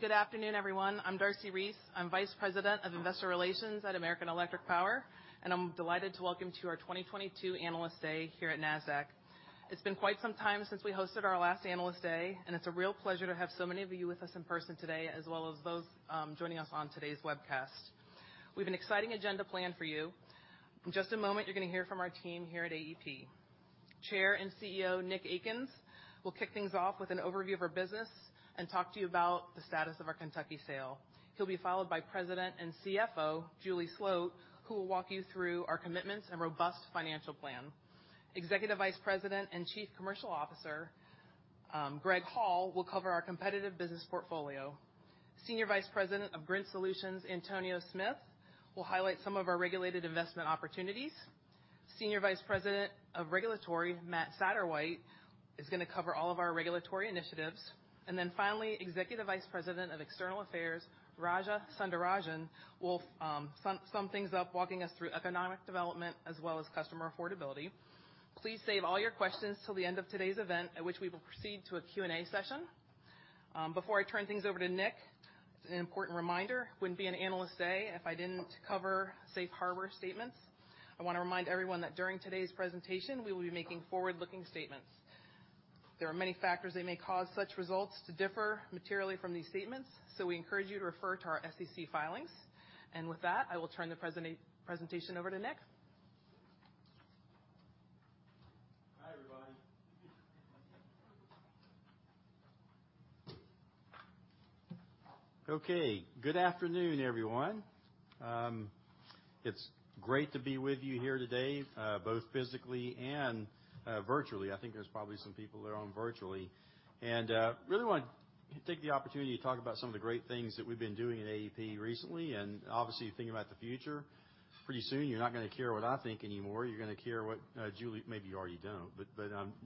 Good afternoon, everyone. I'm Darcy Reese. I'm Vice President of Investor Relations at American Electric Power, and I'm delighted to welcome you to our 2022 Analyst Day here at Nasdaq. It's been quite some time since we hosted our last Analyst Day, and it's a real pleasure to have so many of you with us in person today, as well as those joining us on today's webcast. We have an exciting agenda planned for you. In just a moment, you're gonna hear from our team here at AEP. Chair and CEO Nick Akins will kick things off with an overview of our business and talk to you about the status of our Kentucky sale. He'll be followed by President and CFO Julie Sloat, who will walk you through our commitments and robust financial plan. Executive Vice President and Chief Commercial Officer, Greg Hall will cover our competitive business portfolio. Senior Vice President of Grid Solutions, Antonio Smith will highlight some of our regulated investment opportunities. Senior Vice President of Regulatory, Matt Satterwhite is gonna cover all of our regulatory initiatives. Then finally, Executive Vice President of External Affairs, Raja Sundararajan will sum things up, walking us through economic development as well as customer affordability. Please save all your questions till the end of today's event, at which we will proceed to a Q&A session. Before I turn things over to Nick, an important reminder, wouldn't be an Analyst Day if I didn't cover safe harbor statements. I wanna remind everyone that during today's presentation, we will be making forward-looking statements. There are many factors that may cause such results to differ materially from these statements, so we encourage you to refer to our SEC filings. With that, I will turn the presentation over to Nick. Hi, everyone. Good afternoon, everyone. It's great to be with you here today, both physically and, virtually. I think there's probably some people that are on virtually. Really wanna take the opportunity to talk about some of the great things that we've been doing at AEP recently and obviously thinking about the future. Pretty soon, you're not gonna care what I think anymore. You're gonna care what, Julie, maybe you already don't.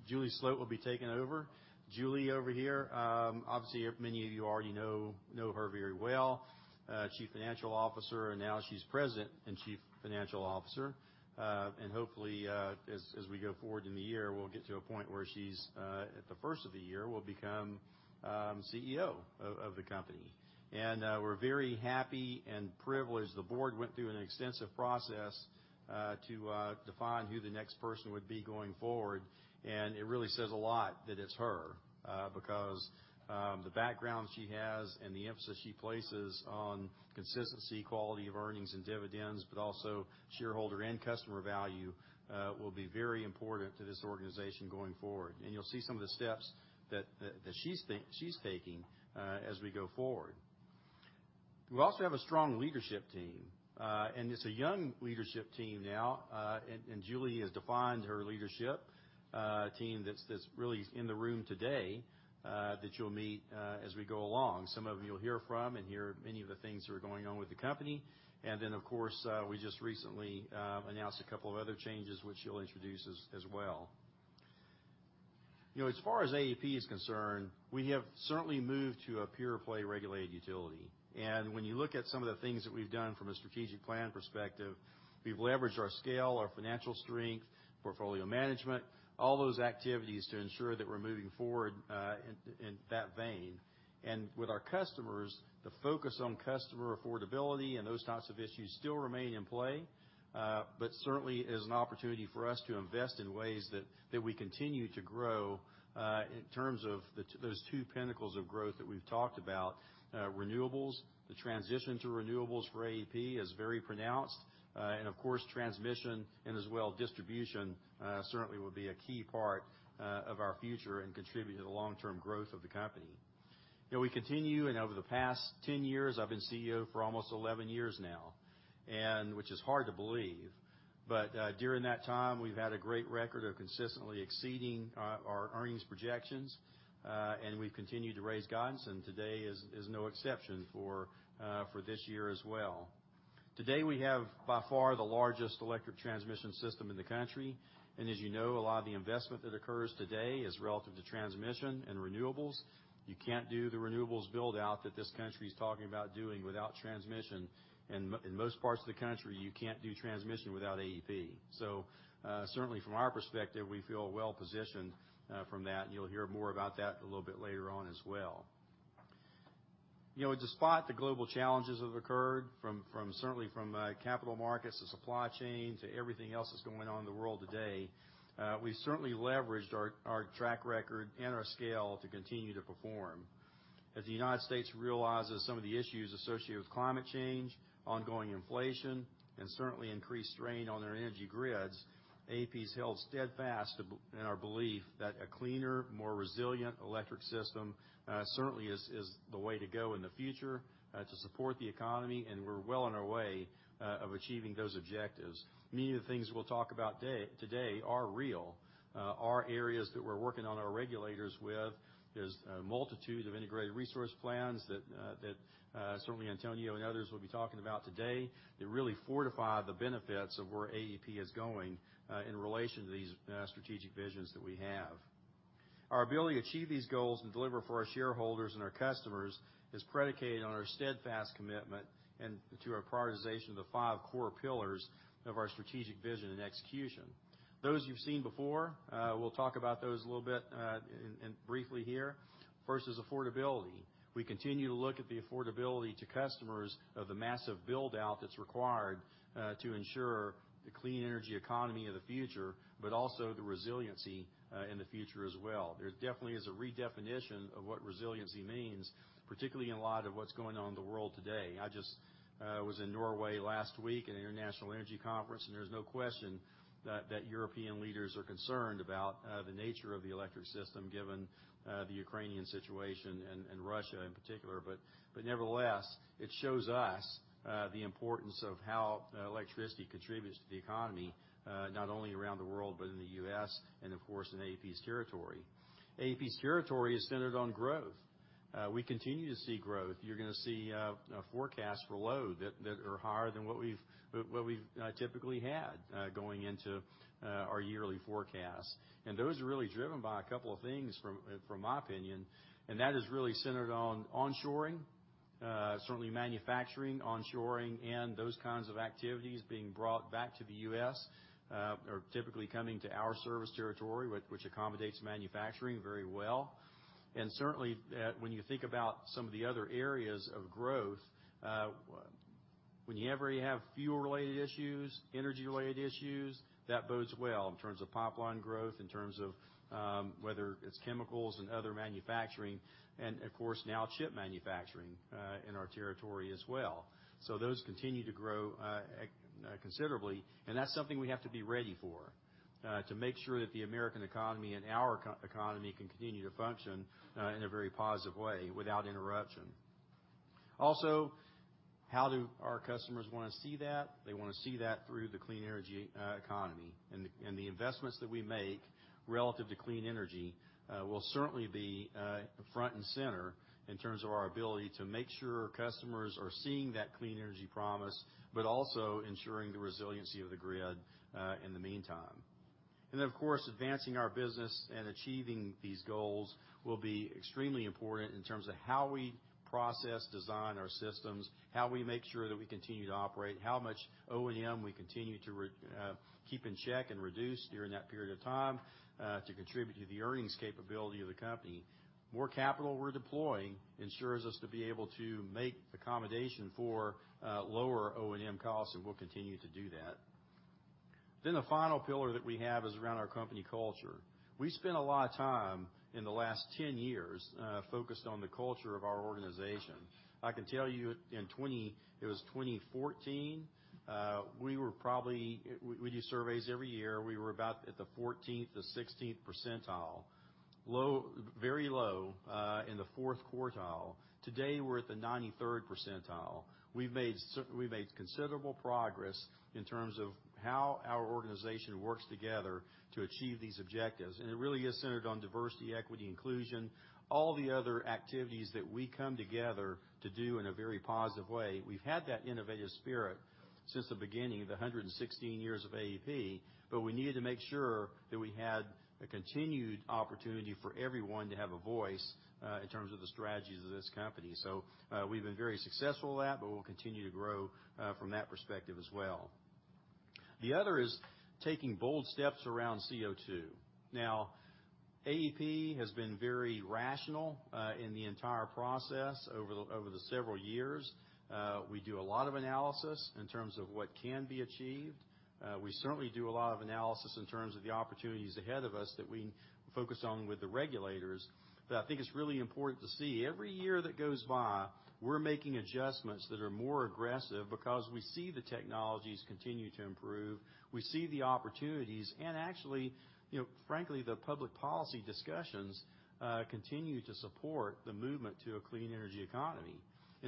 Julie Sloat will be taking over. Julie over here, obviously many of you already know her very well, Chief Financial Officer, and now she's President and Chief Financial Officer. Hopefully, as we go forward in the year, we'll get to a point where she's, at the first of the year, will become, CEO of the company. We're very happy and privileged. The board went through an extensive process to define who the next person would be going forward, and it really says a lot that it's her, because the background she has and the emphasis she places on consistency, quality of earnings and dividends, but also shareholder and customer value, will be very important to this organization going forward. You'll see some of the steps that she's taking as we go forward. We also have a strong leadership team, and it's a young leadership team now. Julie has defined her leadership team that's really in the room today that you'll meet as we go along. Some of them you'll hear from and hear many of the things that are going on with the company. Of course, we just recently announced a couple of other changes which she'll introduce as well. You know, as far as AEP is concerned, we have certainly moved to a pure play regulated utility. When you look at some of the things that we've done from a strategic plan perspective, we've leveraged our scale, our financial strength, portfolio management, all those activities to ensure that we're moving forward in that vein. With our customers, the focus on customer affordability and those types of issues still remain in play, but certainly is an opportunity for us to invest in ways that we continue to grow in terms of those two pinnacles of growth that we've talked about. Renewables, the transition to renewables for AEP is very pronounced. Of course, transmission and as well distribution certainly will be a key part of our future and contribute to the long-term growth of the company. You know, we continue, and over the past 10 years, I've been CEO for almost 11 years now, and which is hard to believe. During that time, we've had a great record of consistently exceeding our earnings projections, and we've continued to raise guidance, and today is no exception for this year as well. Today, we have by far the largest electric transmission system in the country, and as you know, a lot of the investment that occurs today is relative to transmission and renewables. You can't do the renewables build-out that this country's talking about doing without transmission. In most parts of the country, you can't do transmission without AEP. Certainly from our perspective, we feel well-positioned from that. You'll hear more about that a little bit later on as well. You know, despite the global challenges that have occurred from capital markets to supply chain to everything else that's going on in the world today, we certainly leveraged our track record and our scale to continue to perform. As the United States realizes some of the issues associated with climate change, ongoing inflation, and certainly increased strain on their energy grids, AEP's held steadfast in our belief that a cleaner, more resilient electric system certainly is the way to go in the future to support the economy, and we're well on our way of achieving those objectives. Many of the things we'll talk about today are real, are areas that we're working on our regulators with. There's a multitude of integrated resource plans that certainly Antonio and others will be talking about today that really fortify the benefits of where AEP is going, in relation to these strategic visions that we have. Our ability to achieve these goals and deliver for our shareholders and our customers is predicated on our steadfast commitment and to our prioritization of the five core pillars of our strategic vision and execution. Those you've seen before, we'll talk about those a little bit, and briefly here. First is affordability. We continue to look at the affordability to customers of the massive build-out that's required to ensure the clean energy economy of the future, but also the resiliency in the future as well. There definitely is a redefinition of what resiliency means, particularly in light of what's going on in the world today. I just was in Norway last week at an international energy conference, and there's no question that European leaders are concerned about the nature of the electric system, given the Ukrainian situation and Russia in particular. But nevertheless, it shows us the importance of how electricity contributes to the economy, not only around the world, but in the U.S. and, of course, in AEP's territory. AEP's territory is centered on growth. We continue to see growth. You're gonna see a forecast for load that are higher than what we've typically had going into our yearly forecast. Those are really driven by a couple of things from my opinion, and that is really centered on onshoring. Certainly manufacturing onshoring and those kinds of activities being brought back to the U.S. are typically coming to our service territory, which accommodates manufacturing very well. Certainly, when you think about some of the other areas of growth, when you ever have fuel-related issues, energy-related issues, that bodes well in terms of pipeline growth, in terms of whether it's chemicals and other manufacturing, and of course, now chip manufacturing in our territory as well. Those continue to grow, considerably, and that's something we have to be ready for, to make sure that the American economy and our economy can continue to function, in a very positive way without interruption. Also, how do our customers wanna see that? They wanna see that through the clean energy economy. And the investments that we make relative to clean energy will certainly be front and center in terms of our ability to make sure customers are seeing that clean energy promise, but also ensuring the resiliency of the grid in the meantime. Of course, advancing our business and achieving these goals will be extremely important in terms of how we process, design our systems, how we make sure that we continue to operate, how much O&M we continue to keep in check and reduce during that period of time, to contribute to the earnings capability of the company. More capital we're deploying ensures us to be able to make accommodation for lower O&M costs, and we'll continue to do that. The final pillar that we have is around our company culture. We spent a lot of time in the last 10 years focused on the culture of our organization. I can tell you in 2014, we do surveys every year. We were about at the 14th to 16th percentile. Low, very low, in the fourth quartile. Today, we're at the 93rd percentile. We've made considerable progress in terms of how our organization works together to achieve these objectives. It really is centered on diversity, equity, inclusion, all the other activities that we come together to do in a very positive way. We've had that innovative spirit since the beginning of the 116 years of AEP, but we needed to make sure that we had a continued opportunity for everyone to have a voice in terms of the strategies of this company. We've been very successful at that, but we'll continue to grow from that perspective as well. The other is taking bold steps around CO2. Now, AEP has been very rational in the entire process over the several years. We do a lot of analysis in terms of what can be achieved. We certainly do a lot of analysis in terms of the opportunities ahead of us that we focus on with the regulators. I think it's really important to see every year that goes by, we're making adjustments that are more aggressive because we see the technologies continue to improve. We see the opportunities, and actually, you know, frankly, the public policy discussions continue to support the movement to a clean energy economy.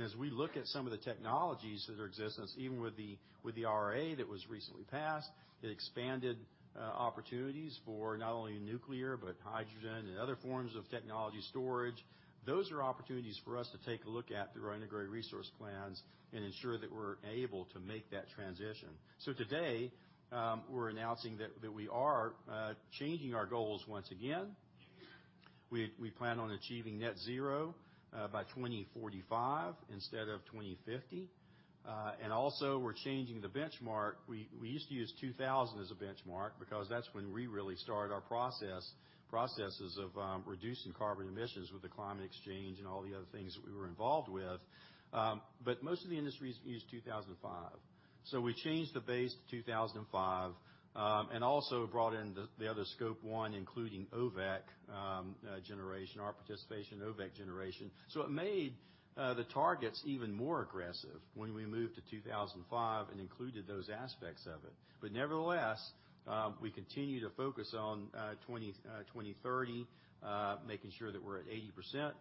As we look at some of the technologies that are in existence, even with the IRA that was recently passed, it expanded opportunities for not only nuclear, but hydrogen and other forms of technology storage. Those are opportunities for us to take a look at through our integrated resource plans and ensure that we're able to make that transition. Today, we're announcing that we are changing our goals once again. We plan on achieving net zero by 2045 instead of 2050. We're also changing the benchmark. We used to use 2000 as a benchmark because that's when we really started our process of reducing carbon emissions with the climate exchange and all the other things that we were involved with. Most of the industries use 2005. We changed the base to 2005 and also brought in the other scope one, including OVEC generation, our participation in OVEC generation. It made the targets even more aggressive when we moved to 2005 and included those aspects of it. Nevertheless, we continue to focus on 2030, making sure that we're at 80%.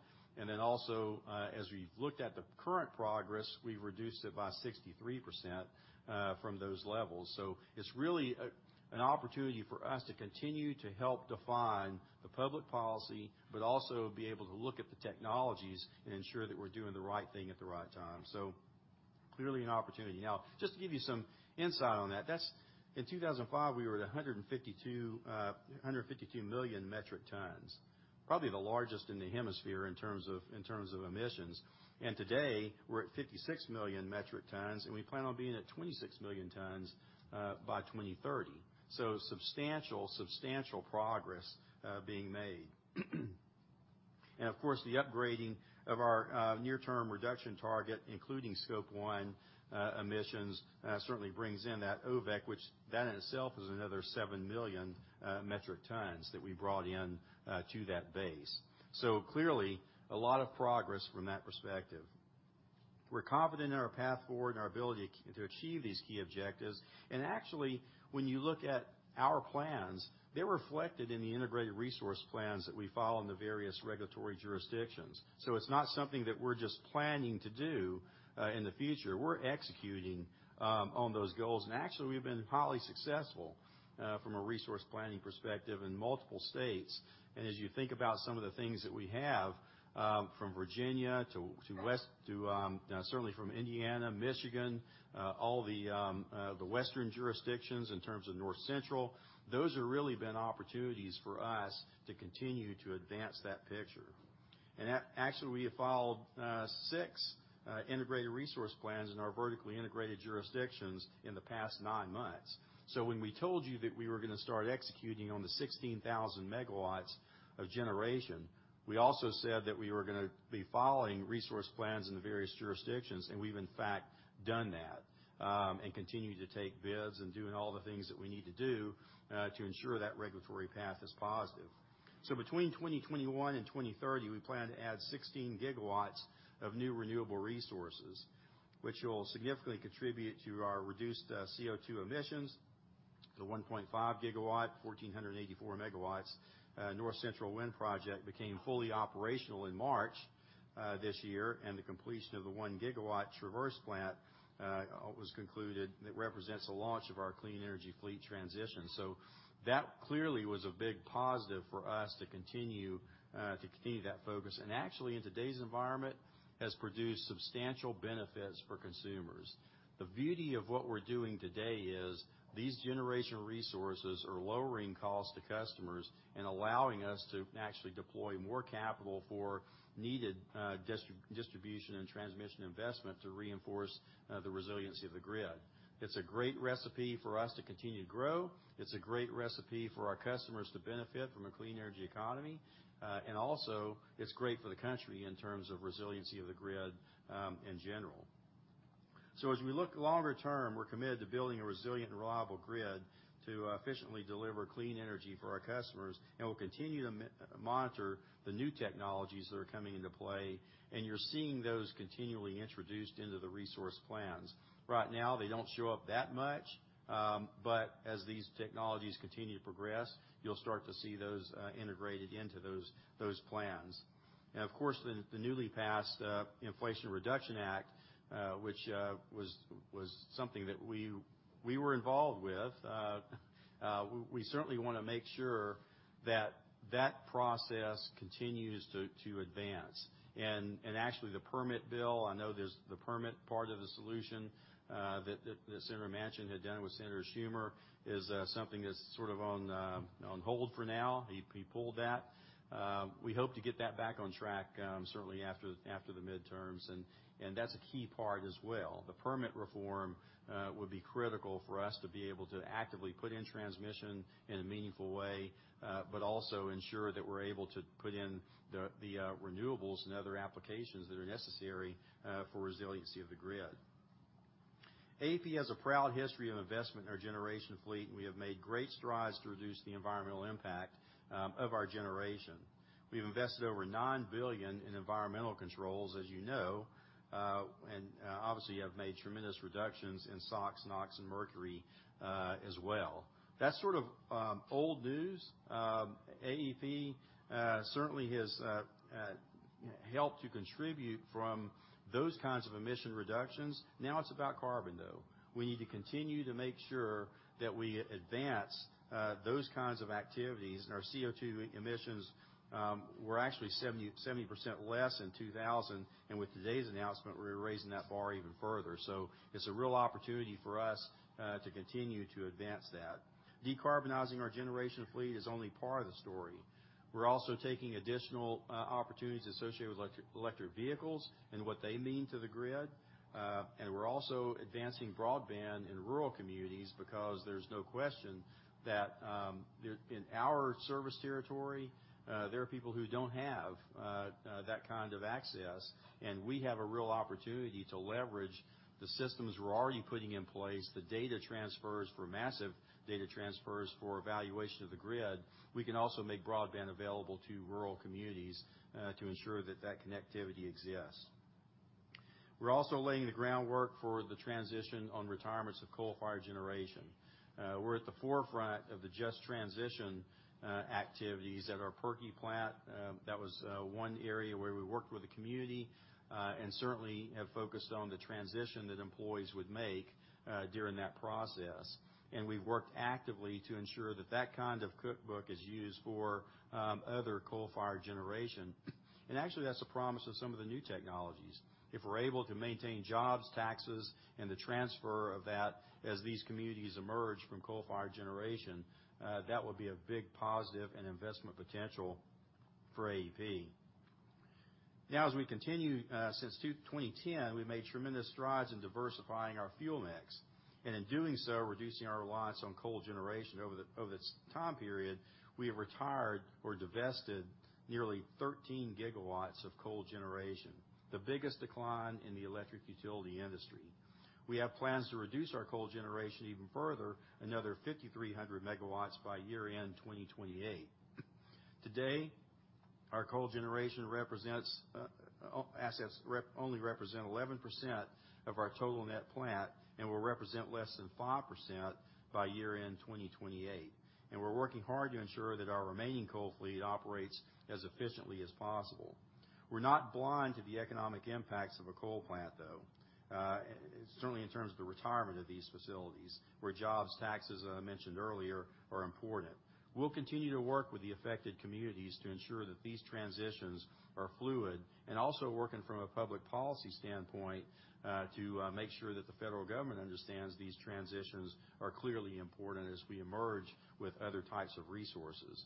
Also, as we've looked at the current progress, we've reduced it by 63% from those levels. It's really an opportunity for us to continue to help define the public policy, but also be able to look at the technologies and ensure that we're doing the right thing at the right time. Clearly an opportunity. Now, just to give you some insight on that, in 2005, we were at 152 million metric tons, probably the largest in the hemisphere in terms of emissions. Today, we're at 56 million metric tons, and we plan on being at 26 million tons by 2030. Substantial progress being made. Of course, the upgrading of our near-term reduction target, including scope one emissions, certainly brings in that OVEC, which in itself is another 7 million metric tons that we brought in to that base. Clearly, a lot of progress from that perspective. We're confident in our path forward and our ability to achieve these key objectives. Actually, when you look at our plans, they're reflected in the integrated resource plans that we file in the various regulatory jurisdictions. It's not something that we're just planning to do in the future. We're executing on those goals. Actually, we've been highly successful from a resource planning perspective in multiple states. As you think about some of the things that we have, from Virginia to west to certainly from Indiana, Michigan, all the the western jurisdictions in terms of North Central, those have really been opportunities for us to continue to advance that picture. Actually, we have filed six integrated resource plans in our vertically integrated jurisdictions in the past nine months. When we told you that we were gonna start executing on the 16,000 MW of generation, we also said that we were gonna be following resource plans in the various jurisdictions, and we've in fact done that, and continue to take bids and doing all the things that we need to do to ensure that regulatory path is positive. Between 2021 and 2030, we plan to add 16 GW of new renewable resources, which will significantly contribute to our reduced CO2 emissions. The 1.5 GW, 1,484 MW North Central Energy Facilities became fully operational in March this year, and the completion of the 1 GW Traverse Wind Energy Center was concluded. That represents the launch of our clean energy fleet transition. That clearly was a big positive for us to continue that focus. Actually, in today's environment, has produced substantial benefits for consumers. The beauty of what we're doing today is these generation resources are lowering costs to customers and allowing us to actually deploy more capital for needed distribution and transmission investment to reinforce the resiliency of the grid. It's a great recipe for us to continue to grow. It's a great recipe for our customers to benefit from a clean energy economy. It's great for the country in terms of resiliency of the grid, in general. As we look longer term, we're committed to building a resilient and reliable grid to efficiently deliver clean energy for our customers, and we'll continue to monitor the new technologies that are coming into play, and you're seeing those continually introduced into the resource plans. Right now, they don't show up that much, but as these technologies continue to progress, you'll start to see those integrated into those plans. Of course, the newly passed Inflation Reduction Act, which was something that we were involved with. We certainly wanna make sure that that process continues to advance. Actually, the permit bill, I know there's the permit part of the solution, that Senator Manchin had done with Senator Schumer, is something that's sort of on hold for now. He pulled that. We hope to get that back on track, certainly after the midterms, and that's a key part as well. The permit reform would be critical for us to be able to actively put in transmission in a meaningful way, but also ensure that we're able to put in the renewables and other applications that are necessary for resiliency of the grid. AEP has a proud history of investment in our generation fleet, and we have made great strides to reduce the environmental impact of our generation. We've invested over $9 billion in environmental controls, as you know, and obviously have made tremendous reductions in SOx, NOx, and mercury, as well. That's sort of old news. AEP certainly has helped to contribute from those kinds of emission reductions. Now it's about carbon, though. We need to continue to make sure that we advance those kinds of activities, and our CO2 emissions were actually 70% less in 2000. With today's announcement, we're raising that bar even further. It's a real opportunity for us to continue to advance that. Decarbonizing our generation fleet is only part of the story. We're also taking additional opportunities associated with electric vehicles and what they mean to the grid. We're also advancing broadband in rural communities because there's no question that in our service territory there are people who don't have that kind of access. We have a real opportunity to leverage the systems we're already putting in place, the data transfers for massive data transfers for evaluation of the grid. We can also make broadband available to rural communities to ensure that that connectivity exists. We're also laying the groundwork for the transition on retirements of coal-fired generation. We're at the forefront of the just transition activities at our Pirkey plant. That was one area where we worked with the community and certainly have focused on the transition that employees would make during that process. We've worked actively to ensure that that kind of cookbook is used for other coal-fired generation. Actually, that's a promise of some of the new technologies. If we're able to maintain jobs, taxes, and the transfer of that as these communities emerge from coal-fired generation, that would be a big positive and investment potential for AEP. Now, as we continue, since 2010, we've made tremendous strides in diversifying our fuel mix, and in doing so, reducing our reliance on coal generation over this time period, we have retired or divested nearly 13 GW of coal generation, the biggest decline in the electric utility industry. We have plans to reduce our coal generation even further, another 5,300 MW by year-end 2028. Today, our coal generation represents only 11% of our total net plant and will represent less than 5% by year-end 2028. We're working hard to ensure that our remaining coal fleet operates as efficiently as possible. We're not blind to the economic impacts of a coal plant, though, certainly in terms of the retirement of these facilities, where jobs, taxes, as I mentioned earlier, are important. We'll continue to work with the affected communities to ensure that these transitions are fluid and also working from a public policy standpoint, to make sure that the federal government understands these transitions are clearly important as we emerge with other types of resources.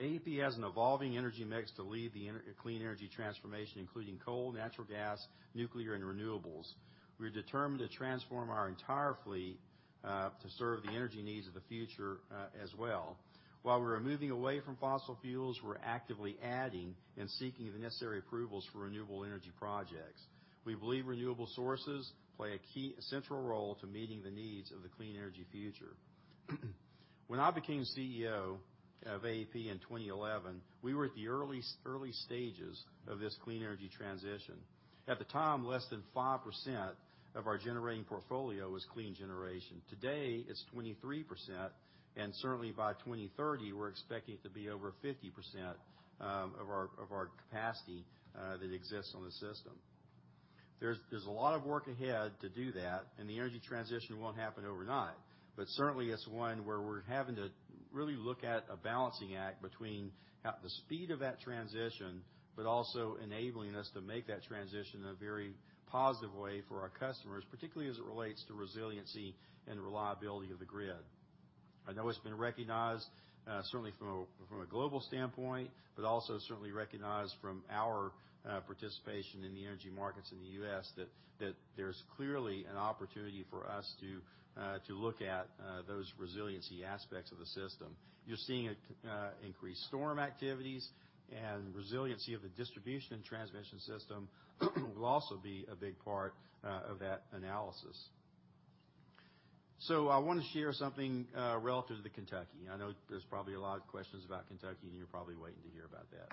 AEP has an evolving energy mix to lead the clean energy transformation, including coal, natural gas, nuclear, and renewables. We're determined to transform our entire fleet, to serve the energy needs of the future, as well. While we're moving away from fossil fuels, we're actively adding and seeking the necessary approvals for renewable energy projects. We believe renewable sources play a key central role to meeting the needs of the clean energy future. When I became CEO of AEP in 2011, we were at the early stages of this clean energy transition. At the time, less than 5% of our generating portfolio was clean generation. Today, it's 23%, and certainly by 2030, we're expecting it to be over 50% of our capacity that exists on the system. There's a lot of work ahead to do that, and the energy transition won't happen overnight. Certainly it's one where we're having to really look at a balancing act between the speed of that transition, but also enabling us to make that transition in a very positive way for our customers, particularly as it relates to resiliency and reliability of the grid. I know it's been recognized certainly from a global standpoint, but also certainly recognized from our participation in the energy markets in the U.S. that there's clearly an opportunity for us to look at those resiliency aspects of the system. You're seeing increased storm activities and resiliency of the distribution and transmission system will also be a big part of that analysis. I want to share something relative to Kentucky. I know there's probably a lot of questions about Kentucky, and you're probably waiting to hear about that.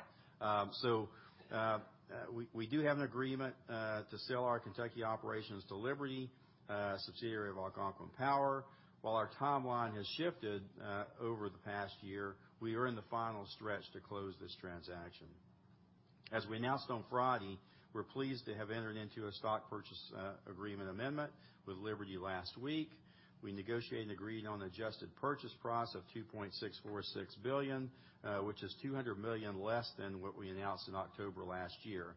We do have an agreement to sell our Kentucky operations to Liberty, a subsidiary of Algonquin Power. While our timeline has shifted over the past year, we are in the final stretch to close this transaction. As we announced on Friday, we're pleased to have entered into a stock purchase agreement amendment with Liberty last week. We negotiated and agreed on an adjusted purchase price of $2.646 billion, which is $200 million less than what we announced in October last year.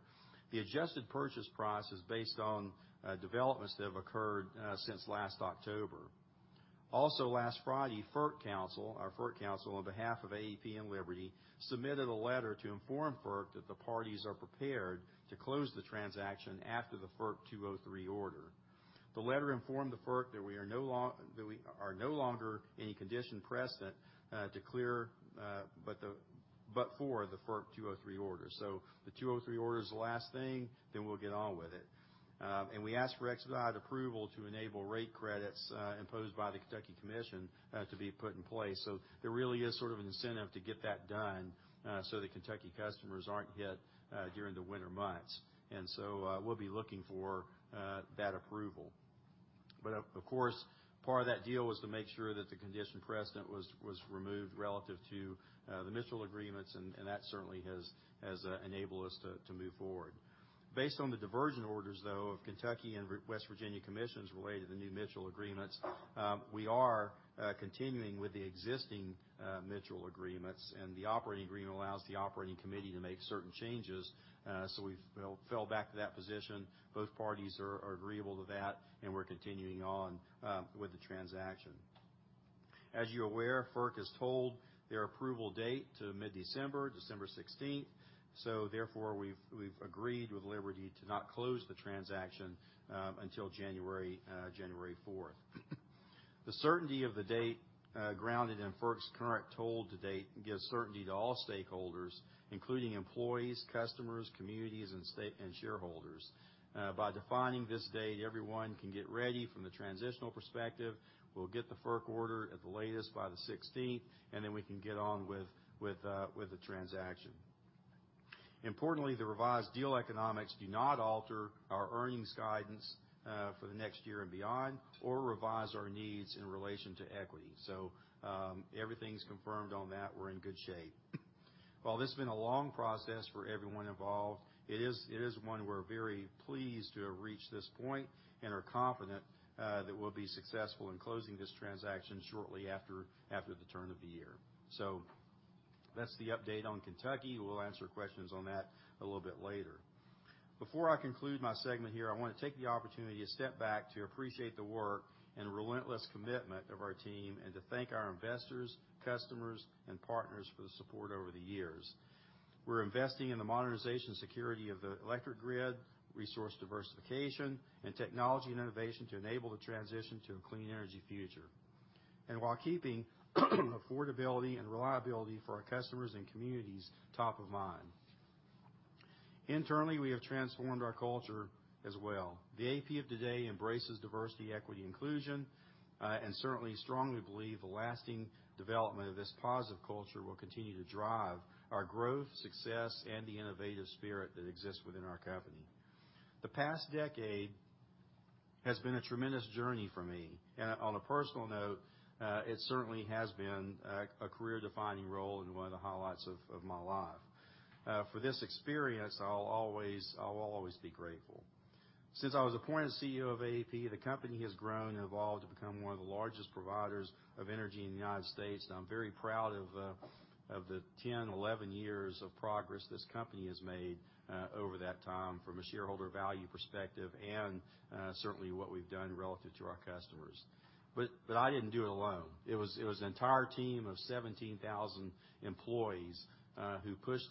The adjusted purchase price is based on developments that have occurred since last October. Also last Friday, FERC counsel, our FERC counsel, on behalf of AEP and Liberty, submitted a letter to inform FERC that the parties are prepared to close the transaction after the FERC 203 order. The letter informed the FERC that we are no longer a condition precedent to close, but for the FERC 203 order. The FERC 203 order is the last thing, then we'll get on with it. We ask for expedited approval to enable rate credits imposed by the Kentucky Commission to be put in place. There really is sort of an incentive to get that done, so the Kentucky customers aren't hit during the winter months. We'll be looking for that approval. Of course, part of that deal was to make sure that the condition precedent was removed relative to the Mitchell Agreements, and that certainly has enabled us to move forward. Based on the decisions, though, of Kentucky and West Virginia commissions related to the new Mitchell Agreements, we are continuing with the existing Mitchell Agreements, and the operating agreement allows the operating committee to make certain changes. We fell back to that position. Both parties are agreeable to that, and we're continuing on with the transaction. As you're aware, FERC has tolled their approval date to mid-December, December 16th, so therefore we've agreed with Liberty to not close the transaction until January 4th. The certainty of the date, grounded in FERC's current tolling date gives certainty to all stakeholders, including employees, customers, communities, and shareholders. By defining this date, everyone can get ready from the transitional perspective. We'll get the FERC order at the latest by the 16th, and then we can get on with the transaction. Importantly, the revised deal economics do not alter our earnings guidance for the next year and beyond or revise our needs in relation to equity. Everything's confirmed on that. We're in good shape. While this has been a long process for everyone involved, it is one we're very pleased to have reached this point and are confident that we'll be successful in closing this transaction shortly after the turn of the year. That's the update on Kentucky. We'll answer questions on that a little bit later. Before I conclude my segment here, I want to take the opportunity to step back to appreciate the work and relentless commitment of our team and to thank our investors, customers, and partners for the support over the years. We're investing in the modernization security of the electric grid, resource diversification, and technology and innovation to enable the transition to a clean energy future, and while keeping affordability and reliability for our customers and communities top of mind. Internally, we have transformed our culture as well. The AEP of today embraces diversity, equity, and inclusion, and certainly strongly believe the lasting development of this positive culture will continue to drive our growth, success, and the innovative spirit that exists within our company. The past decade has been a tremendous journey for me, and on a personal note, it certainly has been a career-defining role and one of the highlights of my life. For this experience, I'll always be grateful. Since I was appointed CEO of AEP, the company has grown and evolved to become one of the largest providers of energy in the United States, and I'm very proud of the 10 to 11 years of progress this company has made over that time from a shareholder value perspective and certainly what we've done relative to our customers. I didn't do it alone. It was an entire team of 17,000 employees who pushed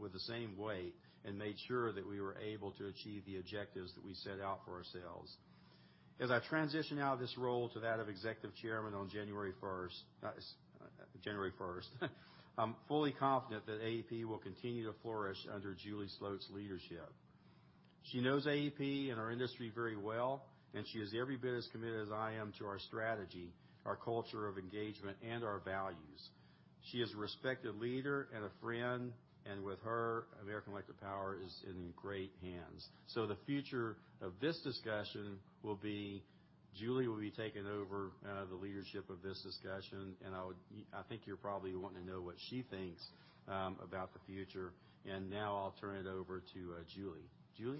with the same weight and made sure that we were able to achieve the objectives that we set out for ourselves. As I transition out of this role to that of executive chairman on January 1st, I'm fully confident that AEP will continue to flourish under Julie Sloat's leadership. She knows AEP and our industry very well, and she is every bit as committed as I am to our strategy, our culture of engagement, and our values. She is a respected leader and a friend, and with her, American Electric Power is in great hands. The future of this discussion will be Julie will be taking over the leadership of this discussion, and I think you probably wanna know what she thinks about the future. Now I'll turn it over to Julie. Julie?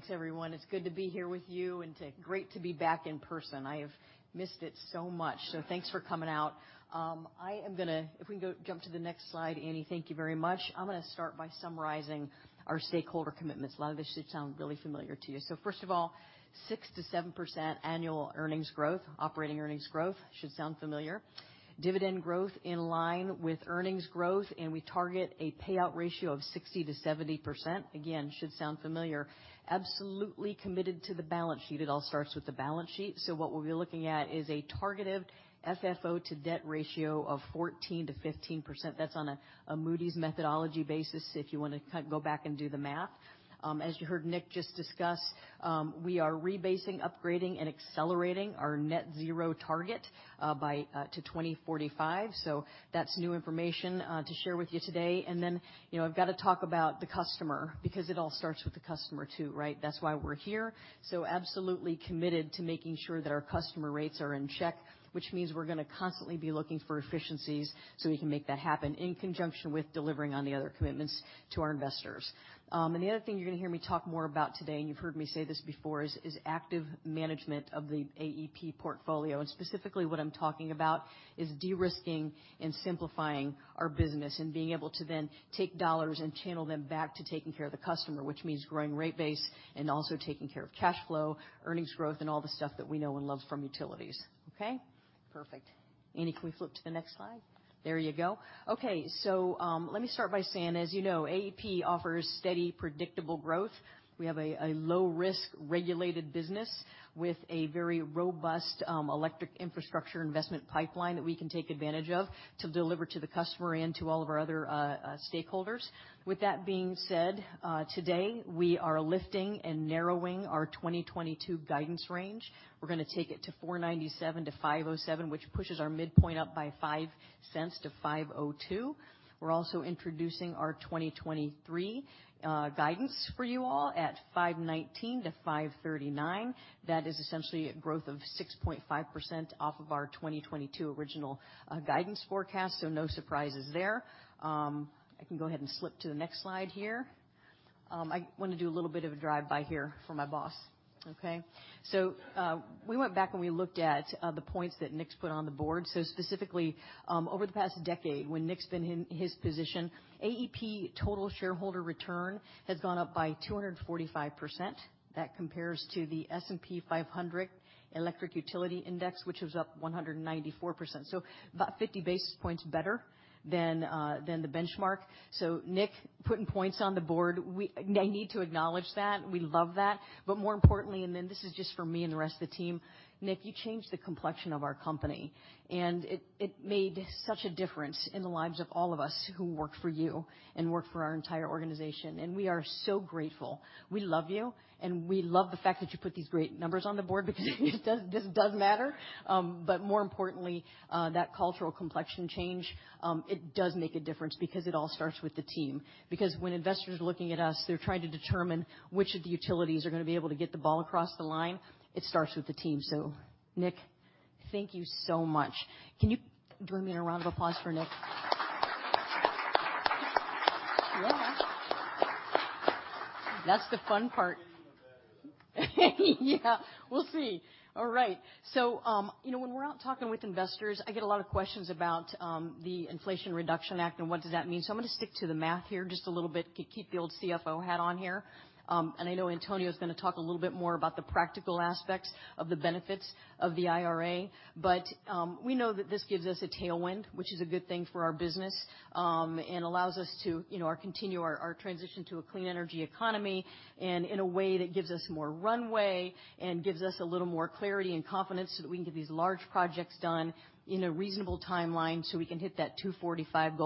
Thank you. All right. Thanks, everyone. It's good to be here with you and great to be back in person. I have missed it so much, so thanks for coming out. I am gonna jump to the next slide, Annie, thank you very much. I'm gonna start by summarizing our stakeholder commitments. A lot of this should sound really familiar to you. First of all, 6%-7% annual earnings growth. Operating earnings growth should sound familiar. Dividend growth in line with earnings growth, and we target a payout ratio of 60%-70%, again, should sound familiar. Absolutely committed to the balance sheet. It all starts with the balance sheet. What we'll be looking at is a targeted FFO to debt ratio of 14%-15%. That's on a Moody's methodology basis if you wanna go back and do the math. As you heard Nick just discuss, we are rebasing, upgrading, and accelerating our net zero target by to 2045. That's new information to share with you today. Then, you know, I've gotta talk about the customer because it all starts with the customer too, right? That's why we're here. Absolutely committed to making sure that our customer rates are in check, which means we're gonna constantly be looking for efficiencies so we can make that happen in conjunction with delivering on the other commitments to our investors. The other thing you're gonna hear me talk more about today, and you've heard me say this before, is active management of the AEP portfolio. Specifically what I'm talking about is de-risking and simplifying our business and being able to then take dollars and channel them back to taking care of the customer, which means growing rate base and also taking care of cash flow, earnings growth, and all the stuff that we know and love from utilities. Okay. Perfect. Annie, can we flip to the next slide? There you go. Okay. Let me start by saying, as you know, AEP offers steady, predictable growth. We have a low risk regulated business with a very robust electric infrastructure investment pipeline that we can take advantage of to deliver to the customer and to all of our other stakeholders. With that being said, today we are lifting and narrowing our 2022 guidance range. We're gonna take it to $4.97-$5.07, which pushes our midpoint up by $0.05 to $5.02. We're also introducing our 2023 guidance for you all at $5.19-$5.39. That is essentially growth of 6.5% off of our 2022 original guidance forecast, so no surprises there. I can go ahead and flip to the next slide here. I wanna do a little bit of a drive-by here for my boss. Okay? We went back and we looked at the points that Nick's put on the board. Specifically, over the past decade when Nick's been in his position, AEP total shareholder return has gone up by 245%. That compares to the S&P 500 Electric Utilities Index, which was up 194%, so about 50 basis points better than the benchmark. Nick putting points on the board, I need to acknowledge that. We love that. More importantly, and then this is just for me and the rest of the team, Nick, you changed the complexion of our company, and it made such a difference in the lives of all of us who work for you and work for our entire organization, and we are so grateful. We love you, and we love the fact that you put these great numbers on the board because this does matter. More importantly, that cultural complexion change, it does make a difference because it all starts with the team. Because when investors are looking at us, they're trying to determine which of the utilities are gonna be able to get the ball across the line. It starts with the team. Nick, thank you so much. Can you do me a round of applause for Nick? That's the fun part. Even better. Yeah. We'll see. All right. You know, when we're out talking with investors, I get a lot of questions about the Inflation Reduction Act and what does that mean. I'm gonna stick to the math here just a little bit. Keep the old CFO hat on here. I know Antonio is gonna talk a little bit more about the practical aspects of the benefits of the IRA, but we know that this gives us a tailwind, which is a good thing for our business. It allows us to, you know, continue our transition to a clean energy economy, and in a way that gives us more runway and gives us a little more clarity and confidence, so that we can get these large projects done in a reasonable timeline, so we can hit that 2045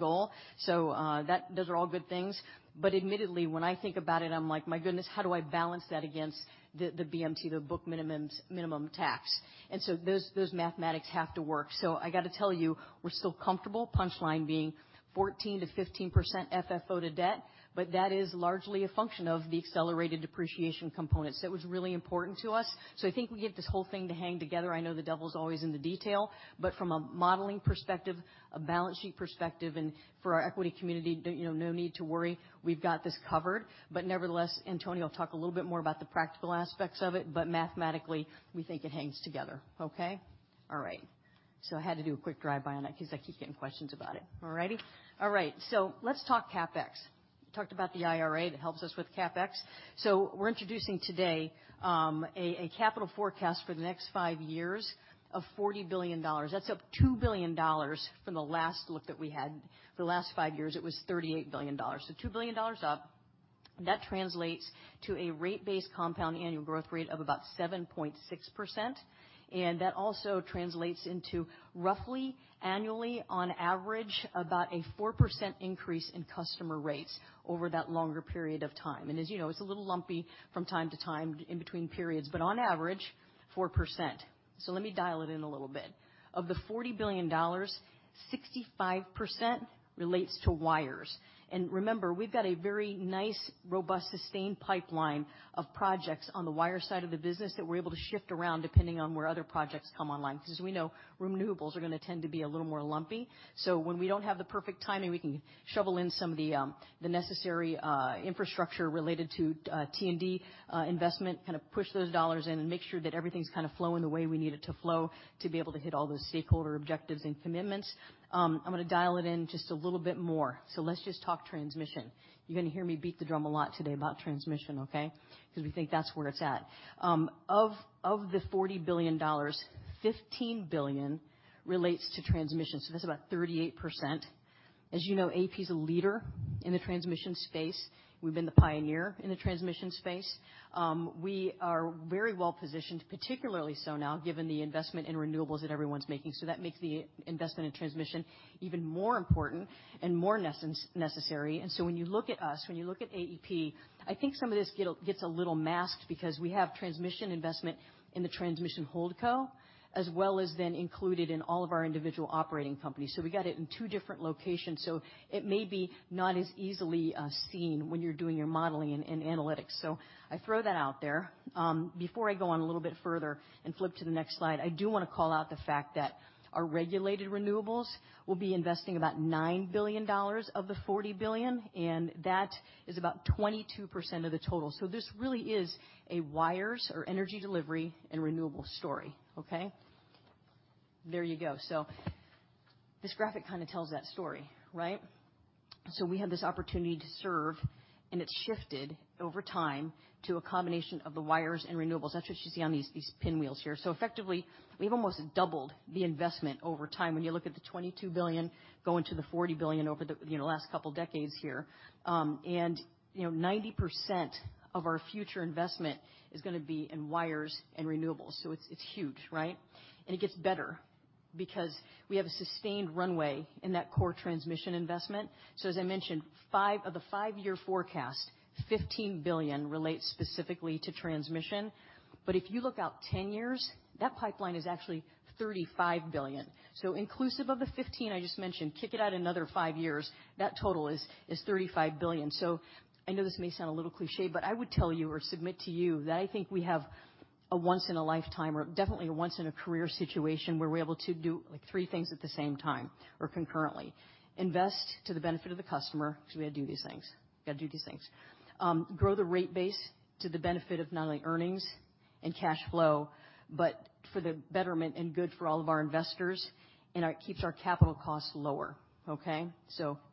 goal. Those are all good things. Admittedly, when I think about it, I'm like, "My goodness, how do I balance that against the BMT, the Book Minimum Tax?" Those mathematics have to work. I gotta tell you, we're still comfortable, punchline being 14%-15% FFO to debt, but that is largely a function of the accelerated depreciation components. It was really important to us. I think we get this whole thing to hang together. I know the devil is always in the detail, but from a modeling perspective, a balance sheet perspective, and for our equity community, you know, no need to worry, we've got this covered. Nevertheless, Antonio will talk a little bit more about the practical aspects of it, but mathematically, we think it hangs together. Okay. All right. I had to do a quick drive-by on that 'cause I keep getting questions about it. All righty? All right. Let's talk CapEx. Talked about the IRA that helps us with CapEx. We're introducing today a capital forecast for the next five years of $40 billion. That's up $2 billion from the last look that we had. The last five years, it was $38 billion. $2 billion up. That translates to a rate-based compound annual growth rate of about 7.6%. That also translates into roughly annually on average, about a 4% increase in customer rates over that longer period of time. As you know, it's a little lumpy from time to time in between periods, but on average, 4%. Let me dial it in a little bit. Of the $40 billion, 65% relates to wires. Remember, we've got a very nice, robust, sustained pipeline of projects on the wire side of the business that we're able to shift around depending on where other projects come online, because we know renewables are gonna tend to be a little more lumpy. When we don't have the perfect timing, we can shovel in some of the necessary infrastructure related to T&D investment, kinda push those dollars in and make sure that everything's kinda flowing the way we need it to flow to be able to hit all those stakeholder objectives and commitments. I'm gonna dial it in just a little bit more. Let's just talk transmission. You're gonna hear me beat the drum a lot today about transmission, okay? 'Cause we think that's where it's at. Of the $40 billion, $15 billion relates to transmission. That's about 38%. As you know, AEP is a leader in the transmission space. We've been the pioneer in the transmission space. We are very well-positioned, particularly so now, given the investment in renewables that everyone's making. That makes the investment in transmission even more important and more necessary. When you look at us, when you look at AEP, I think some of this gets a little masked because we have transmission investment in the transmission holdco, as well as then included in all of our individual operating companies. We got it in two different locations. It may be not as easily seen when you're doing your modeling and analytics. I throw that out there. Before I go on a little bit further and flip to the next slide, I do wanna call out the fact that our regulated renewables will be investing about $9 billion of the $40 billion, and that is about 22% of the total. This really is a wires or energy delivery and renewable story. Okay? There you go. This graphic kinda tells that story, right? We have this opportunity to serve, and it's shifted over time to a combination of the wires and renewables. That's what you see on these pinwheels here. Effectively, we've almost doubled the investment over time. When you look at the $22 billion going to the $40 billion over the, you know, last couple decades here. You know, 90% of our future investment is gonna be in wires and renewables. It's huge, right? It gets better because we have a sustained runway in that core transmission investment. As I mentioned, $5 billion of the five-year forecast, $15 billion relates specifically to transmission. If you look out 10 years, that pipeline is actually $35 billion. Inclusive of the $15 I just mentioned, kick it out another five years, that total is $35 billion. I know this may sound a little cliché, but I would tell you or submit to you that I think we have a once in a lifetime or definitely a once in a career situation where we're able to do, like, three things at the same time or concurrently. Invest to the benefit of the customer, so we gotta do these things. Gotta do these things. Grow the rate base to the benefit of not only earnings and cash flow, but for the betterment and good for all of our investors, and it keeps our capital costs lower, okay?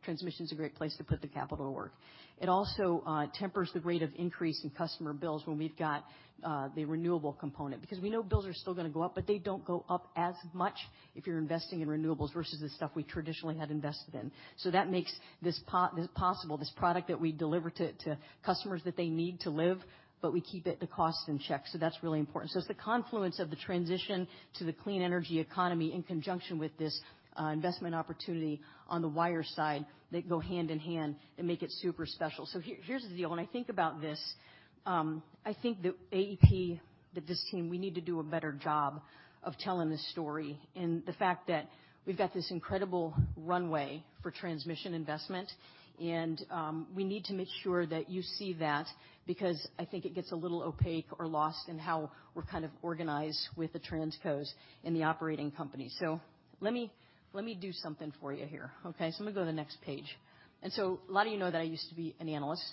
Transmission is a great place to put the capital to work. It also tempers the rate of increase in customer bills when we've got the renewable component, because we know bills are still gonna go up, but they don't go up as much if you're investing in renewables versus the stuff we traditionally had invested in. That makes this possible, this product that we deliver to customers that they need to live, but we keep the cost in check. That's really important. It's the confluence of the transition to the clean energy economy in conjunction with this, investment opportunity on the wire side that go hand in hand and make it super special. Here, here's the deal. When I think about this, I think that AEP, that this team, we need to do a better job of telling this story and the fact that we've got this incredible runway for transmission investment. We need to make sure that you see that because I think it gets a little opaque or lost in how we're kind of organized with the transcos in the operating company. Let me do something for you here, okay? Let me go to the next page. A lot of you know that I used to be an analyst.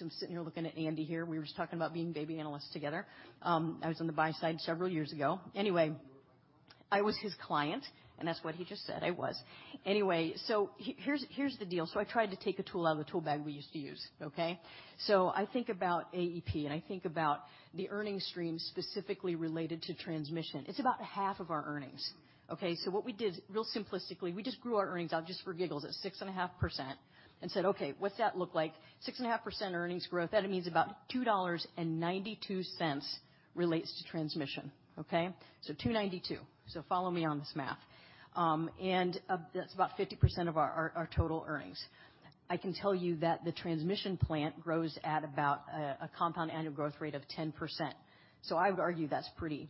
I'm sitting here looking at Andy here. We were just talking about being baby analysts together. I was on the buy side several years ago. Anyway, I was his client, and that's what he just said I was. Anyway, here's the deal. I tried to take a tool out of the tool bag we used to use, okay? I think about AEP, and I think about the earnings stream specifically related to transmission. It's about half of our earnings, okay? What we did, real simplistically, we just grew our earnings up just for giggles at 6.5% and said, "Okay, what's that look like?" 6.5% earnings growth, that means about $2.92 relates to transmission, okay? $2.92. Follow me on this math. That's about 50% of our total earnings. I can tell you that the transmission plant grows at about a compound annual growth rate of 10%. I would argue that's pretty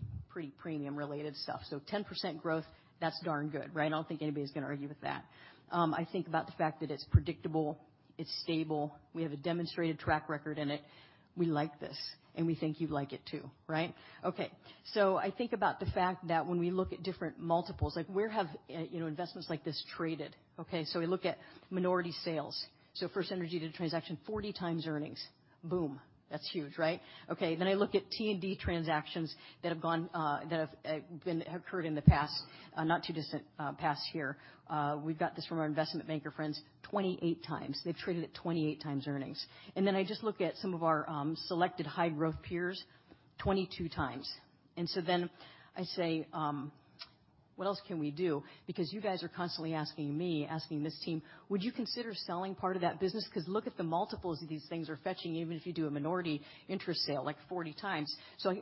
premium-related stuff. 10% growth, that's darn good, right? I don't think anybody's gonna argue with that. I think about the fact that it's predictable, it's stable, we have a demonstrated track record in it. We like this, and we think you'd like it too, right? Okay. I think about the fact that when we look at different multiples, like where have you know investments like this traded, okay? We look at minority sales. FirstEnergy did a transaction 40x earnings. Boom. That's huge, right? Okay, I look at T&D transactions that have occurred in the past, not too distant past here. We've got this from our investment banker friends, 28x. They've traded at 28x earnings. I just look at some of our selected high-growth peers, 22x. I say, "What else can we do?" Because you guys are constantly asking me, asking this team, "Would you consider selling part of that business?" 'Cause look at the multiples these things are fetching, even if you do a minority interest sale, like 40x.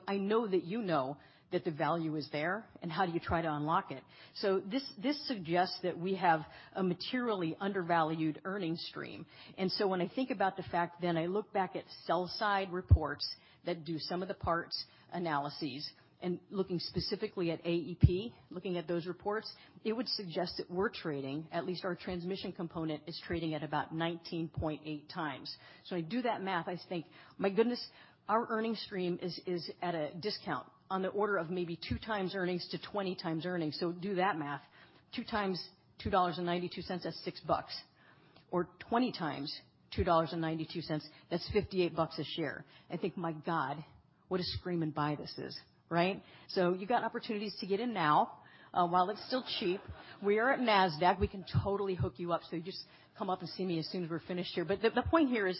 I know that you know that the value is there and how do you try to unlock it. This suggests that we have a materially undervalued earnings stream. When I think about the fact then I look back at sell-side reports that do some of the parts analyses and looking specifically at AEP, looking at those reports, it would suggest that we're trading, at least our transmission component is trading at about 19.8x. When I do that math, I think, "My goodness," our earnings stream is at a discount on the order of maybe 2x earnings to 20x earnings. Do that math. 2 × $2.92, that's $6. Or 20 × $2.92, that's $58 a share. I think, "My God, what a screaming buy this is," right? You got opportunities to get in now, while it's still cheap. We are at Nasdaq. We can totally hook you up. You just come up and see me as soon as we're finished here. The point here is,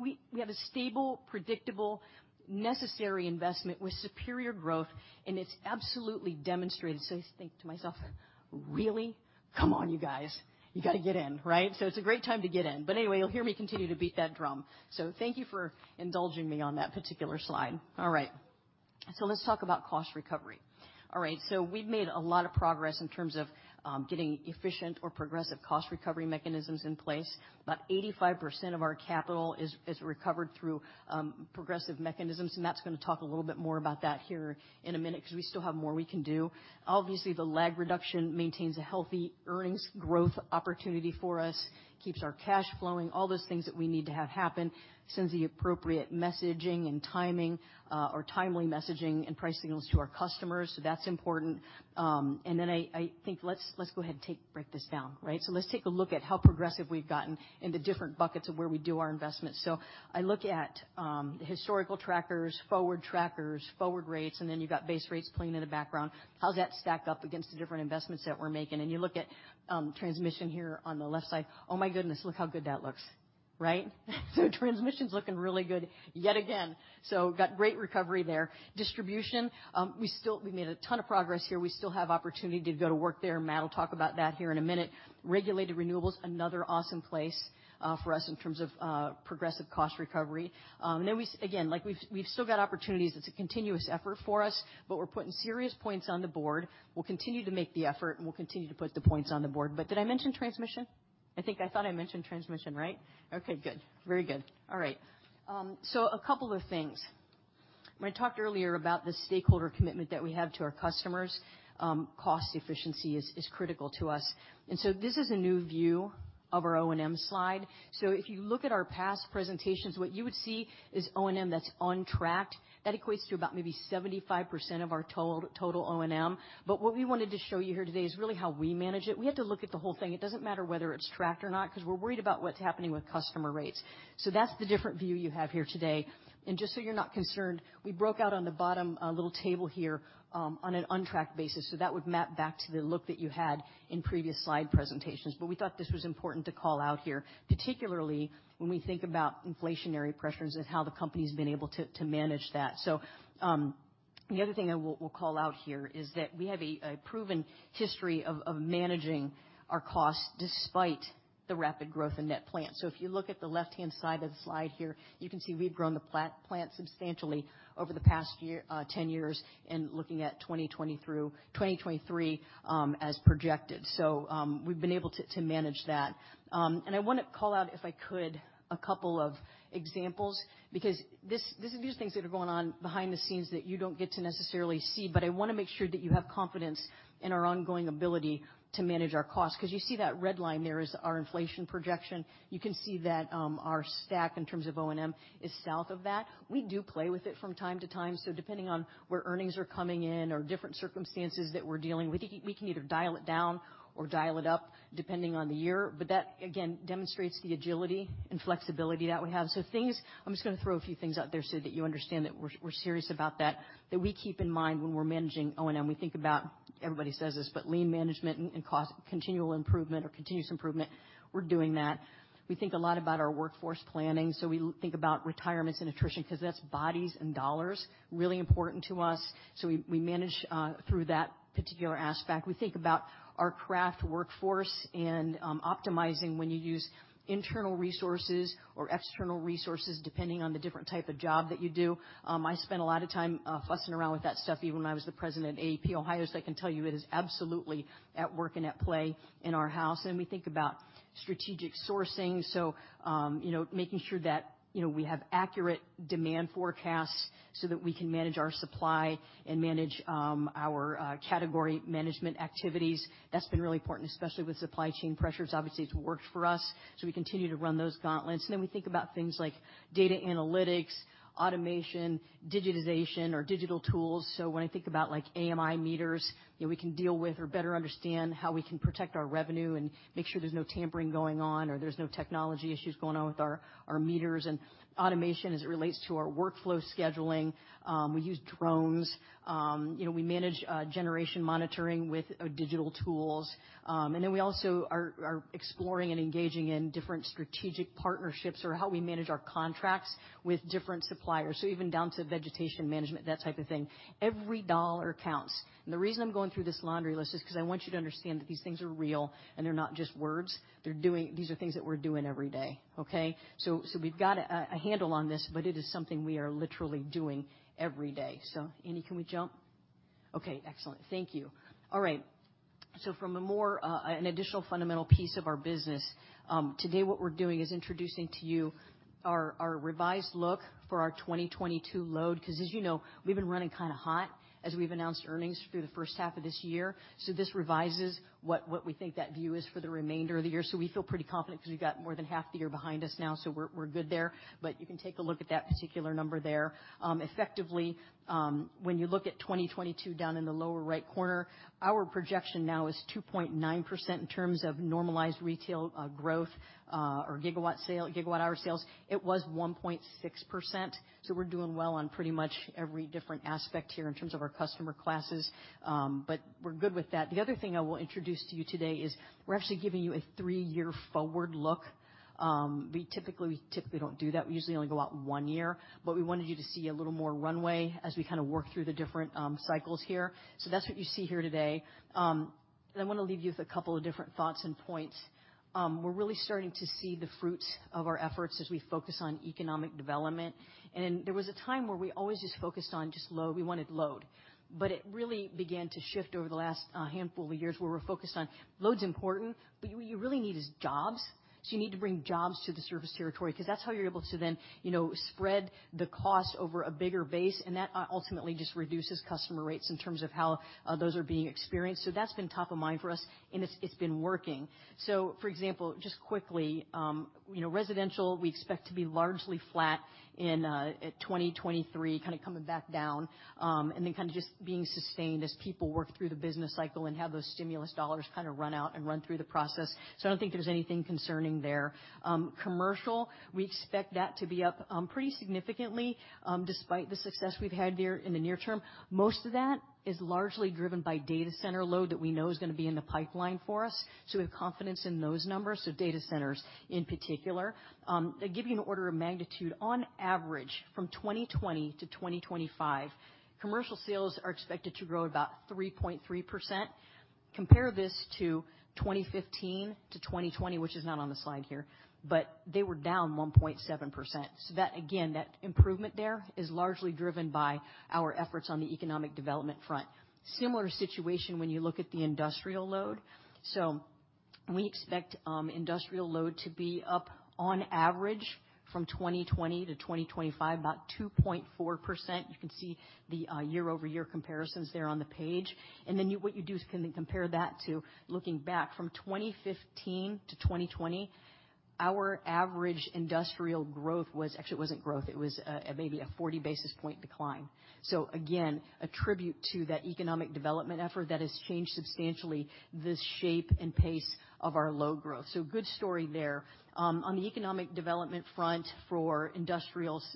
we have a stable, predictable, necessary investment with superior growth, and it's absolutely demonstrated. I just think to myself, "Really? Come on, you guys. You gotta get in," right? It's a great time to get in. Anyway, you'll hear me continue to beat that drum. Thank you for indulging me on that particular slide. All right. Let's talk about cost recovery. All right. We've made a lot of progress in terms of getting efficient or progressive cost recovery mechanisms in place. About 85% of our capital is recovered through progressive mechanisms, and Matt's gonna talk a little bit more about that here in a minute 'cause we still have more we can do. Obviously, the lag reduction maintains a healthy earnings growth opportunity for us, keeps our cash flowing, all those things that we need to have happen, sends the appropriate messaging and timing, or timely messaging and price signals to our customers. That's important. I think let's go ahead and break this down, right? Let's take a look at how progressive we've gotten in the different buckets of where we do our investments. I look at historical trackers, forward trackers, forward rates, and then you've got base rates playing in the background. How's that stacked up against the different investments that we're making? You look at transmission here on the left side. Oh my goodness, look how good that looks, right? Transmission's looking really good yet again. We've got great recovery there. Distribution, we made a ton of progress here. We still have opportunity to go to work there. Matt will talk about that here in a minute. Regulated renewables, another awesome place, for us in terms of, progressive cost recovery. Then again, like we've still got opportunities. It's a continuous effort for us, but we're putting serious points on the board. We'll continue to make the effort, and we'll continue to put the points on the board. Did I mention transmission? I think I thought I mentioned transmission, right? Okay, good. Very good. All right. A couple of things. When I talked earlier about the stakeholder commitment that we have to our customers, cost efficiency is critical to us. This is a new view of our O&M slide. If you look at our past presentations, what you would see is O&M that's on track. That equates to about maybe 75% of our total O&M. What we wanted to show you here today is really how we manage it. We have to look at the whole thing. It doesn't matter whether it's tracked or not, 'cause we're worried about what's happening with customer rates. That's the different view you have here today. Just so you're not concerned, we broke out on the bottom a little table here, on an untracked basis, so that would map back to the look that you had in previous slide presentations. We thought this was important to call out here, particularly when we think about inflationary pressures and how the company's been able to manage that. The other thing I will call out here is that we have a proven history of managing our costs despite the rapid growth in net plant. If you look at the left-hand side of the slide here, you can see we've grown the plant substantially over the past 10 years and looking at 2020 through 2023, as projected. We've been able to manage that. I wanna call out, if I could, a couple of examples because these are things that are going on behind the scenes that you don't get to necessarily see, but I wanna make sure that you have confidence in our ongoing ability to manage our costs. 'Cause you see that red line there is our inflation projection. You can see that, our stack in terms of O&M is south of that. We do play with it from time to time, so depending on where earnings are coming in or different circumstances that we're dealing, we can either dial it down or dial it up depending on the year. That, again, demonstrates the agility and flexibility that we have. Things. I'm just gonna throw a few things out there so that you understand that we're serious about that we keep in mind when we're managing O&M. We think about, everybody says this, but lean management and continuous improvement. We're doing that. We think a lot about our workforce planning, so we think about retirements and attrition 'cause that's bodies and dollars, really important to us. We manage through that particular aspect. We think about our craft workforce and optimizing when you use internal resources or external resources, depending on the different type of job that you do. I spent a lot of time fussing around with that stuff even when I was the president at AEP Ohio, so I can tell you it is absolutely at work and at play in our house. We think about strategic sourcing, so you know, making sure that you know, we have accurate demand forecasts so that we can manage our supply and manage our category management activities. That's been really important, especially with supply chain pressures. Obviously, it's worked for us, so we continue to run those gauntlets. Then we think about things like data analytics, automation, digitization or digital tools. When I think about, like, AMI meters, you know, we can deal with or better understand how we can protect our revenue and make sure there's no tampering going on or there's no technology issues going on with our meters. Automation as it relates to our workflow scheduling, we use drones. You know, we manage generation monitoring with digital tools. We also are exploring and engaging in different strategic partnerships or how we manage our contracts with different suppliers, so even down to vegetation management, that type of thing. Every dollar counts. The reason I'm going through this laundry list is 'cause I want you to understand that these things are real, and they're not just words. These are things that we're doing every day, okay? We've got a handle on this, but it is something we are literally doing every day. Andy, can we jump? Okay, excellent. Thank you. All right. From a more, an additional fundamental piece of our business, today what we're doing is introducing to you our revised look for our 2022 load, 'cause as you know, we've been running kinda hot as we've announced earnings through the first half of this year. This revises what we think that view is for the remainder of the year. We feel pretty confident 'cause we've got more than half the year behind us now, so we're good there. You can take a look at that particular number there. Effectively, when you look at 2022 down in the lower right corner, our projection now is 2.9% in terms of normalized retail growth or gigawatt-hour sales. It was 1.6%, so we're doing well on pretty much every different aspect here in terms of our customer classes. We're good with that. The other thing I will introduce to you today is we're actually giving you a three-year forward look. We typically don't do that. We usually only go out one year, but we wanted you to see a little more runway as we kinda work through the different cycles here. That's what you see here today. I wanna leave you with a couple of different thoughts and points. We're really starting to see the fruits of our efforts as we focus on economic development. There was a time where we always just focused on just load, we wanted load. It really began to shift over the last handful of years, where we're focused on load's important, but what you really need is jobs. You need to bring jobs to the service territory 'cause that's how you're able to then, you know, spread the cost over a bigger base, and that ultimately just reduces customer rates in terms of how those are being experienced. That's been top of mind for us, and it's been working. For example, just quickly, you know, residential, we expect to be largely flat in 2023, kinda coming back down, and then kinda just being sustained as people work through the business cycle and have those stimulus dollars kinda run out and run through the process. I don't think there's anything concerning there. Commercial, we expect that to be up pretty significantly, despite the success we've had in the near term. Most of that is largely driven by data center load that we know is gonna be in the pipeline for us, so we have confidence in those numbers, so data centers in particular. To give you an order of magnitude, on average from 2020 to 2025, commercial sales are expected to grow about 3.3%. Compare this to 2015 to 2020, which is not on the slide here, but they were down 1.7%. That, again, that improvement there is largely driven by our efforts on the economic development front. Similar situation when you look at the industrial load. We expect industrial load to be up on average from 2020 to 2025 about 2.4%. You can see the year-over-year comparisons there on the page. Then you, what you do is kinda compare that to looking back from 2015 to 2020, our average industrial growth was, actually it wasn't growth, it was maybe a 40 basis point decline. Again, attribute to that economic development effort that has changed substantially the shape and pace of our load growth. Good story there. On the economic development front for industrials,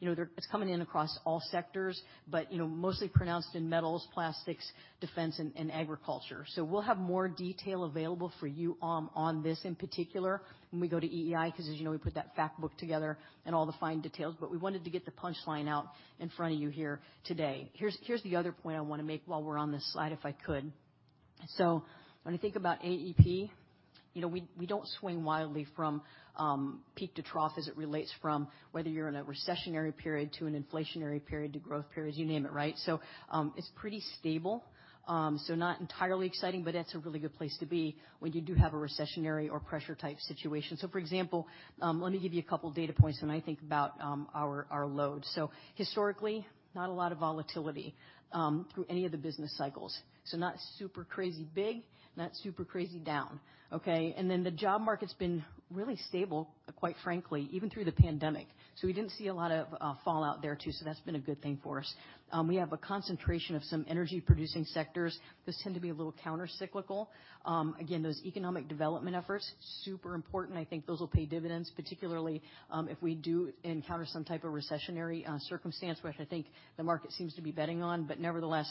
you know, they're, it's coming in across all sectors, but you know, mostly pronounced in metals, plastics, defense and agriculture. We'll have more detail available for you, on this in particular when we go to EEI, 'cause as you know, we put that fact book together and all the fine details. We wanted to get the punchline out in front of you here today. Here's the other point I wanna make while we're on this slide, if I could. When you think about AEP, you know, we don't swing wildly from peak to trough as it relates from whether you're in a recessionary period to an inflationary period to growth periods, you name it, right? It's pretty stable. Not entirely exciting, but it's a really good place to be when you do have a recessionary or pressure type situation. For example, let me give you a couple data points when I think about our load. Historically, not a lot of volatility through any of the business cycles. Not super crazy big, not super crazy down, okay? The job market's been really stable, quite frankly, even through the pandemic. We didn't see a lot of fallout there too, so that's been a good thing for us. We have a concentration of some energy producing sectors. Those tend to be a little countercyclical. Again, those economic development efforts, super important. I think those will pay dividends, particularly, if we do encounter some type of recessionary circumstance, which I think the market seems to be betting on. Nevertheless,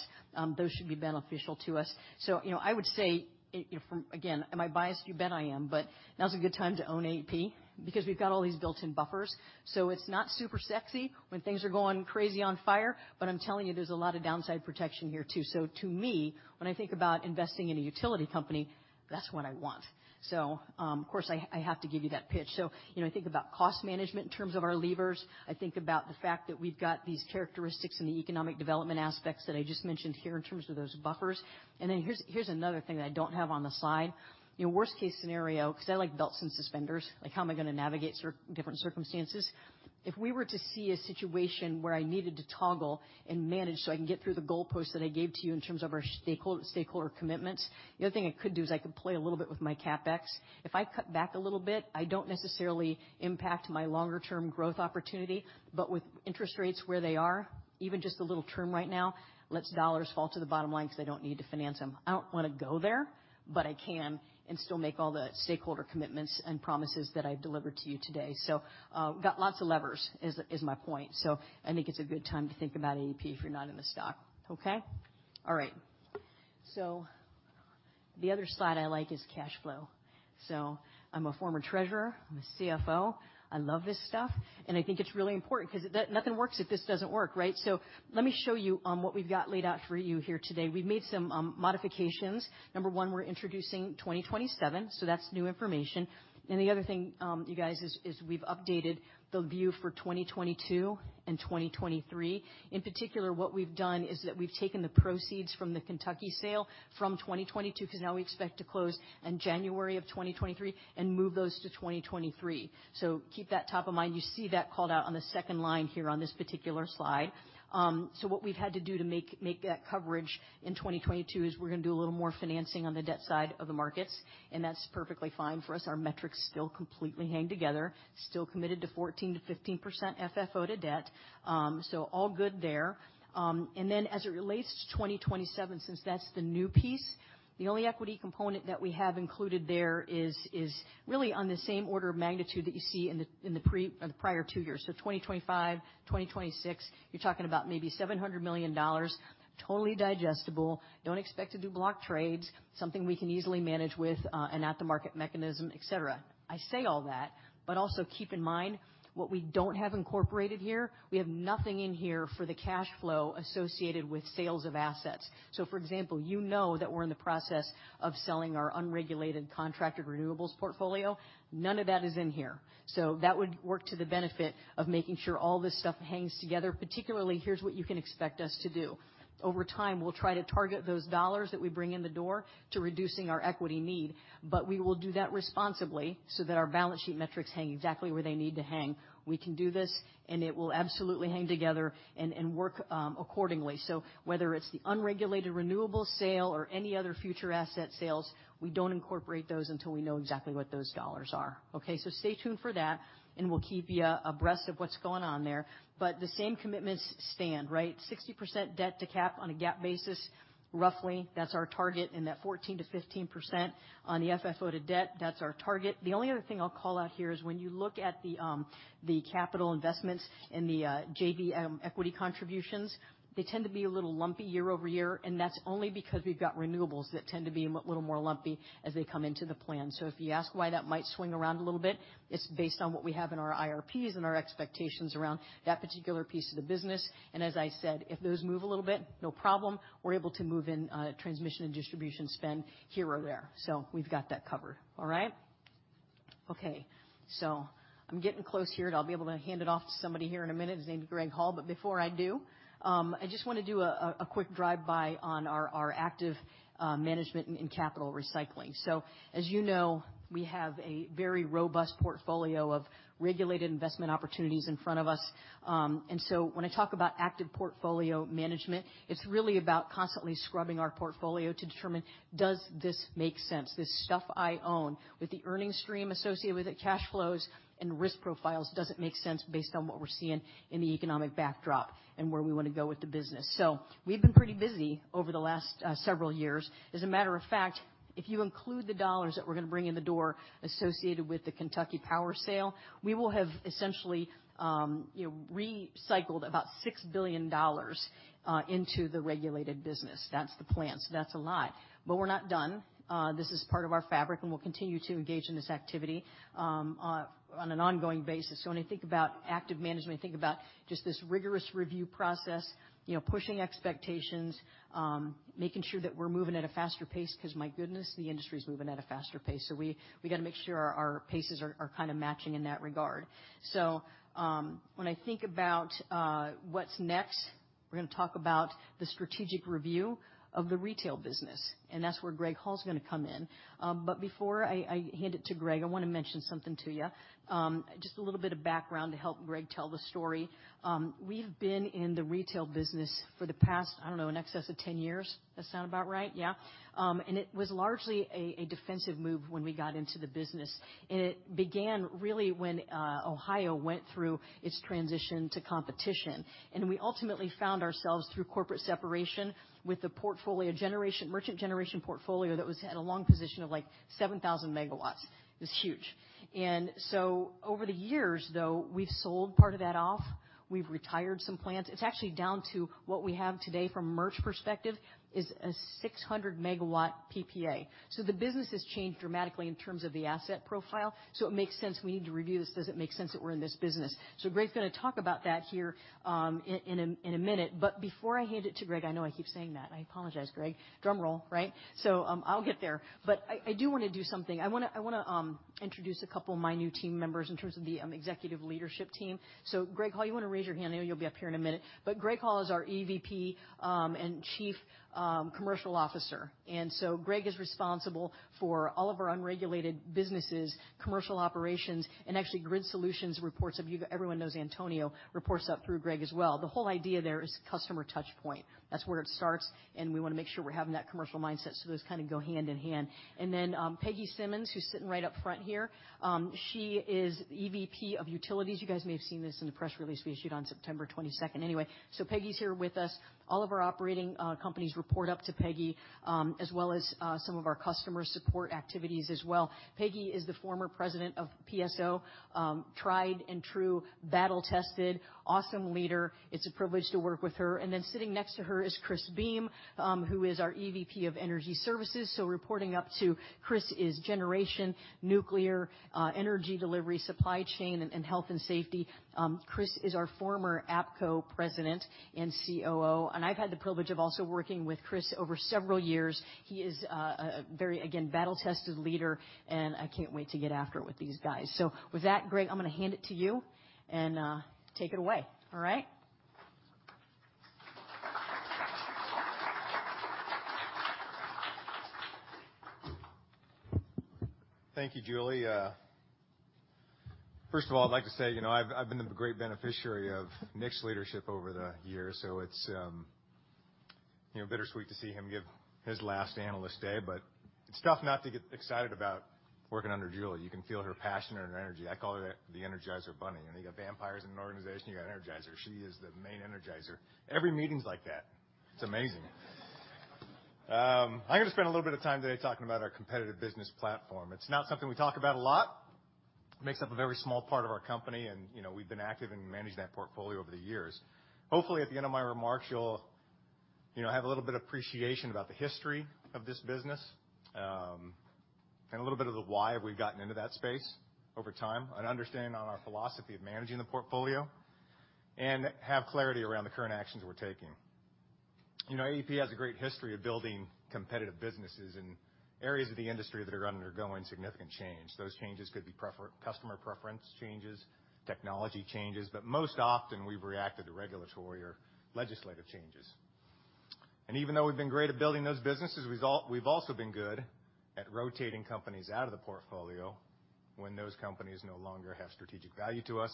those should be beneficial to us. You know, I would say, you know, again, am I biased? You bet I am. Now's a good time to own AEP because we've got all these built-in buffers. It's not super sexy when things are going crazy on fire, but I'm telling you, there's a lot of downside protection here too. To me, when I think about investing in a utility company, that's what I want. Of course I have to give you that pitch. You know, I think about cost management in terms of our levers. I think about the fact that we've got these characteristics in the economic development aspects that I just mentioned here in terms of those buffers. Here's another thing that I don't have on the slide. You know, worst case scenario, 'cause I like belts and suspenders, like how am I gonna navigate different circumstances? If we were to see a situation where I needed to toggle and manage so I can get through the goalposts that I gave to you in terms of our stakeholder commitments, the other thing I could do is I could play a little bit with my CapEx. If I cut back a little bit, I don't necessarily impact my longer term growth opportunity. With interest rates where they are, even just the short term right now, let the dollars fall to the bottom line 'cause I don't need to finance them. I don't wanna go there, but I can and still make all the stakeholder commitments and promises that I've delivered to you today. Got lots of levers is my point. I think it's a good time to think about AEP if you're not in the stock. Okay? All right. The other slide I like is cash flow. I'm a former treasurer. I'm a CFO. I love this stuff, and I think it's really important 'cause nothing works if this doesn't work, right? Let me show you what we've got laid out for you here today. We've made some modifications. Number one, we're introducing 2027, so that's new information. The other thing, you guys is, we've updated the view for 2022 and 2023. In particular, what we've done is that we've taken the proceeds from the Kentucky sale from 2022, 'cause now we expect to close in January of 2023 and move those to 2023. Keep that top of mind. You see that called out on the second line here on this particular slide. What we've had to do to make that coverage in 2022 is we're gonna do a little more financing on the debt side of the markets, and that's perfectly fine for us. Our metrics still completely hang together, still committed to 14%-15% FFO to debt. All good there. As it relates to 2027, since that's the new piece, the only equity component that we have included there is really on the same order of magnitude that you see in the prior two years. 2025, 2026, you're talking about maybe $700 million. Totally digestible. Don't expect to do block trades. Something we can easily manage with an at the market mechanism, et cetera. I say all that, but also keep in mind what we don't have incorporated here, we have nothing in here for the cash flow associated with sales of assets. For example, you know that we're in the process of selling our unregulated contracted renewables portfolio. None of that is in here. That would work to the benefit of making sure all this stuff hangs together. Particularly, here's what you can expect us to do. Over time, we'll try to target those dollars that we bring in the door to reducing our equity need, but we will do that responsibly so that our balance sheet metrics hang exactly where they need to hang. We can do this, and it will absolutely hang together and work accordingly. Whether it's the unregulated renewables sale or any other future asset sales, we don't incorporate those until we know exactly what those dollars are, okay? Stay tuned for that, and we'll keep you abreast of what's going on there. The same commitments stand, right? 60% debt to cap on a GAAP basis, roughly. That's our target. That 14%-15% on the FFO to debt, that's our target. The only other thing I'll call out here is when you look at the capital investments and the JV equity contributions, they tend to be a little lumpy year-over-year, and that's only because we've got renewables that tend to be a little more lumpy as they come into the plan. If you ask why that might swing around a little bit, it's based on what we have in our IRPs and our expectations around that particular piece of the business. As I said, if those move a little bit, no problem. We're able to move in transmission and distribution spend here or there. We've got that covered. All right? Okay. I'm getting close here, and I'll be able to hand it off to somebody here in a minute. His name is Greg Hall. Before I do, I just wanna do a quick drive-by on our active management and capital recycling. As you know, we have a very robust portfolio of regulated investment opportunities in front of us. When I talk about active portfolio management, it's really about constantly scrubbing our portfolio to determine, does this make sense? This stuff I own with the earnings stream associated with it, cash flows and risk profiles, does it make sense based on what we're seeing in the economic backdrop and where we wanna go with the business? We've been pretty busy over the last several years. As a matter of fact, if you include the dollars that we're gonna bring in the door associated with the Kentucky Power sale, we will have essentially, you know, recycled about $6 billion into the regulated business. That's the plan. That's a lot. We're not done. This is part of our fabric, and we'll continue to engage in this activity on an ongoing basis. When I think about active management, I think about just this rigorous review process, you know, pushing expectations, making sure that we're moving at a faster pace, 'cause my goodness, the industry's moving at a faster pace. We gotta make sure our paces are kinda matching in that regard. When I think about what's next. We're gonna talk about the strategic review of the retail business, and that's where Greg Hall's gonna come in. But before I hand it to Greg, I wanna mention something to you. Just a little bit of background to help Greg tell the story. We've been in the retail business for the past, I don't know, in excess of 10 years. That sound about right? Yeah. It was largely a defensive move when we got into the business. It began really when Ohio went through its transition to competition. We ultimately found ourselves, through corporate separation, with a merchant generation portfolio that was at a long position of, like, 7,000 MW. It was huge. Over the years, though, we've sold part of that off, we've retired some plants. It's actually down to what we have today from a merch perspective is a 600 MW PPA. The business has changed dramatically in terms of the asset profile, so it makes sense we need to review this. Does it make sense that we're in this business? Greg's gonna talk about that here in a minute, but before I hand it to Greg, I know I keep saying that. I apologize, Greg. Drum roll, right? I'll get there. I do wanna do something. I wanna introduce a couple of my new team members in terms of the executive leadership team. Greg Hall, you wanna raise your hand? I know you'll be up here in a minute. Greg Hall is our EVP and Chief Commercial Officer. Greg is responsible for all of our unregulated businesses, commercial operations, and actually Grid Solutions reports to you. Everyone knows Antonio Smyth reports up through Greg as well. The whole idea there is customer touch point. That's where it starts, and we wanna make sure we're having that commercial mindset, so those kind of go hand in hand. Peggy Simmons, who's sitting right up front here, she is EVP of Utilities. You guys may have seen this in the press release we issued on September 22. Anyway, Peggy's here with us. All of our operating companies report up to Peggy, as well as some of our customer support activities as well. Peggy is the former president of PSO, tried and true, battle-tested, awesome leader. It's a privilege to work with her. Sitting next to her is Chris Beam, who is our EVP of Energy Services. Reporting up to Chris is generation, nuclear, energy delivery, supply chain, and health and safety. Chris is our former APCO president and COO, and I've had the privilege of also working with Chris over several years. He is a very, again, battle-tested leader, and I can't wait to get after it with these guys. With that, Greg, I'm gonna hand it to you, and take it away. All right. Thank you, Julie. First of all, I'd like to say, you know, I've been the great beneficiary of Nick's leadership over the years, so it's, you know, bittersweet to see him give his last Analyst Day, but it's tough not to get excited about working under Julie. You can feel her passion and her energy. I call her the Energizer Bunny. You know, you got vampires in an organization, you got Energizer. She is the main Energizer. Every meeting's like that. It's amazing. I'm gonna spend a little bit of time today talking about our competitive business platform. It's not something we talk about a lot. Makes up a very small part of our company, and, you know, we've been active in managing that portfolio over the years. Hopefully, at the end of my remarks, you'll, you know, have a little bit appreciation about the history of this business, and a little bit of the why we've gotten into that space over time and understanding on our philosophy of managing the portfolio and have clarity around the current actions we're taking. You know, AEP has a great history of building competitive businesses in areas of the industry that are undergoing significant change. Those changes could be customer preference changes, technology changes, but most often we've reacted to regulatory or legislative changes. Even though we've been great at building those businesses, we've also been good at rotating companies out of the portfolio when those companies no longer have strategic value to us,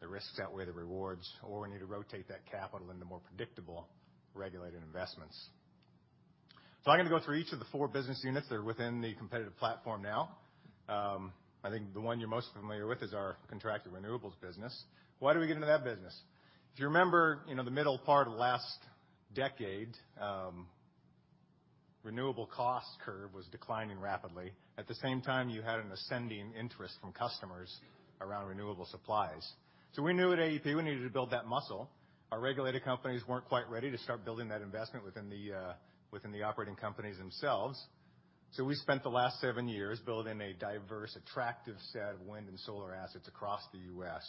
the risks outweigh the rewards, or we need to rotate that capital into more predictable regulated investments. I'm gonna go through each of the four business units that are within the competitive platform now. I think the one you're most familiar with is our contracted renewables business. Why do we get into that business? If you remember, you know, the middle part of last decade, renewable cost curve was declining rapidly. At the same time, you had an ascending interest from customers around renewable supplies. We knew at AEP we needed to build that muscle. Our regulated companies weren't quite ready to start building that investment within the operating companies themselves, so we spent the last seven years building a diverse, attractive set of wind and solar assets across the U.S.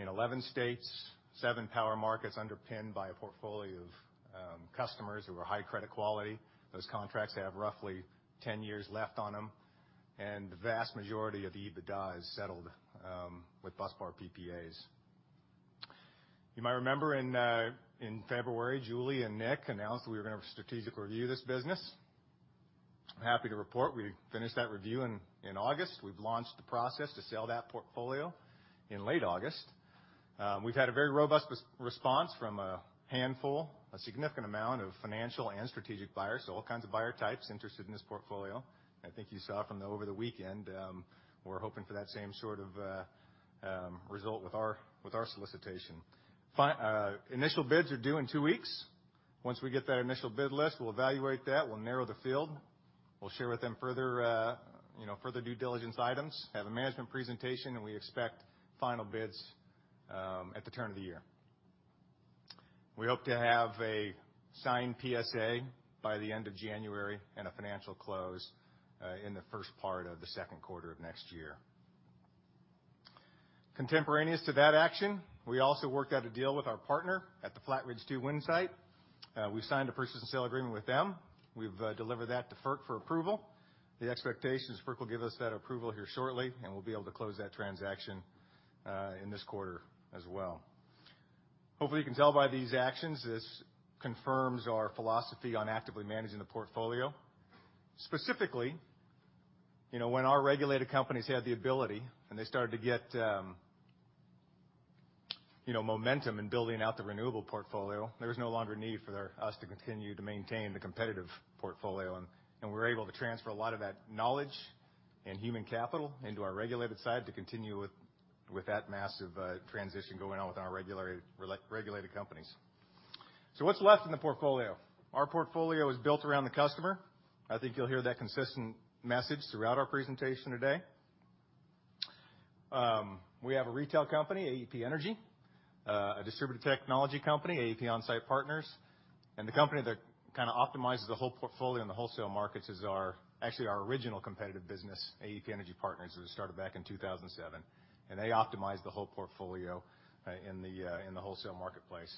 In 11 states, seven power markets underpinned by a portfolio of customers who are high credit quality. Those contracts have roughly 10 years left on them, and the vast majority of the EBITDA is settled with busbar PPAs. You might remember in February, Julie and Nick announced that we were gonna strategically review this business. I'm happy to report we finished that review in August. We've launched the process to sell that portfolio in late August. We've had a very robust response from a handful, a significant amount of financial and strategic buyers, so all kinds of buyer types interested in this portfolio. I think you saw from over the weekend, we're hoping for that same sort of result with our solicitation. Initial bids are due in two weeks. Once we get that initial bid list, we'll evaluate that. We'll narrow the field. We'll share with them further, you know, further due diligence items, have a management presentation, and we expect final bids at the turn of the year. We hope to have a signed PSA by the end of January and a financial close in the first part of the second quarter of next year. Contemporaneous to that action, we also worked out a deal with our partner at the Flat Ridge 2 wind site. We've signed a purchase and sale agreement with them. We've delivered that to FERC for approval. The expectation is FERC will give us that approval here shortly, and we'll be able to close that transaction in this quarter as well. Hopefully, you can tell by these actions, this confirms our philosophy on actively managing the portfolio. Specifically, you know, when our regulated companies had the ability, and they started to get, you know, momentum in building out the renewable portfolio, there was no longer a need for us to continue to maintain the competitive portfolio, and we're able to transfer a lot of that knowledge and human capital into our regulated side to continue with that massive transition going on with our regulated companies. What's left in the portfolio? Our portfolio is built around the customer. I think you'll hear that consistent message throughout our presentation today. We have a retail company, AEP Energy, a distributed technology company, AEP OnSite Partners, and the company that kinda optimizes the whole portfolio in the wholesale markets is our, actually, our original competitive business, AEP Energy Partners, that was started back in 2007, and they optimize the whole portfolio in the wholesale marketplace.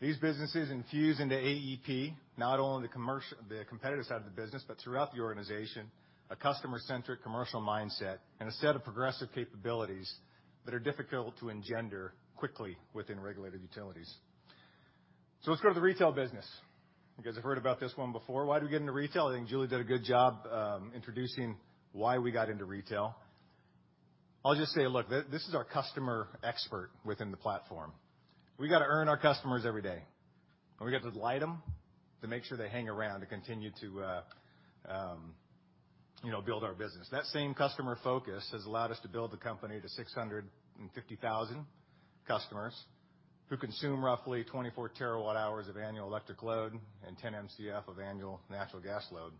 These businesses infuse into AEP, not only the competitive side of the business, but throughout the organization, a customer-centric commercial mindset, and a set of progressive capabilities that are difficult to engender quickly within regulated utilities. Let's go to the retail business. You guys have heard about this one before. Why'd we get into retail? I think Julie did a good job introducing why we got into retail. I'll just say, look, this is our customer expert within the platform. We gotta earn our customers every day, and we got to delight them to make sure they hang around to continue to build our business. That same customer focus has allowed us to build the company to 650,000 customers who consume roughly 24 terawatt hours of annual electric load and 10 MCF of annual natural gas load.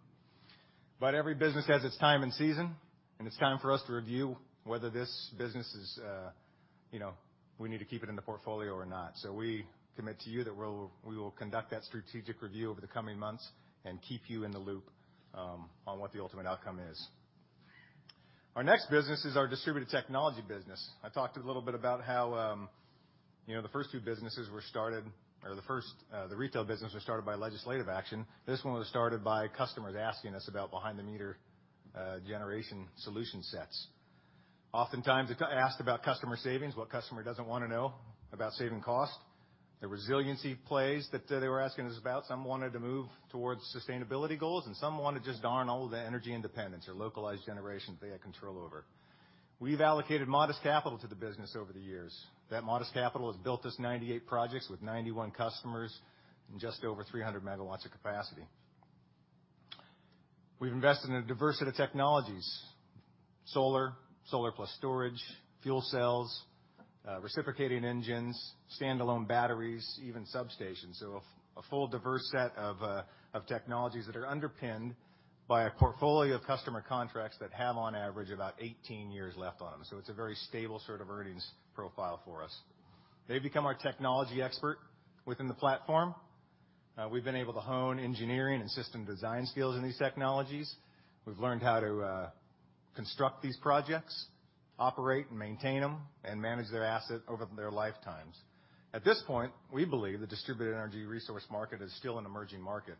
Every business has its time and season, and it's time for us to review whether this business is we need to keep it in the portfolio or not. We commit to you that we will conduct that strategic review over the coming months and keep you in the loop on what the ultimate outcome is. Our next business is our distributed technology business. I talked a little bit about how, you know, the first two businesses were started, or the retail business was started by legislative action. This one was started by customers asking us about behind-the-meter generation solution sets. Oftentimes, it got asked about customer savings. What customer doesn't wanna know about saving costs? The resiliency plays that they were asking us about. Some wanted to move towards sustainability goals, and some wanted to just darn all of the energy independence or localized generations they had control over. We've allocated modest capital to the business over the years. That modest capital has built us 98 projects with 91 customers and just over 300 MW of capacity. We've invested in a diversity of technologies, solar plus storage, fuel cells, reciprocating engines, standalone batteries, even substations. A full diverse set of technologies that are underpinned by a portfolio of customer contracts that have on average about 18 years left on them. It's a very stable sort of earnings profile for us. They've become our technology expert within the platform. We've been able to hone engineering and system design skills in these technologies. We've learned how to construct these projects, operate and maintain them, and manage their asset over their lifetimes. At this point, we believe the distributed energy resource market is still an emerging market.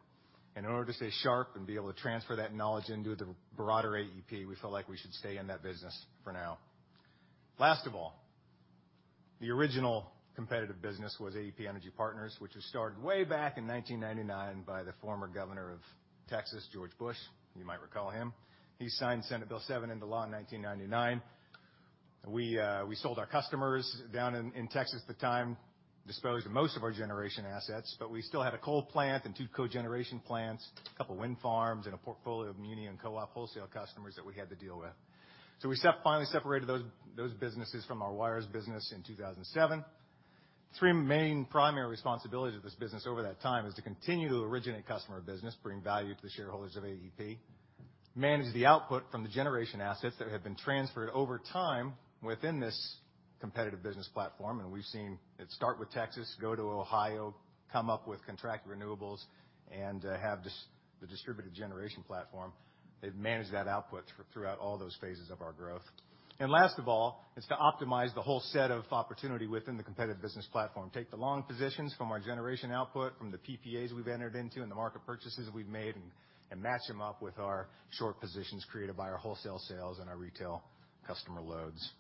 In order to stay sharp and be able to transfer that knowledge into the broader AEP, we feel like we should stay in that business for now. Last of all, the original competitive business was AEP Energy Partners, which was started way back in 1999 by the former governor of Texas, George W. Bush. You might recall him. He signed Senate Bill 7 into law in 1999. We sold our customers down in Texas at the time, disposed of most of our generation assets, but we still had a coal plant and two cogeneration plants, a couple of wind farms, and a portfolio of muni and co-op wholesale customers that we had to deal with. Finally separated those businesses from our wires business in 2007. Three main primary responsibilities of this business over that time is to continue to originate customer business, bring value to the shareholders of AEP, manage the output from the generation assets that have been transferred over time within this competitive business platform, and we've seen it start with Texas, go to Ohio, come up with contract renewables, and have the distributed generation platform. They've managed that output throughout all those phases of our growth. Last of all is to optimize the whole set of opportunity within the competitive business platform. Take the long positions from our generation output, from the PPAs we've entered into, and the market purchases we've made, and match them up with our short positions created by our wholesale sales and our retail customer loads.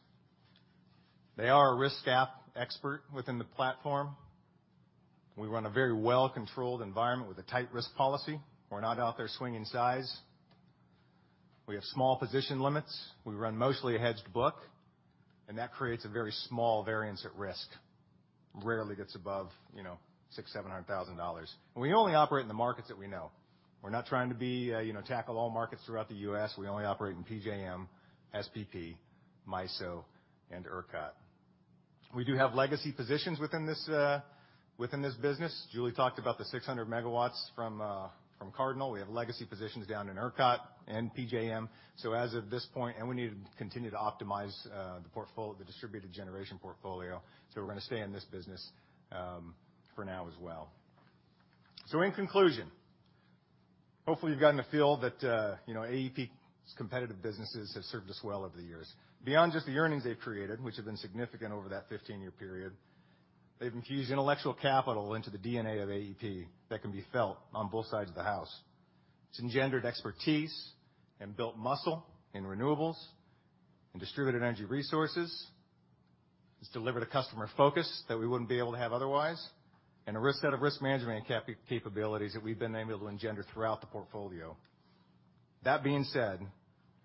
They are a risk appetite expert within the platform. We run a very well-controlled environment with a tight risk policy. We're not out there swinging size. We have small position limits. We run mostly a hedged book, and that creates a very small variance at risk. Rarely gets above, you know, $600,000-$700,000. We only operate in the markets that we know. We're not trying to be, you know, tackle all markets throughout the U.S. We only operate in PJM, SPP, MISO, and ERCOT. We do have legacy positions within this business. Julie talked about the 600 MWs from Cardinal. We have legacy positions down in ERCOT and PJM. As of this point, and we need to continue to optimize the distributed generation portfolio, so we're gonna stay in this business for now as well. In conclusion, hopefully you've gotten a feel that, you know, AEP's competitive businesses have served us well over the years. Beyond just the earnings they've created, which have been significant over that 15-year period, they've infused intellectual capital into the DNA of AEP that can be felt on both sides of the house. It's engendered expertise and built muscle in renewables and distributed energy resources. It's delivered a customer focus that we wouldn't be able to have otherwise, and a set of risk management capabilities that we've been able to engender throughout the portfolio. That being said,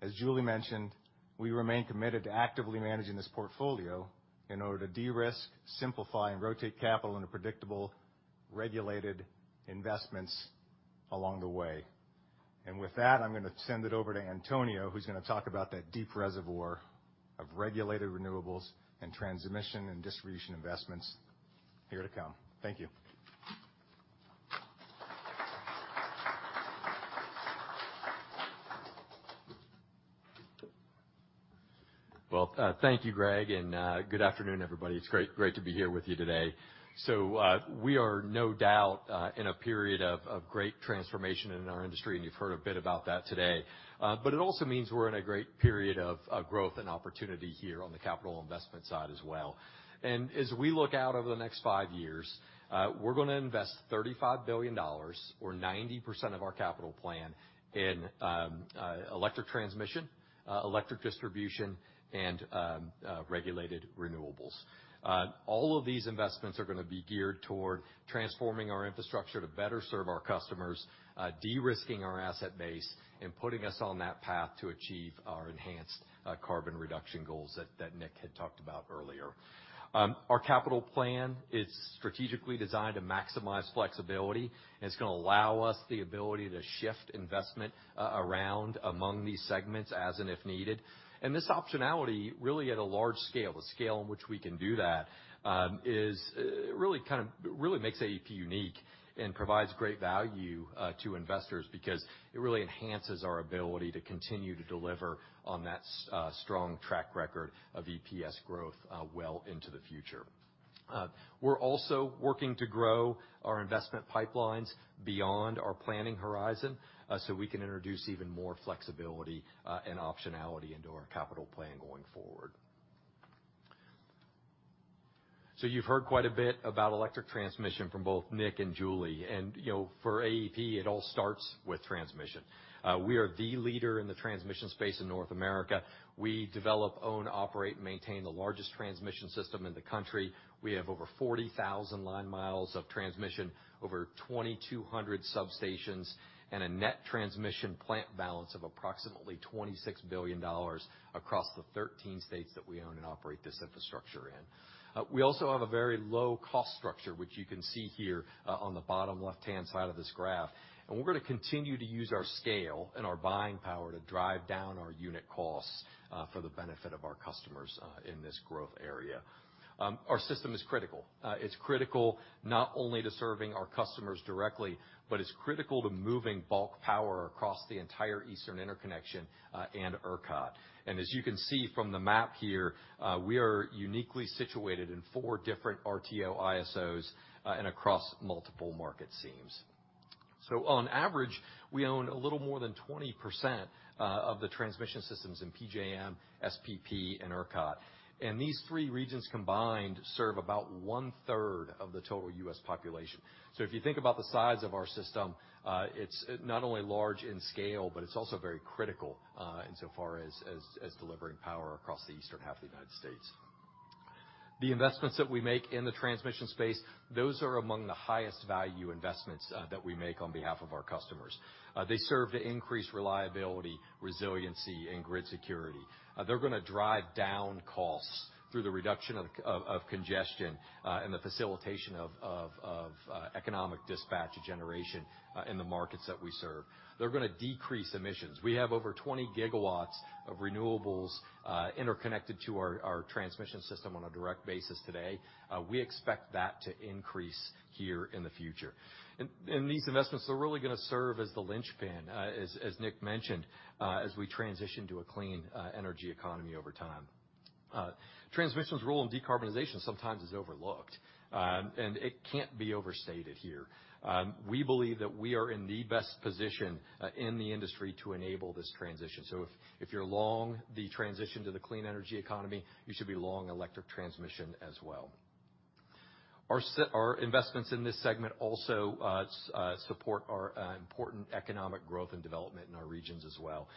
as Julie mentioned, we remain committed to actively managing this portfolio in order to de-risk, simplify, and rotate capital into predictable regulated investments along the way. With that, I'm gonna send it over to Antonio, who's gonna talk about that deep reservoir of regulated renewables and transmission and distribution investments here to come. Thank you. Well, thank you, Greg, and good afternoon, everybody. It's great to be here with you today. We are no doubt in a period of great transformation in our industry, and you've heard a bit about that today. But it also means we're in a great period of growth and opportunity here on the capital investment side as well. As we look out over the next five years, we're gonna invest $35 billion or 90% of our capital plan in electric transmission, electric distribution, and regulated renewables. All of these investments are gonna be geared toward transforming our infrastructure to better serve our customers, de-risking our asset base, and putting us on that path to achieve our enhanced carbon reduction goals that Nick had talked about earlier. Our capital plan is strategically designed to maximize flexibility, and it's gonna allow us the ability to shift investment around among these segments as and if needed. This optionality really at a large scale, the scale in which we can do that, is really kind of makes AEP unique and provides great value to investors because it really enhances our ability to continue to deliver on that strong track record of EPS growth well into the future. We're also working to grow our investment pipelines beyond our planning horizon so we can introduce even more flexibility and optionality into our capital plan going forward. You've heard quite a bit about electric transmission from both Nick and Julie. You know, for AEP, it all starts with transmission. We are the leader in the transmission space in North America. We develop, own, operate, and maintain the largest transmission system in the country. We have over 40,000 line miles of transmission, over 2,200 substations, and a net transmission plant balance of approximately $26 billion across the 13 states that we own and operate this infrastructure in. We also have a very low cost structure, which you can see here, on the bottom left-hand side of this graph. We're gonna continue to use our scale and our buying power to drive down our unit costs, for the benefit of our customers, in this growth area. Our system is critical. It's critical not only to serving our customers directly, but it's critical to moving bulk power across the entire Eastern Interconnection, and ERCOT. As you can see from the map here, we are uniquely situated in four different RTO/ISOs and across multiple market seams. On average, we own a little more than 20% of the transmission systems in PJM, SPP, and ERCOT. These three regions combined serve about 1/3 of the total U.S. population. If you think about the size of our system, it's not only large in scale, but it's also very critical insofar as delivering power across the eastern half of the United States. The investments that we make in the transmission space, those are among the highest value investments that we make on behalf of our customers. They serve to increase reliability, resiliency, and grid security. They're gonna drive down costs through the reduction of congestion and the facilitation of economic dispatch generation in the markets that we serve. They're gonna decrease emissions. We have over 20 GW of renewables interconnected to our transmission system on a direct basis today. We expect that to increase here in the future. These investments are really gonna serve as the linchpin as Nick mentioned as we transition to a clean energy economy over time. Transmission's role in decarbonization sometimes is overlooked and it can't be overstated here. We believe that we are in the best position in the industry to enable this transition. If you're long the transition to the clean energy economy, you should be long electric transmission as well. Our investments in this segment also support our important economic growth and development in our regions as well.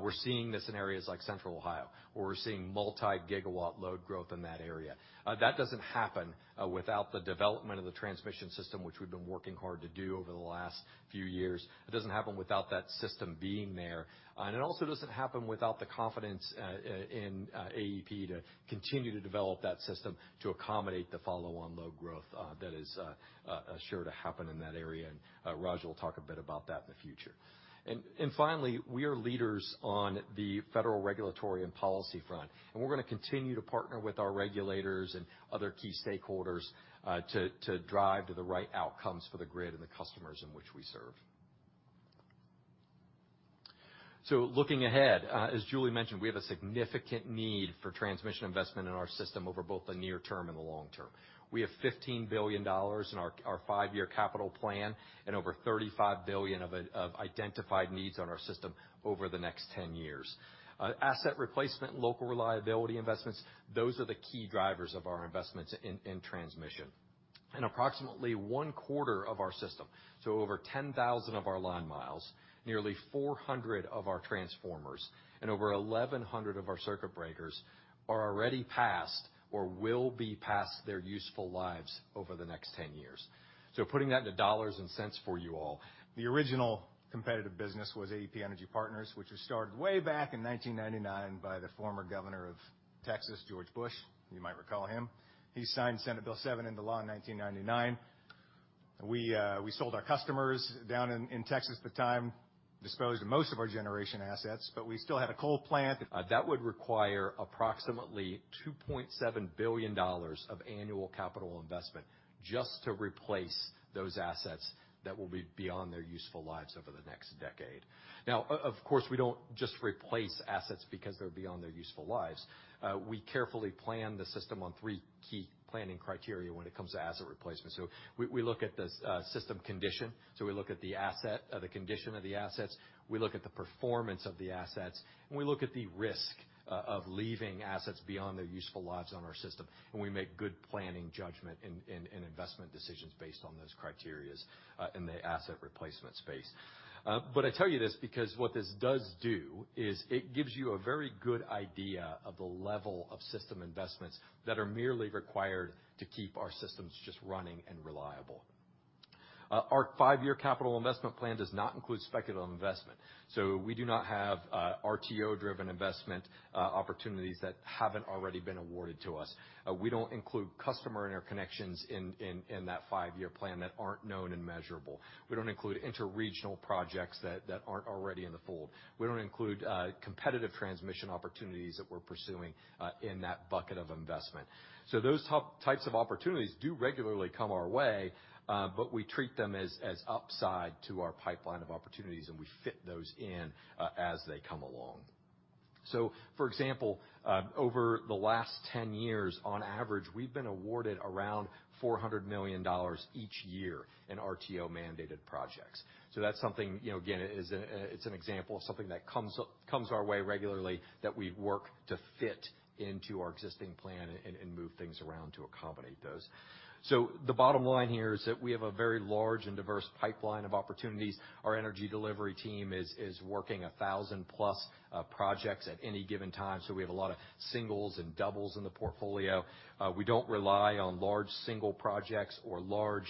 We're seeing this in areas like Central Ohio, where we're seeing multi-gigawatt load growth in that area. That doesn't happen without the development of the transmission system, which we've been working hard to do over the last few years. It doesn't happen without that system being there. It also doesn't happen without the confidence in AEP to continue to develop that system to accommodate the follow-on load growth that is sure to happen in that area. Raj will talk a bit about that in the future. Finally, we are leaders on the federal regulatory and policy front, and we're gonna continue to partner with our regulators and other key stakeholders, to drive to the right outcomes for the grid and the customers in which we serve. Looking ahead, as Julie mentioned, we have a significant need for transmission investment in our system over both the near term and the long term. We have $15 billion in our five-year capital plan and over $35 billion of identified needs on our system over the next ten years. Asset replacement, local reliability investments, those are the key drivers of our investments in transmission. Approximately one-quarter of our system, so over 10,000 of our line miles, nearly 400 of our transformers, and over 1,100 of our circuit breakers are already past or will be past their useful lives over the next 10 years. Putting that into dollars and cents for you all. The original competitive business was AEP Energy Partners, which was started way back in 1999 by the former Governor of Texas, George W. Bush. You might recall him. He signed Senate Bill 7 into law in 1999. We sold our customers down in Texas at the time, disposed of most of our generation assets, but that would require approximately $2.7 billion of annual capital investment just to replace those assets that will be beyond their useful lives over the next decade. Now, of course, we don't just replace assets because they're beyond their useful lives. We carefully plan the system on three key planning criteria when it comes to asset replacement. We look at the system condition, so we look at the condition of the assets. We look at the performance of the assets, and we look at the risk of leaving assets beyond their useful lives on our system, and we make good planning judgment and investment decisions based on those criteria in the asset replacement space. But I tell you this because what this does do is it gives you a very good idea of the level of system investments that are merely required to keep our systems just running and reliable. Our five-year capital investment plan does not include speculative investment, so we do not have RTO-driven investment opportunities that haven't already been awarded to us. We don't include customer interconnections in that five-year plan that aren't known and measurable. We don't include inter-regional projects that aren't already in the fold. We don't include competitive transmission opportunities that we're pursuing in that bucket of investment. Those types of opportunities do regularly come our way, but we treat them as upside to our pipeline of opportunities, and we fit those in as they come along. For example, over the last 10 years, on average, we've been awarded around $400 million each year in RTO-mandated projects. That's something, you know, again, it's an example of something that comes our way regularly that we work to fit into our existing plan and move things around to accommodate those. The bottom line here is that we have a very large and diverse pipeline of opportunities. Our energy delivery team is working 1,000+ projects at any given time, so we have a lot of singles and doubles in the portfolio. We don't rely on large single projects or large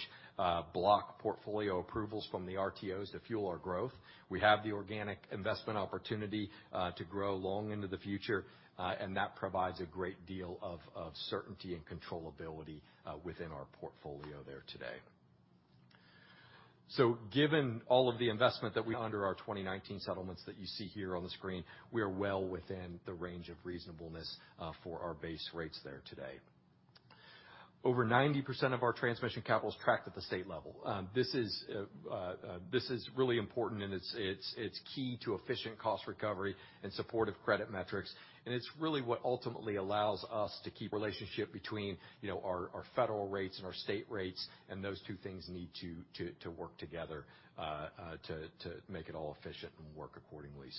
block portfolio approvals from the RTOs to fuel our growth. We have the organic investment opportunity to grow long into the future, and that provides a great deal of certainty and controllability within our portfolio there today. Given all of the investment that we under our 2019 settlements that you see here on the screen, we are well within the range of reasonableness for our base rates there today. Over 90% of our transmission capital is tracked at the state level. This is really important, and it's key to efficient cost recovery and supportive credit metrics, and it's really what ultimately allows us to keep relationship between, you know, our federal rates and our state rates, and those two things need to work together to make it all efficient and work accordingly.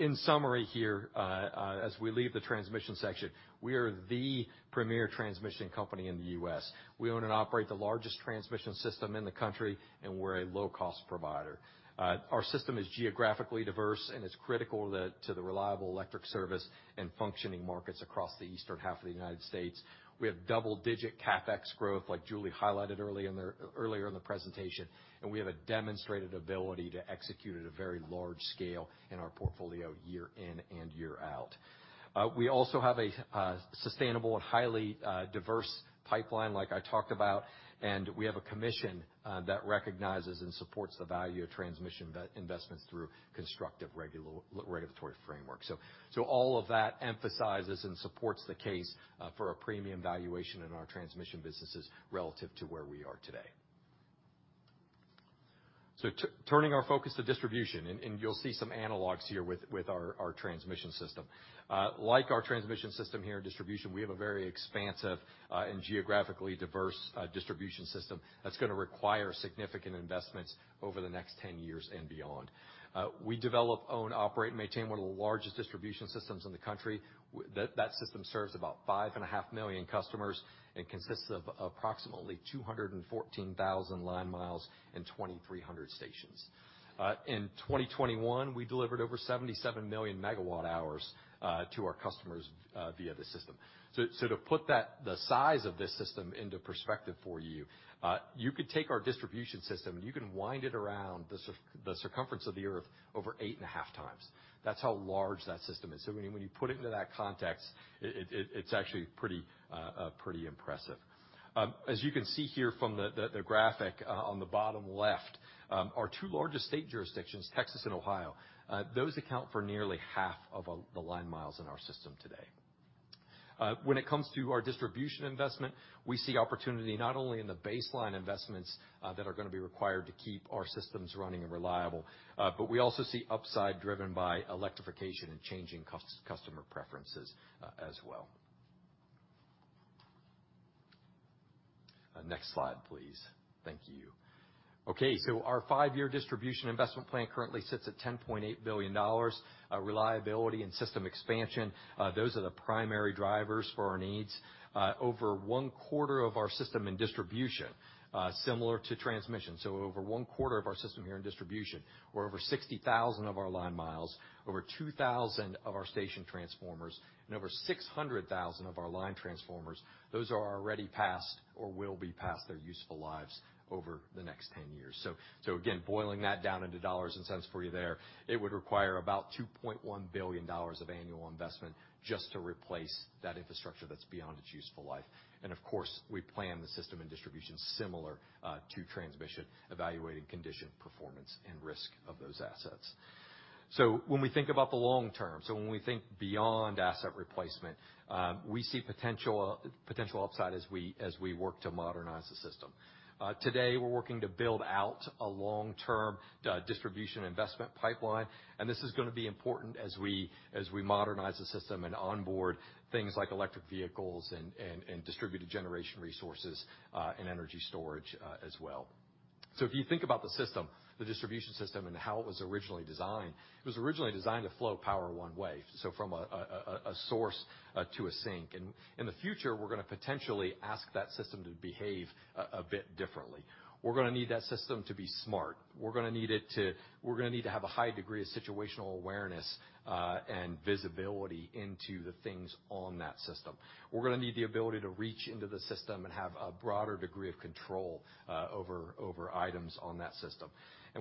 In summary here, as we leave the transmission section, we are the premier transmission company in the U.S. We own and operate the largest transmission system in the country, and we're a low-cost provider. Our system is geographically diverse, and it's critical to the reliable electric service and functioning markets across the eastern half of the United States. We have double-digit CapEx growth, like Julie highlighted earlier in the presentation, and we have a demonstrated ability to execute at a very large scale in our portfolio year in and year out. We also have a sustainable and highly diverse pipeline, like I talked about, and we have a commission that recognizes and supports the value of transmission investments through constructive regulatory frameworks. All of that emphasizes and supports the case for a premium valuation in our transmission businesses relative to where we are today. Turning our focus to distribution, and you'll see some analogs here with our transmission system. Like our transmission system here in distribution, we have a very expansive and geographically diverse distribution system that's gonna require significant investments over the next 10 years and beyond. We develop, own, operate, and maintain one of the largest distribution systems in the country. That system serves about 5.5 million customers and consists of approximately 214,000 line miles and 2,300 stations. In 2021, we delivered over 77 million MWh to our customers via the system. To put the size of this system into perspective for you could take our distribution system, and you can wind it around the circumference of the Earth over 8.5 times. That's how large that system is. When you put it into that context, it's actually pretty impressive. As you can see here from the graphic on the bottom left, our two largest state jurisdictions, Texas and Ohio, those account for nearly half of the line miles in our system today. When it comes to our distribution investment, we see opportunity not only in the baseline investments that are gonna be required to keep our systems running and reliable, but we also see upside driven by electrification and changing customer preferences as well. Next slide, please. Thank you. Our five-year distribution investment plan currently sits at $10.8 billion. Reliability and system expansion, those are the primary drivers for our needs. Over one-quarter of our system in distribution, similar to transmission, over one-quarter of our system here in distribution, or over 60,000 of our line miles, over 2,000 of our station transformers, and over 600,000 of our line transformers, those are already past or will be past their useful lives over the next 10 years. Again, boiling that down into dollars and cents for you there, it would require about $2.1 billion of annual investment just to replace that infrastructure that's beyond its useful life. Of course, we plan the system in distribution similar to transmission, evaluating condition, performance, and risk of those assets. When we think about the long term, when we think beyond asset replacement, we see potential upside as we work to modernize the system. Today, we're working to build out a long-term distribution investment pipeline, and this is gonna be important as we modernize the system and onboard things like electric vehicles and distributed generation resources, and energy storage, as well. If you think about the system, the distribution system and how it was originally designed, it was originally designed to flow power one way, so from a source to a sink. In the future, we're gonna potentially ask that system to behave a bit differently. We're gonna need that system to be smart. We're gonna need it to have a high degree of situational awareness, and visibility into the things on that system. We're gonna need the ability to reach into the system and have a broader degree of control, over items on that system.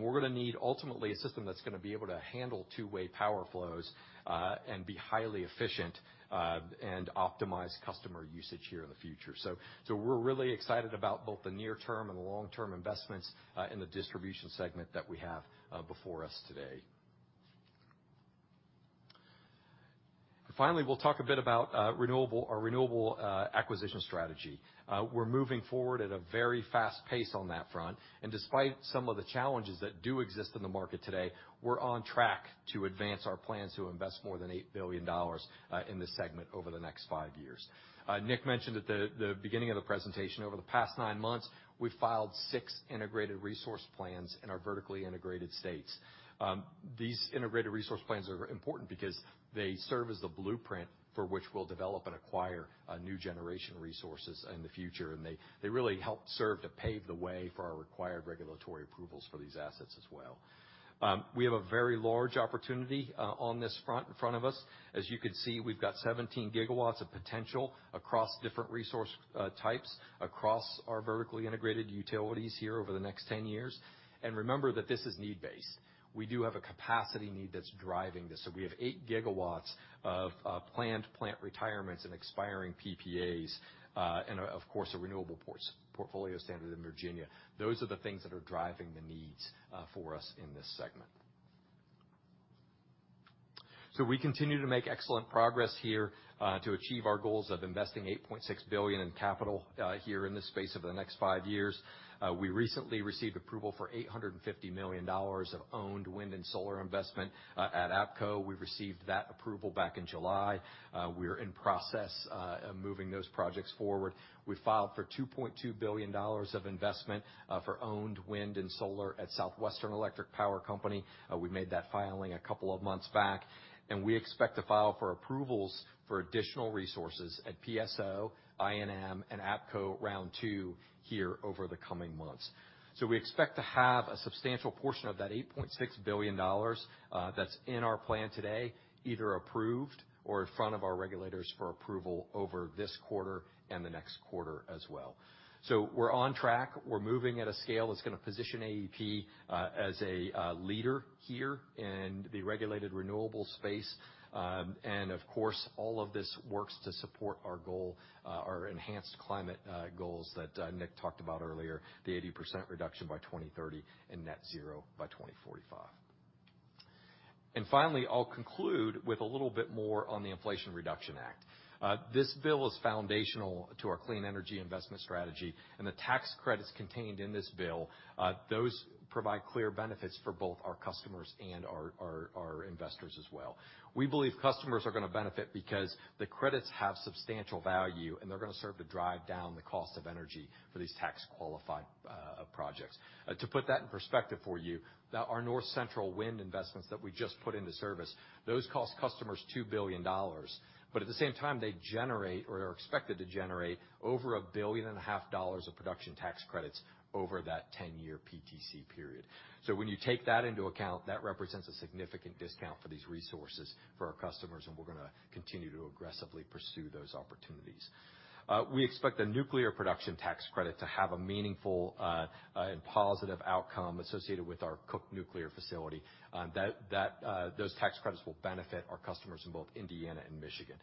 We're gonna need ultimately a system that's gonna be able to handle two-way power flows, and be highly efficient, and optimize customer usage here in the future. We're really excited about both the near term and the long-term investments, in the distribution segment that we have, before us today. Finally, we'll talk a bit about our renewable acquisition strategy. We're moving forward at a very fast pace on that front. Despite some of the challenges that do exist in the market today, we're on track to advance our plans to invest more than $8 billion in this segment over the next five years. Nick mentioned at the beginning of the presentation, over the past nine months, we filed six integrated resource plans in our vertically integrated states. These integrated resource plans are important because they serve as the blueprint for which we'll develop and acquire new generation resources in the future. They really help serve to pave the way for our required regulatory approvals for these assets as well. We have a very large opportunity on this front in front of us. As you can see, we've got 17 GW of potential across different resource types, across our vertically integrated utilities here over the next 10 years. Remember that this is need-based. We do have a capacity need that's driving this. We have 8 GW of planned plant retirements and expiring PPAs, and of course, a renewable portfolio standard in Virginia. Those are the things that are driving the needs for us in this segment. We continue to make excellent progress here to achieve our goals of investing $8.6 billion in capital here in this space over the next five years. We recently received approval for $850 million of owned wind and solar investment at APCO. We received that approval back in July. We're in process of moving those projects forward. We filed for $2.2 billion of investment for owned wind and solar at Southwestern Electric Power Company. We made that filing a couple of months back, and we expect to file for approvals for additional resources at PSO, I&M, and APCO Round Two here over the coming months. We expect to have a substantial portion of that $8.6 billion that's in our plan today, either approved or in front of our regulators for approval over this quarter and the next quarter as well. We're on track. We're moving at a scale that's gonna position AEP as a leader here in the regulated renewable space. Of course, all of this works to support our goal, our enhanced climate goals that Nick talked about earlier, the 80% reduction by 2030 and net zero by 2045. Finally, I'll conclude with a little bit more on the Inflation Reduction Act. This bill is foundational to our clean energy investment strategy, and the tax credits contained in this bill, those provide clear benefits for both our customers and our investors as well. We believe customers are gonna benefit because the credits have substantial value, and they're gonna serve to drive down the cost of energy for these tax-qualified projects. To put that in perspective for you, our North Central wind investments that we just put into service, those cost customers $2 billion. At the same time, they generate or are expected to generate over $1.5 billion of production tax credits over that 10-year PTC period. When you take that into account, that represents a significant discount for these resources for our customers, and we're gonna continue to aggressively pursue those opportunities. We expect the nuclear production tax credit to have a meaningful and positive outcome associated with our Cook Nuclear facility. Those tax credits will benefit our customers in both Indiana and Michigan.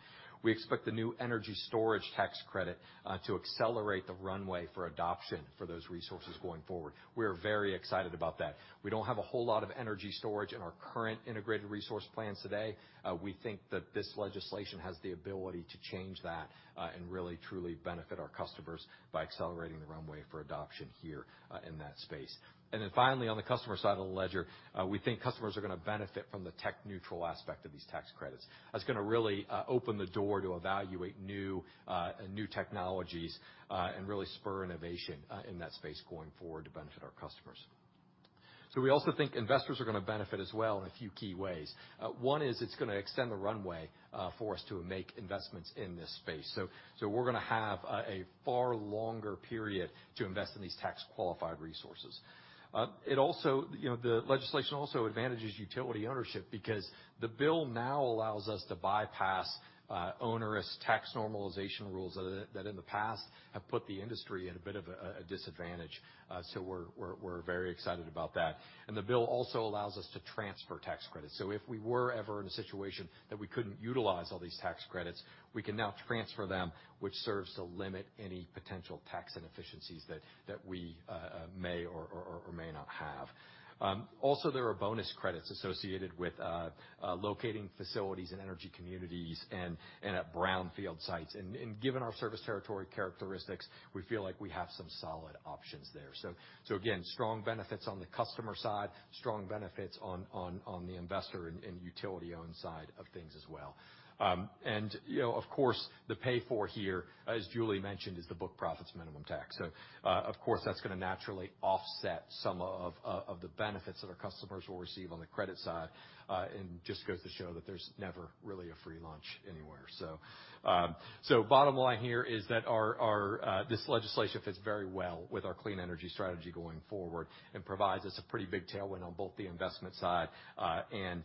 We expect the new energy storage tax credit to accelerate the runway for adoption for those resources going forward. We're very excited about that. We don't have a whole lot of energy storage in our current integrated resource plans today. We think that this legislation has the ability to change that and really, truly benefit our customers by accelerating the runway for adoption here in that space. Finally, on the customer side of the ledger, we think customers are gonna benefit from the tech neutral aspect of these tax credits. That's gonna really open the door to evaluate new technologies and really spur innovation in that space going forward to benefit our customers. We also think investors are going to benefit as well in a few key ways. One is it's gonna extend the runway for us to make investments in this space. We're gonna have a far longer period to invest in these tax-qualified resources. It also, you know, the legislation also advantages utility ownership because the bill now allows us to bypass onerous tax normalization rules that in the past have put the industry at a bit of a disadvantage. We're very excited about that. The bill also allows us to transfer tax credits. If we were ever in a situation that we couldn't utilize all these tax credits, we can now transfer them, which serves to limit any potential tax inefficiencies that we may or may not have. Also there are bonus credits associated with locating facilities in energy communities and at brownfield sites. Given our service territory characteristics, we feel like we have some solid options there. Again, strong benefits on the customer side, strong benefits on the investor and utility-owned side of things as well. You know, of course, the payoff here, as Julie mentioned, is the book minimum tax. Of course, that's gonna naturally offset some of the benefits that our customers will receive on the credit side. Just goes to show that there's never really a free lunch anywhere. Bottom line here is that our this legislation fits very well with our clean energy strategy going forward and provides us a pretty big tailwind on both the investment side and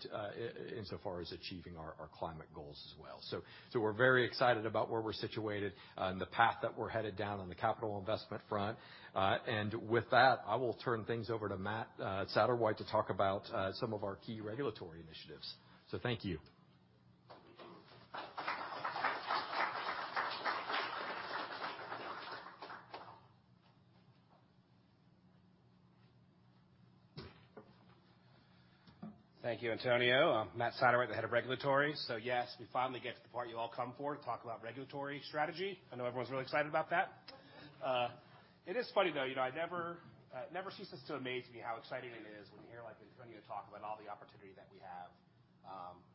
insofar as achieving our climate goals as well. We're very excited about where we're situated and the path that we're headed down on the capital investment front. With that, I will turn things over to Matt Satterwhite to talk about some of our key regulatory initiatives. Thank you. Thank you, Antonio. I'm Matt Satterwhite, the Head of Regulatory. Yes, we finally get to the part you all come for to talk about regulatory strategy. I know everyone's really excited about that. It is funny, though. You know, it never ceases to amaze me how exciting it is when you hear like Antonio talk about all the opportunity that we have.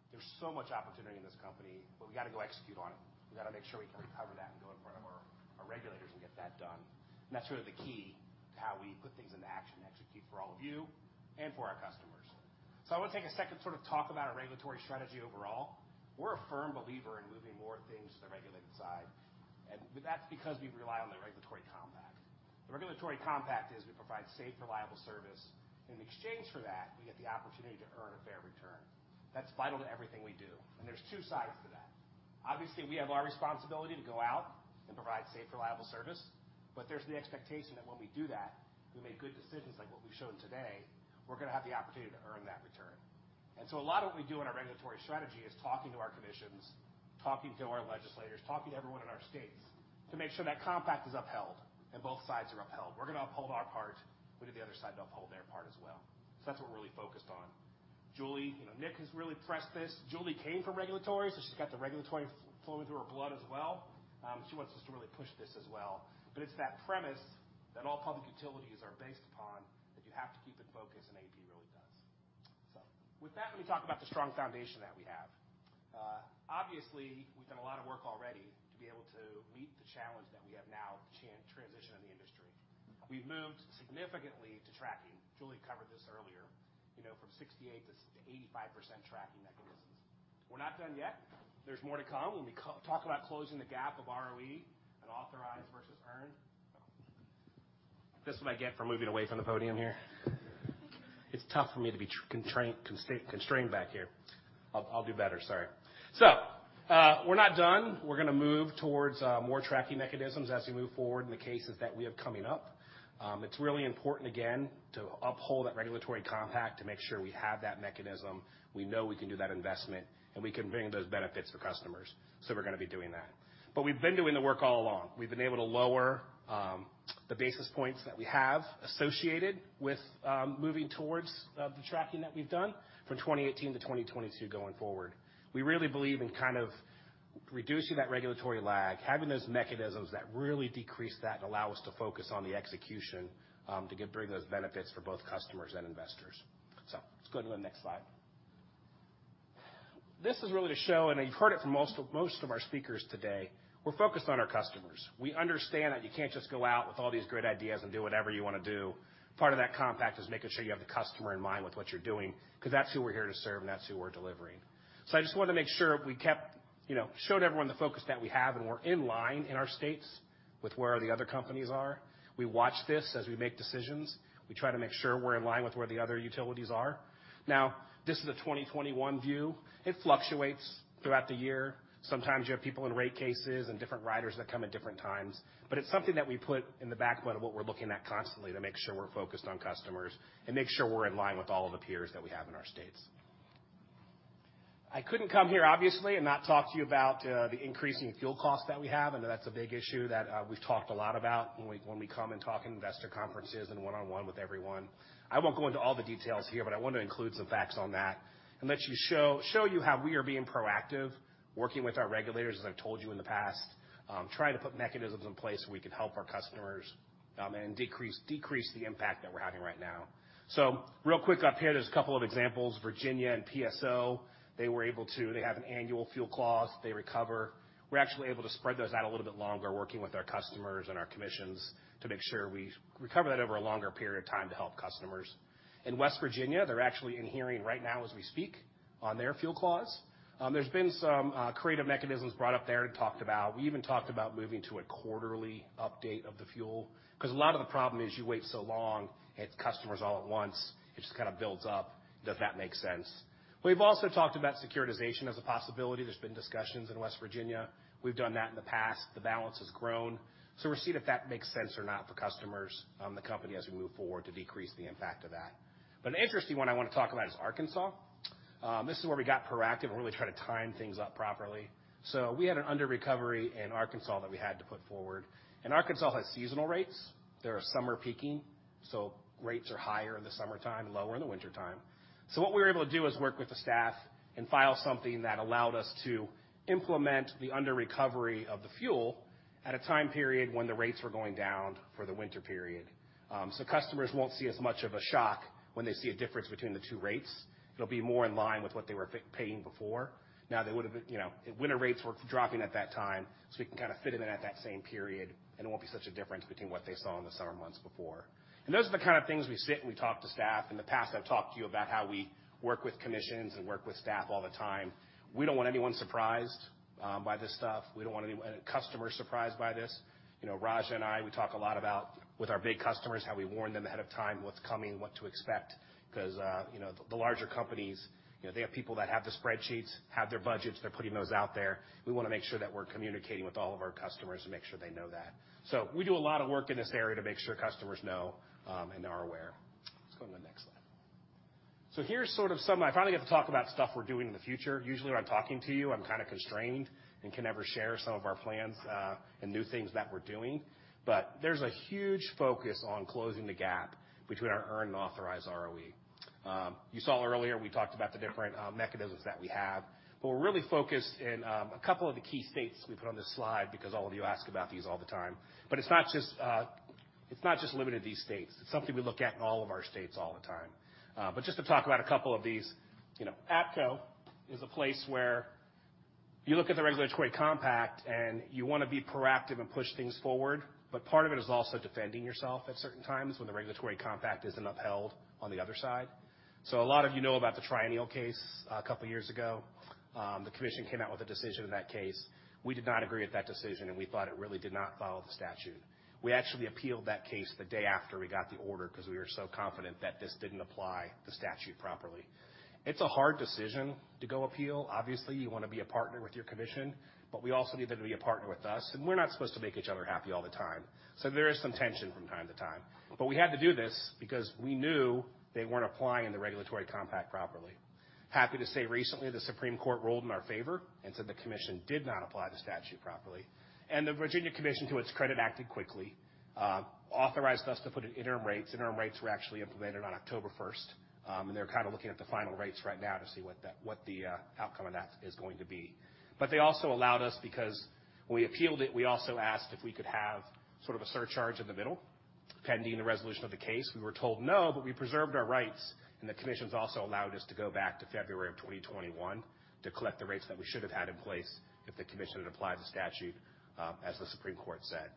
There's so much opportunity in this company, but we gotta go execute on it. We gotta make sure we can recover that and go in front of our regulators and get that done. That's really the key to how we put things into action and execute for all of you and for our customers. I wanna take a second to sort of talk about our regulatory strategy overall. We're a firm believer in moving more things to the regulated side, and that's because we rely on the regulatory compact. The regulatory compact is we provide safe, reliable service. In exchange for that, we get the opportunity to earn a fair return. That's vital to everything we do. There's two sides to that. Obviously, we have our responsibility to go out and provide safe, reliable service, but there's the expectation that when we do that, we make good decisions like what we've shown today, we're gonna have the opportunity to earn that return. A lot of what we do in our regulatory strategy is talking to our commissions, talking to our legislators, talking to everyone in our states to make sure that compact is upheld and both sides are upheld. We're gonna uphold our part. We need the other side to uphold their part as well. That's what we're really focused on. Julie, you know, Nick has really pressed this. Julie came from regulatory, so she's got the regulatory flowing through her blood as well. She wants us to really push this as well. It's that premise that all public utilities are based upon that you have to keep in focus, and AEP really does. With that, let me talk about the strong foundation that we have. Obviously, we've done a lot of work already to be able to meet the challenge that we have now with the transition in the industry. We've moved significantly to tracking. Julie covered this earlier, you know, from 68%-85% tracking mechanisms. We're not done yet. There's more to come. When we talk about closing the gap of ROE and authorized versus earned. This is what I get for moving away from the podium here. It's tough for me to be constrained back here. I'll do better. Sorry. We're not done. We're gonna move towards more tracking mechanisms as we move forward in the cases that we have coming up. It's really important, again, to uphold that regulatory compact to make sure we have that mechanism, we know we can do that investment, and we can bring those benefits to customers. We're gonna be doing that. We've been doing the work all along. We've been able to lower the basis points that we have associated with moving towards the tracking that we've done from 2018 to 2022 going forward. We really believe in kind of reducing that regulatory lag, having those mechanisms that really decrease that and allow us to focus on the execution to bring those benefits for both customers and investors. Let's go to the next slide. This is really to show, and you've heard it from most of our speakers today, we're focused on our customers. We understand that you can't just go out with all these great ideas and do whatever you wanna do. Part of that compact is making sure you have the customer in mind with what you're doing, 'cause that's who we're here to serve, and that's who we're delivering. I just wanted to make sure we kept, you know, showed everyone the focus that we have, and we're in line in our states with where the other companies are. We watch this as we make decisions. We try to make sure we're in line with where the other utilities are. Now, this is a 2021 view. It fluctuates throughout the year. Sometimes you have people in rate cases and different riders that come at different times. It's something that we put in the back of what we're looking at constantly to make sure we're focused on customers and make sure we're in line with all of the peers that we have in our states. I couldn't come here, obviously, and not talk to you about the increasing fuel costs that we have, and that's a big issue that we've talked a lot about when we come and talk in investor conferences and one-on-one with everyone. I won't go into all the details here, but I want to include some facts on that and show you how we are being proactive, working with our regulators, as I've told you in the past, trying to put mechanisms in place so we can help our customers and decrease the impact that we're having right now. Real quick up here, there's a couple of examples. Virginia and PSO, they have an annual fuel clause they recover. We're actually able to spread those out a little bit longer, working with our customers and our commissions to make sure we recover that over a longer period of time to help customers. In West Virginia, they're actually in hearing right now as we speak on their fuel clause. There's been some creative mechanisms brought up there and talked about. We even talked about moving to a quarterly update of the fuel, 'cause a lot of the problem is you wait so long, hit customers all at once, it just kind of builds up. Does that make sense? We've also talked about securitization as a possibility. There's been discussions in West Virginia. We've done that in the past. The balance has grown. We'll see if that makes sense or not for customers, the company as we move forward to decrease the impact of that. An interesting one I want to talk about is Arkansas. This is where we got proactive and really tried to time things up properly. We had an under recovery in Arkansas that we had to put forward. Arkansas has seasonal rates. They are summer peaking, so rates are higher in the summertime and lower in the wintertime. What we were able to do is work with the staff and file something that allowed us to implement the under recovery of the fuel at a time period when the rates were going down for the winter period. Customers won't see as much of a shock when they see a difference between the two rates. It'll be more in line with what they were paying before. Now they would have been, you know, winter rates were dropping at that time, so we can kind of fit them in at that same period, and it won't be such a difference between what they saw in the summer months before. Those are the kind of things we sit and we talk to staff. In the past, I've talked to you about how we work with commissions and work with staff all the time. We don't want anyone surprised by this stuff. We don't want any customers surprised by this. You know, Raja and I, we talk a lot about with our big customers, how we warn them ahead of time, what's coming, what to expect, 'cause, you know, the larger companies, you know, they have people that have the spreadsheets, have their budgets, they're putting those out there. We want to make sure that we're communicating with all of our customers and make sure they know that. We do a lot of work in this area to make sure customers know, and are aware. Let's go on the next slide. I finally get to talk about stuff we're doing in the future. Usually, when I'm talking to you, I'm kind of constrained and can never share some of our plans, and new things that we're doing. There's a huge focus on closing the gap between our earned and authorized ROE. You saw earlier, we talked about the different mechanisms that we have, but we're really focused in a couple of the key states we put on this slide because all of you ask about these all the time. It's not just limited to these states. It's something we look at in all of our states all the time. Just to talk about a couple of these, you know, APCO is a place where you look at the regulatory compact and you want to be proactive and push things forward. Part of it is also defending yourself at certain times when the regulatory compact isn't upheld on the other side. A lot of you know about the triennial case a couple of years ago. The commission came out with a decision in that case. We did not agree with that decision, and we thought it really did not follow the statute. We actually appealed that case the day after we got the order because we were so confident that this didn't apply the statute properly. It's a hard decision to go appeal. Obviously, you want to be a partner with your commission, but we also need them to be a partner with us, and we're not supposed to make each other happy all the time. There is some tension from time to time. We had to do this because we knew they weren't applying the regulatory compact properly. Happy to say recently, the Supreme Court ruled in our favor and said the commission did not apply the statute properly. The Virginia Commission, to its credit, acted quickly, authorized us to put in interim rates. Interim rates were actually implemented on October first, and they're kind of looking at the final rates right now to see what the outcome of that is going to be. They also allowed us because when we appealed it, we also asked if we could have sort of a surcharge in the middle pending the resolution of the case. We were told no, but we preserved our rights, and the commission's also allowed us to go back to February of 2021 to collect the rates that we should have had in place if the commission had applied the statute, as the Supreme Court said.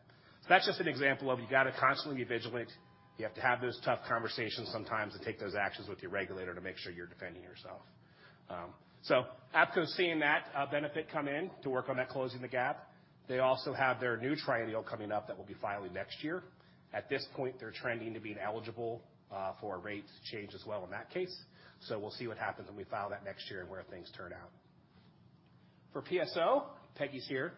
That's just an example of you got to constantly be vigilant. You have to have those tough conversations sometimes and take those actions with your regulator to make sure you're defending yourself. APCO is seeing that benefit come in to work on that closing the gap. They also have their new triennial coming up that will be filing next year. At this point, they're trending to being eligible for a rate change as well in that case. We'll see what happens when we file that next year and where things turn out. For PSO, Peggy's here.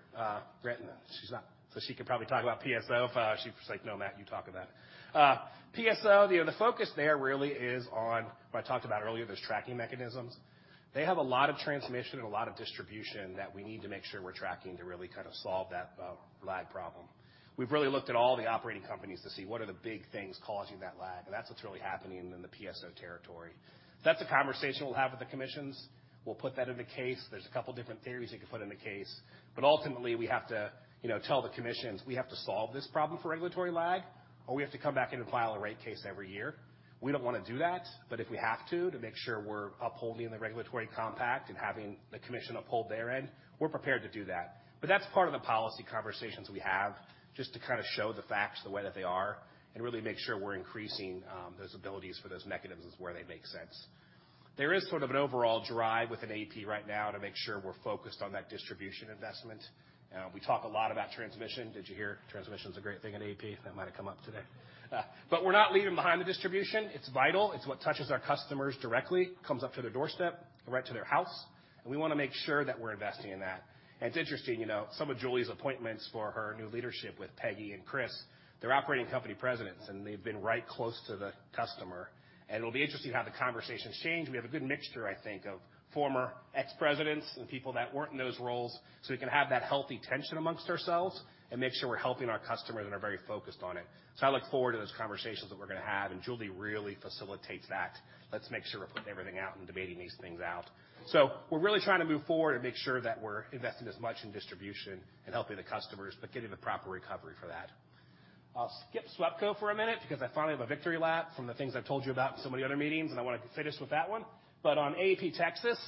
She's not. She could probably talk about PSO if she's like, "No, Matt, you talk about it." PSO, you know, the focus there really is on what I talked about earlier, those tracking mechanisms. They have a lot of transmission and a lot of distribution that we need to make sure we're tracking to really kind of solve that, lag problem. We've really looked at all the operating companies to see what are the big things causing that lag, and that's what's really happening in the PSO territory. That's a conversation we'll have with the commissions. We'll put that in the case. There's a couple different theories they could put in the case. Ultimately, we have to, you know, tell the commissions we have to solve this problem for regulatory lag, or we have to come back in and file a rate case every year. We don't want to do that. If we have to make sure we're upholding the regulatory compact and having the commission uphold their end, we're prepared to do that. That's part of the policy conversations we have just to kind of show the facts the way that they are and really make sure we're increasing those abilities for those mechanisms where they make sense. There is sort of an overall drive with an AEP right now to make sure we're focused on that distribution investment. We talk a lot about transmission. Did you hear? Transmission is a great thing at AEP. That might have come up today. We're not leaving behind the distribution. It's vital. It's what touches our customers directly, comes up to their doorstep, right to their house, and we want to make sure that we're investing in that. It's interesting, you know, some of Julie's appointments for her new leadership with Peggy and Chris, they're operating company presidents, and they've been right close to the customer. It'll be interesting how the conversations change. We have a good mixture, I think, of former ex-presidents and people that weren't in those roles, so we can have that healthy tension among ourselves and make sure we're helping our customers and are very focused on it. I look forward to those conversations that we're going to have, and Julie really facilitates that. Let's make sure we're putting everything out and debating these things out. We're really trying to move forward and make sure that we're investing as much in distribution and helping the customers, but getting the proper recovery for that. I'll skip SWEPCO for a minute because I finally have a victory lap from the things I've told you about in so many other meetings, and I want to finish with that one. On AEP Texas,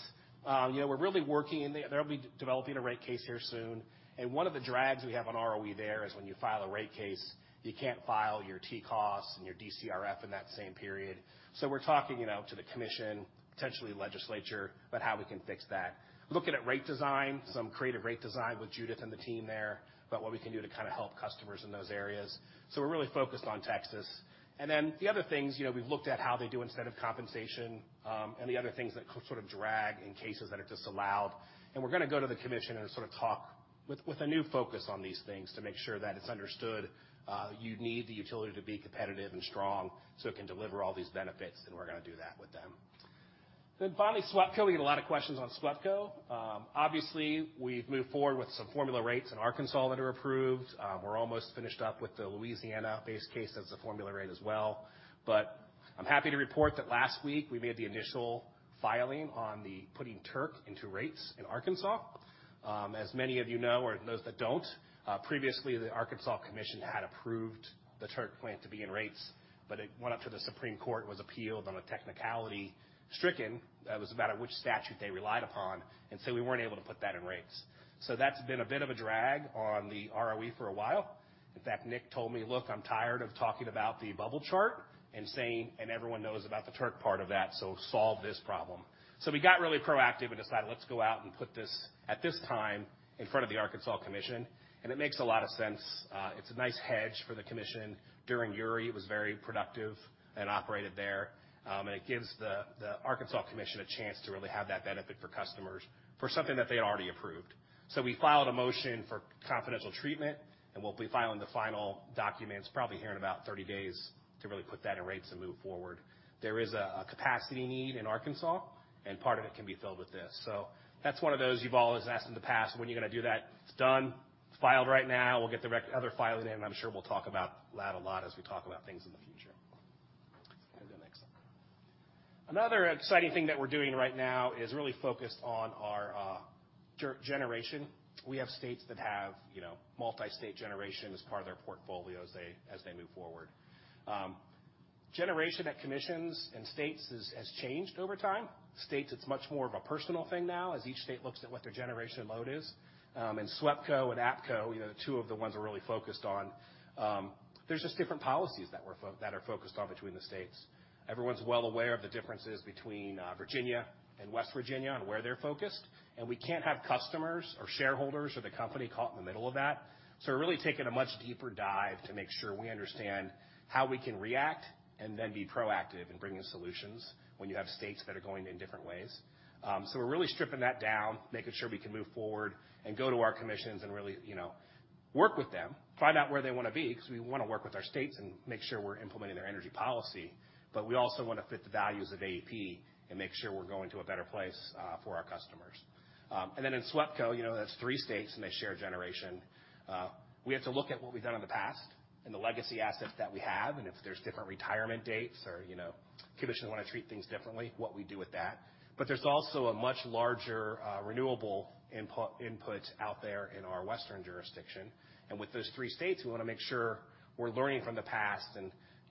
you know, we're really working, and they'll be developing a rate case here soon. One of the drags we have on ROE there is when you file a rate case, you can't file your T&D costs and your DCRF in that same period. We're talking, you know, to the commission, potentially legislature, about how we can fix that. Looking at rate design, some creative rate design with Judith and the team there about what we can do to kind of help customers in those areas. We're really focused on Texas. Then the other things, you know, we've looked at how they do incentive compensation, and the other things that sort of drag in cases that are disallowed. We're gonna go to the commission and sort of talk with a new focus on these things to make sure that it's understood, you need the utility to be competitive and strong so it can deliver all these benefits, and we're gonna do that with them. Finally, SWEPCO, we get a lot of questions on SWEPCO. Obviously, we've moved forward with some formula rates in Arkansas that are approved. We're almost finished up with the Louisiana-based case as a formula rate as well. I'm happy to report that last week we made the initial filing on the putting Turk into rates in Arkansas. As many of you know or those that don't, previously, the Arkansas Commission had approved the Turk plan to be in rates, but it went up to the Supreme Court, was appealed on a technicality, stricken. That was about which statute they relied upon, and so we weren't able to put that in rates. That's been a bit of a drag on the ROE for a while. In fact, Nick told me, "Look, I'm tired of talking about the bubble chart and saying, 'Everyone knows about the FERC part of that, so solve this problem.'" We got really proactive and decided, let's go out and put this, at this time, in front of the Arkansas Commission, and it makes a lot of sense. It's a nice hedge for the commission. During Uri, it was very productive and operated there. It gives the Arkansas Commission a chance to really have that benefit for customers for something that they had already approved. We filed a motion for confidential treatment, and we'll be filing the final documents probably here in about 30 days to really put that in rates and move forward. There is a capacity need in Arkansas, and part of it can be filled with this. That's one of those you've all asked in the past, "When are you gonna do that?" It's done. It's filed right now. We'll get the other filing in, and I'm sure we'll talk about that a lot as we talk about things in the future. You can go to the next slide. Another exciting thing that we're doing right now is really focused on our generation. We have states that have multi-state generation as part of their portfolio as they move forward. Generation at commissions and states has changed over time. States, it's much more of a personal thing now as each state looks at what their generation load is. SWEPCO and APCO, you know, the two of the ones we're really focused on, there's just different policies that are focused on between the states. Everyone's well aware of the differences between Virginia and West Virginia and where they're focused, and we can't have customers or shareholders or the company caught in the middle of that. We're really taking a much deeper dive to make sure we understand how we can react and then be proactive in bringing solutions when you have states that are going in different ways. We're really stripping that down, making sure we can move forward and go to our commissions and really, you know, work with them, find out where they want to be, because we want to work with our states and make sure we're implementing their energy policy. We also want to fit the values of AEP and make sure we're going to a better place for our customers. In SWEPCO, you know, that's three states, and they share generation. We have to look at what we've done in the past and the legacy assets that we have, and if there's different retirement dates or, you know, commissions want to treat things differently, what we do with that. There's also a much larger renewable input out there in our western jurisdiction. With those three states, we want to make sure we're learning from the past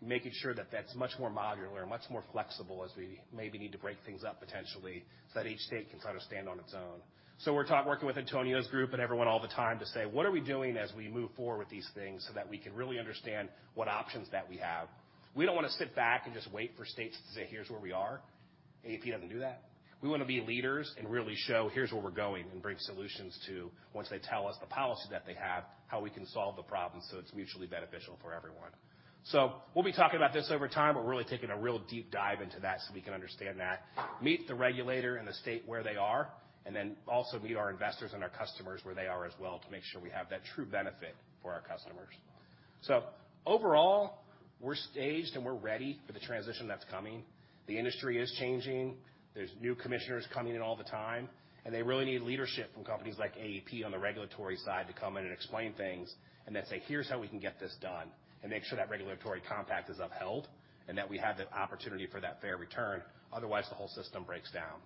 and making sure that that's much more modular and much more flexible as we maybe need to break things up potentially so that each state can kind of stand on its own. We're working with Antonio's group and everyone all the time to say, "What are we doing as we move forward with these things so that we can really understand what options that we have?" We don't want to sit back and just wait for states to say, "Here's where we are." AEP doesn't do that. We want to be leaders and really show here's where we're going and bring solutions to, once they tell us the policy that they have, how we can solve the problem so it's mutually beneficial for everyone. We'll be talking about this over time. We're really taking a real deep dive into that so we can understand that. Meet the regulator in the state where they are, and then also meet our investors and our customers where they are as well to make sure we have that true benefit for our customers. Overall, we're staged, and we're ready for the transition that's coming. The industry is changing. There's new commissioners coming in all the time, and they really need leadership from companies like AEP on the regulatory side to come in and explain things and then say, "Here's how we can get this done," and make sure that regulatory compact is upheld and that we have the opportunity for that fair return. Otherwise, the whole system breaks down.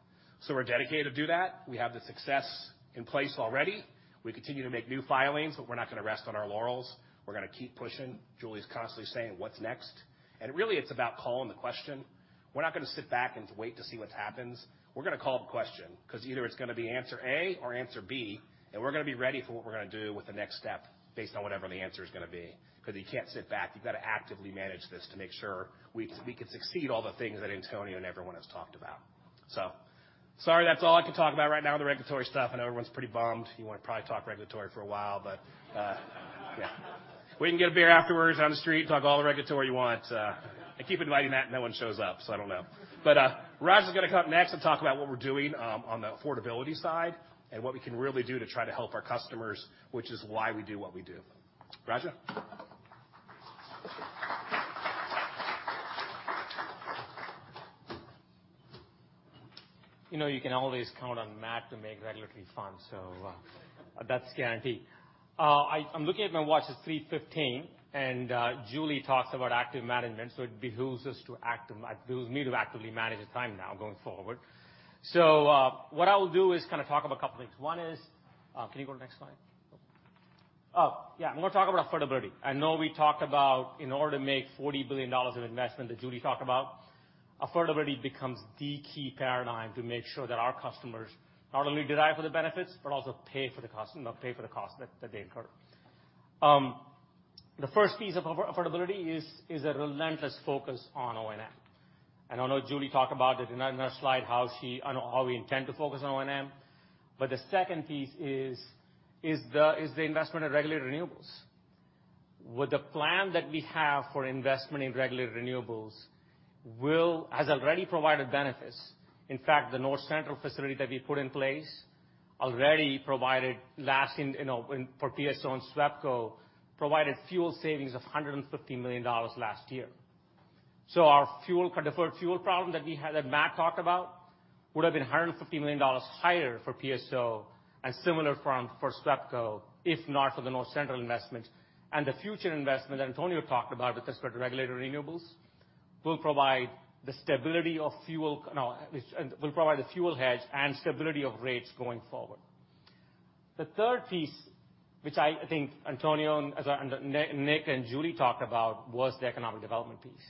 We're dedicated to do that. We have the success in place already. We continue to make new filings, but we're not going to rest on our laurels. We're going to keep pushing. Julie's constantly saying, "What's next?" Really, it's about calling the question. We're not going to sit back and wait to see what happens. We're going to call the question because either it's going to be answer A or answer B, and we're going to be ready for what we're going to do with the next step based on whatever the answer is going to be because you can't sit back. You've got to actively manage this to make sure we can succeed all the things that Antonio and everyone has talked about. Sorry, that's all I can talk about right now on the regulatory stuff. I know everyone's pretty bummed. You want to probably talk regulatory for a while, but yeah. We can get a beer afterwards on the street, talk all the regulatory you want. I keep inviting Matt, and no one shows up, so I don't know. Raja's gonna come up next and talk about what we're doing, on the affordability side and what we can really do to try to help our customers, which is why we do what we do. Raja. You know you can always count on Matt to make regulatory fun, so that's guaranteed. I'm looking at my watch, it's 3:15 P.M., and Julie talks about active management, so it behooves me to actively manage the time now going forward. What I will do is kind of talk about a couple things. One is, can you go to next slide? Oh, yeah. I'm gonna talk about affordability. I know we talked about in order to make $40 billion of investment that Julie talked about, affordability becomes the key paradigm to make sure that our customers not only derive the benefits, but also pay for the cost, you know, pay for the cost that they incur. The first piece of affordability is a relentless focus on O&M. I know Julie talked about it in another slide you know, how we intend to focus on O&M. The second piece is the investment in regulated renewables. With the plan that we have for investment in regulated renewables has already provided benefits. In fact, the North Central Energy Facilities that we put in place already provided lasting for PSO and SWEPCO, provided fuel savings of $150 million last year. Our deferred fuel problem that we had, that Matt talked about would have been $150 million higher for PSO and similar for SWEPCO, if not for the North Central Energy Facilities investment. The future investment that Antonio talked about with respect to regulated renewables will provide the fuel hedge and stability of rates going forward. The third piece, which I think Antonio and Nick and Julie talked about, was the economic development piece.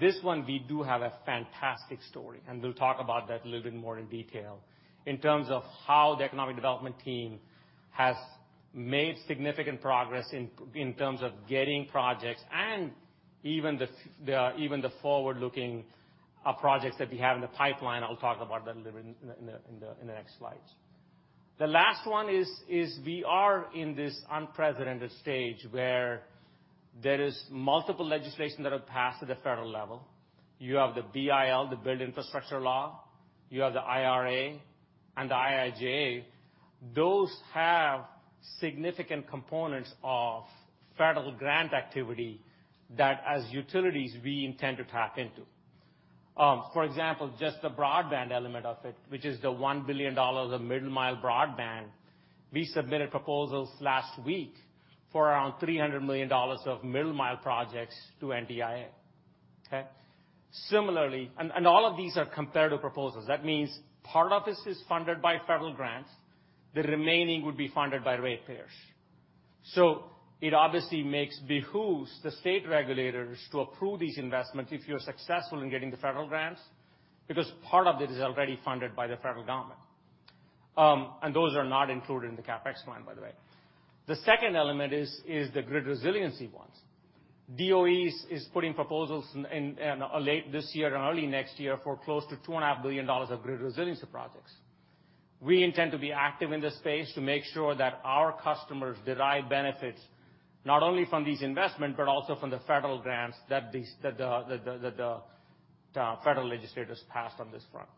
This one, we do have a fantastic story, and we'll talk about that a little bit more in detail in terms of how the economic development team has made significant progress in terms of getting projects and even the forward-looking projects that we have in the pipeline. I'll talk about that a little bit in the next slides. The last one is we are in this unprecedented stage where there is multiple legislation that have passed at the federal level. You have the BIL, the Bipartisan Infrastructure Law, you have the IRA and the IIJA. Those have significant components of federal grant activity that as utilities we intend to tap into. For example, just the broadband element of it, which is the $1 billion of middle mile broadband, we submitted proposals last week for around $300 million of middle mile projects to NTIA. Okay. Similarly, all of these are comparative proposals. That means part of this is funded by federal grants. The remaining would be funded by ratepayers. It obviously behooves the state regulators to approve these investments if you're successful in getting the federal grants, because part of it is already funded by the federal government. And those are not included in the CapEx plan, by the way. The second element is the grid resiliency ones. DOE is putting proposals in late this year and early next year for close to $2.5 billion of grid resiliency projects. We intend to be active in this space to make sure that our customers derive benefits not only from these investment, but also from the federal grants that the federal legislators passed on this front.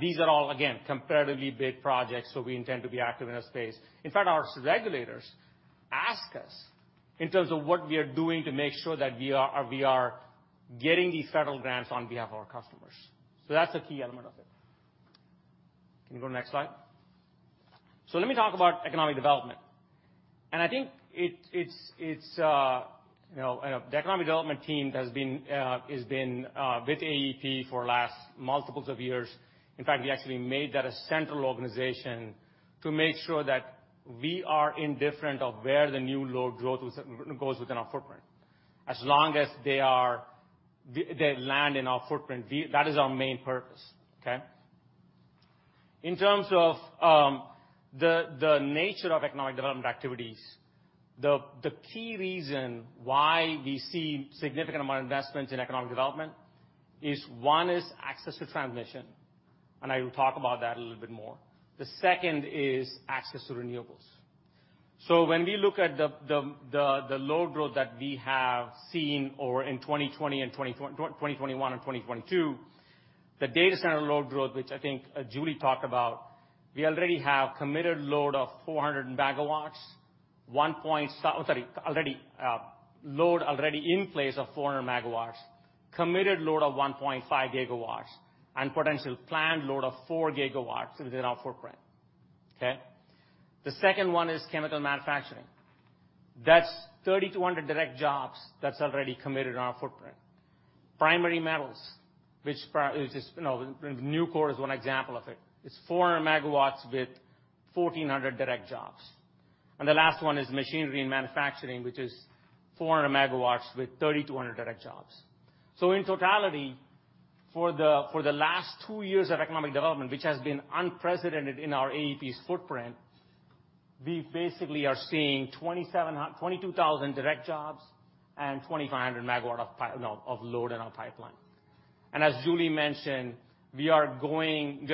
These are all, again, comparatively big projects, so we intend to be active in this space. In fact, our regulators ask us in terms of what we are doing to make sure that we are getting these federal grants on behalf of our customers. That's a key element of it. Can you go next slide? Let me talk about economic development. I think it's, you know, the economic development team has been with AEP for last multiples of years. In fact, we actually made that a central organization to make sure that we are indifferent of where the new load growth goes within our footprint. As long as they land in our footprint, that is our main purpose. In terms of the nature of economic development activities, the key reason why we see significant amount of investments in economic development is one, access to transmission, and I will talk about that a little bit more. The second is access to renewables. When we look at the load growth that we have seen over in 2020 and 2024. 2021 and 2022, the data center load growth, which I think Julie talked about, we already have load already in place of 400 MW, committed load of 1.5 GW and potential planned load of 4 GW within our footprint. Okay. The second one is chemical manufacturing. That's 3,200 direct jobs that's already committed in our footprint. Primary metals, which is, Nucor is one example of it. It's 400 MW with 1,400 direct jobs. The last one is machinery and manufacturing, which is 400 MW with 3,200 direct jobs. In totality, for the last two years of economic development, which has been unprecedented in our AEP's footprint, we basically are seeing 22,000 direct jobs and 2,500 MW of load in our pipeline. As Julie mentioned, we are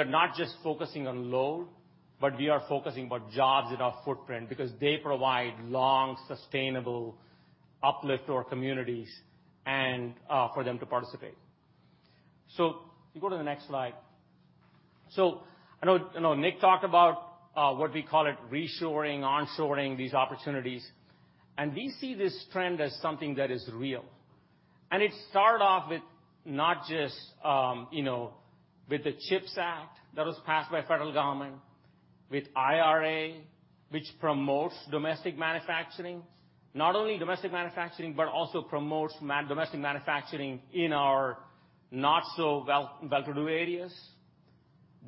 not just focusing on load, but we are focusing on jobs in our footprint because they provide long, sustainable uplift to our communities and for them to participate. If you go to the next slide. I know, you know, Nick talked about what we call reshoring, onshoring these opportunities, and we see this trend as something that is real. It started off with not just with the CHIPS Act that was passed by federal government, with IRA, which promotes domestic manufacturing, not only domestic manufacturing, but also promotes domestic manufacturing in our not so well-to-do areas.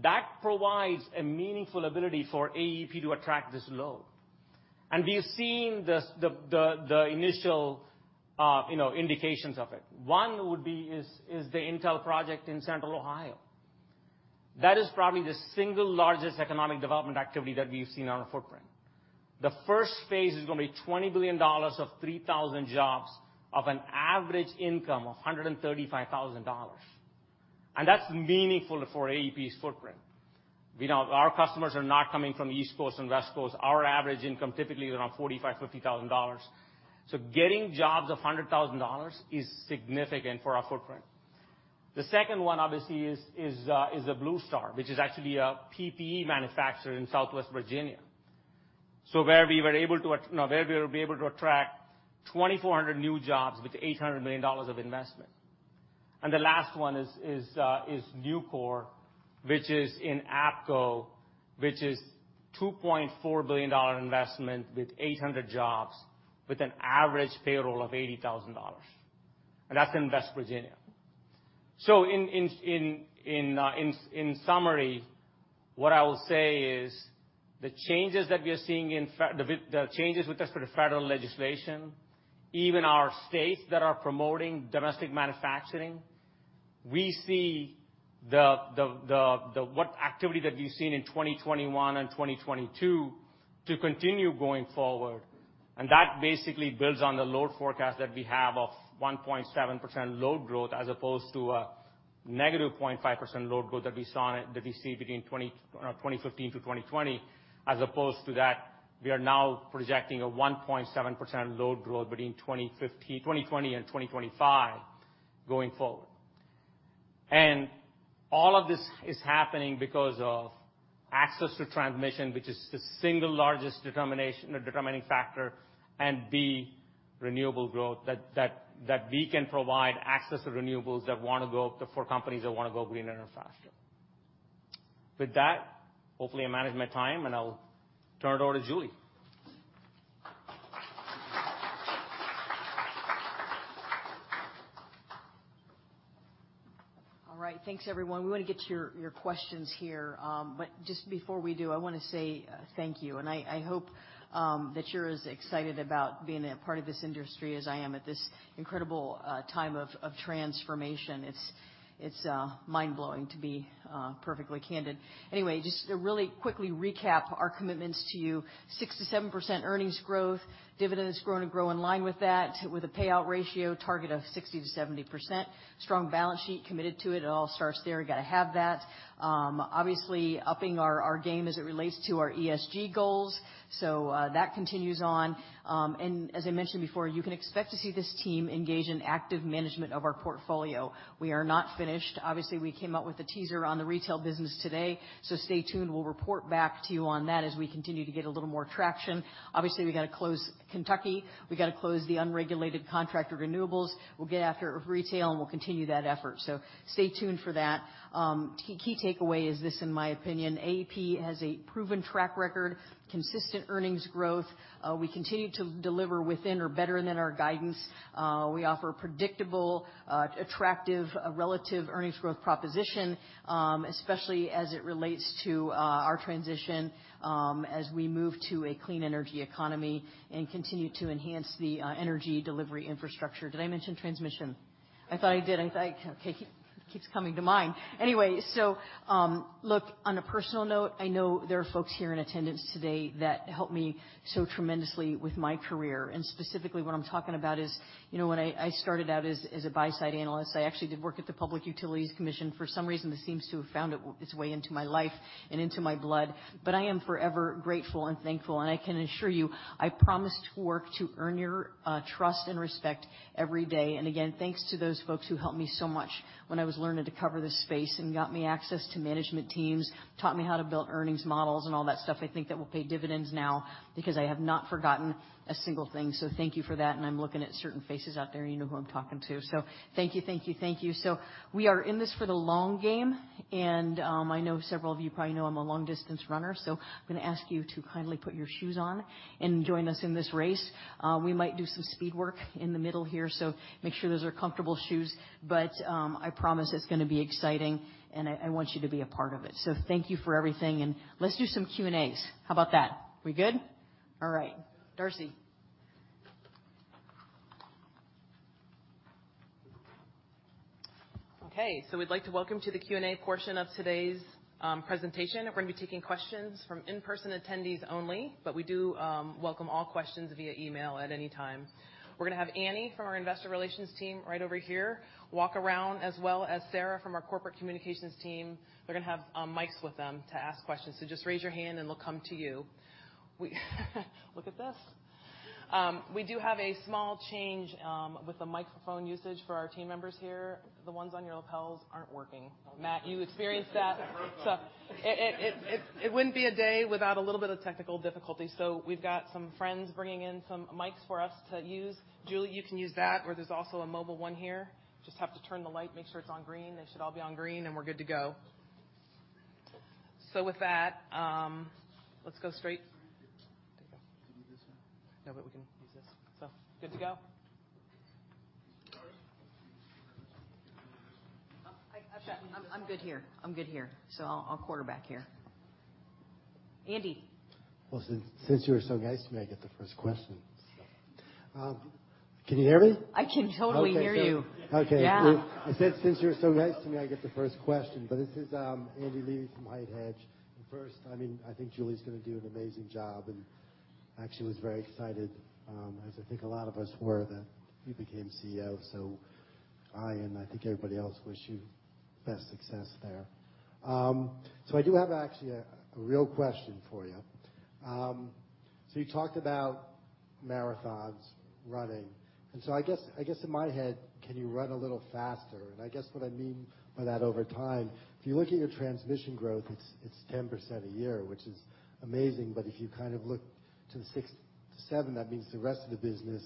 That provides a meaningful ability for AEP to attract this load. We've seen the initial indications of it. One would be the Intel project in Central Ohio. That is probably the single largest economic development activity that we've seen on our footprint. The first phase is gonna be $20 billion of 3,000 jobs of an average income of $135,000. That's meaningful for AEP's footprint. We know our customers are not coming from the East Coast and West Coast. Our average income typically is around $45,000-$50,000. Getting jobs of $100,000 is significant for our footprint. The second one, obviously, is the Blue Star NBR, which is actually a PPE manufacturer in Southwest Virginia. Where we'll be able to attract 2,400 new jobs with $800 million of investment. The last one is Nucor, which is in APCO, which is $2.4 billion investment with 800 jobs, with an average payroll of $80,000, and that's in West Virginia. In summary, what I will say is the changes that we are seeing in the activity that we've seen in 2021 and 2022 to continue going forward. That basically builds on the load forecast that we have of 1.7% load growth as opposed to -0.5% load growth that we saw that we see between 2015 to 2020, as opposed to that, we are now projecting a 1.7% load growth between 2015 2020 and 2025 going forward. All of this is happening because of access to transmission, which is the single largest determination or determining factor, and B, renewable growth that we can provide access to renewables for companies that wanna go greener and faster. With that, hopefully I managed my time, and I'll turn it over to Julie. All right. Thanks, everyone. We want to get to your questions here. Just before we do, I wanna say thank you. I hope that you're as excited about being a part of this industry as I am at this incredible time of transformation. It's mind-blowing, to be perfectly candid. Anyway, just to really quickly recap our commitments to you. 6%-7% earnings growth. Dividends gonna grow in line with that, with a payout ratio target of 60%-70%. Strong balance sheet, committed to it. It all starts there. You gotta have that. Obviously upping our game as it relates to our ESG goals. That continues on. As I mentioned before, you can expect to see this team engage in active management of our portfolio. We are not finished. Obviously, we came out with a teaser on the retail business today, so stay tuned. We'll report back to you on that as we continue to get a little more traction. Obviously, we gotta close Kentucky. We gotta close the unregulated contract or renewables. We'll get after retail, and we'll continue that effort. Stay tuned for that. Key takeaway is this, in my opinion, AEP has a proven track record, consistent earnings growth. We continue to deliver within or better than our guidance. We offer predictable, attractive relative earnings growth proposition, especially as it relates to, our transition, as we move to a clean energy economy and continue to enhance the, energy delivery infrastructure. Did I mention transmission? I thought I did. I thought it keeps coming to mind. Look, on a personal note, I know there are folks here in attendance today that helped me so tremendously with my career, and specifically what I'm talking about is, you know, when I started out as a buy-side analyst. I actually did work at the Public Utilities Commission. For some reason, it seems to have found its way into my life and into my blood. I am forever grateful and thankful, and I can assure you, I promise to work to earn your trust and respect every day. Again, thanks to those folks who helped me so much when I was learning to cover this space and got me access to management teams, taught me how to build earnings models and all that stuff, I think that will pay dividends now because I have not forgotten a single thing. Thank you for that, and I'm looking at certain faces out there. You know who I'm talking to. Thank you, thank you, thank you. We are in this for the long game, and I know several of you probably know I'm a long-distance runner, so I'm gonna ask you to kindly put your shoes on and join us in this race. We might do some speed work in the middle here, so make sure those are comfortable shoes. I promise it's gonna be exciting, and I want you to be a part of it. Thank you for everything, and let's do some Q&As. How about that? We good? All right. Darcy. Okay. We'd like to welcome you to the Q&A portion of today's presentation. We're gonna be taking questions from in-person attendees only, but we do welcome all questions via e-mail at any time. We're gonna have Annie from our investor relations team right over here walk around, as well as Sarah from our corporate communications team. They're gonna have mics with them to ask questions. Just raise your hand, and they'll come to you. We look at this. We do have a small change with the microphone usage for our team members here. The ones on your lapels aren't working. Matt, you experienced that. It wouldn't be a day without a little bit of technical difficulty. We've got some friends bringing in some mics for us to use. Julie, you can use that, or there's also a mobile one here. Just have to turn the light, make sure it's on green. They should all be on green, and we're good to go. With that, let's go straight to. No, but we can use this. Good to go. I'm good here. I'll quarterback here. Andy? Well, since you were so nice to me, I get the first question. Can you hear me? I can totally hear you. Okay. Yeah. I said since you were so nice to me, I get t from the first question. This is Andy Levi from HITE Hedge. First, I mean, I think Julie's gonna do an amazing job, and actually was very excited, as I think a lot of us were that you became CEO. I think everybody else wish you the best success there. I do have actually a real question for you. You talked about marathons, running, and I guess in my head, can you run a little faster? I guess what I mean by that over time, if you look at your transmission growth, it's 10% a year, which is amazing, but if you kind of look to the 6%-7%, that means the rest of the business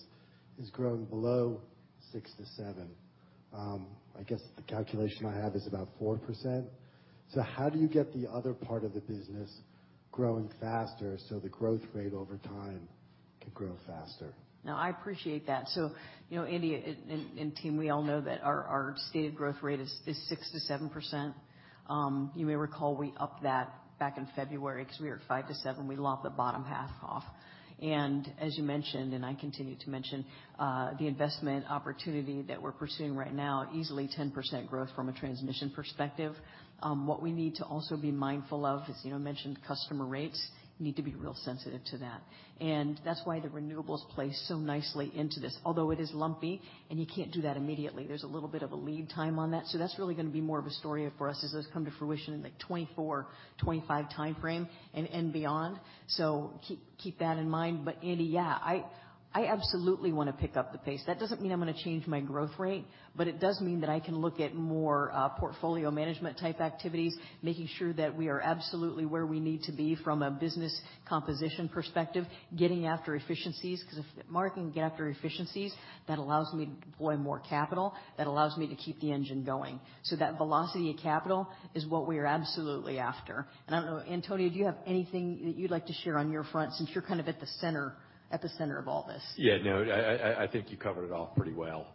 is growing below 6%-7%. I guess the calculation I have is about 4%. How do you get the other part of the business growing faster so the growth rate over time can grow faster? Now, I appreciate that. You know, Andy and team, we all know that our stated growth rate is 6%-7%. You may recall we upped that back in February 'cause we were at 5%-7%. We lopped the bottom half off. As you mentioned, and I continue to mention, the investment opportunity that we're pursuing right now, easily 10% growth from a transmission perspective. What we need to also be mindful of is I mentioned customer rates need to be real sensitive to that. That's why the renewables play so nicely into this. Although it is lumpy and you can't do that immediately, there's a little bit of a lead time on that. That's really gonna be more of a story for us as those come to fruition in like 2024, 2025 timeframe and beyond. Keep that in mind. Andy, yeah, I absolutely wanna pick up the pace. That doesn't mean I'm gonna change my growth rate, but it does mean that I can look at more, portfolio management type activities, making sure that we are absolutely where we need to be from a business composition perspective, getting after efficiencies. 'Cause if getting after efficiencies, that allows me to deploy more capital, that allows me to keep the engine going. That velocity of capital is what we are absolutely after. I don't know, Antonio, do you have anything that you'd like to share on your front since you're kind of at the center of all this? Yeah, no, I think you covered it off pretty well.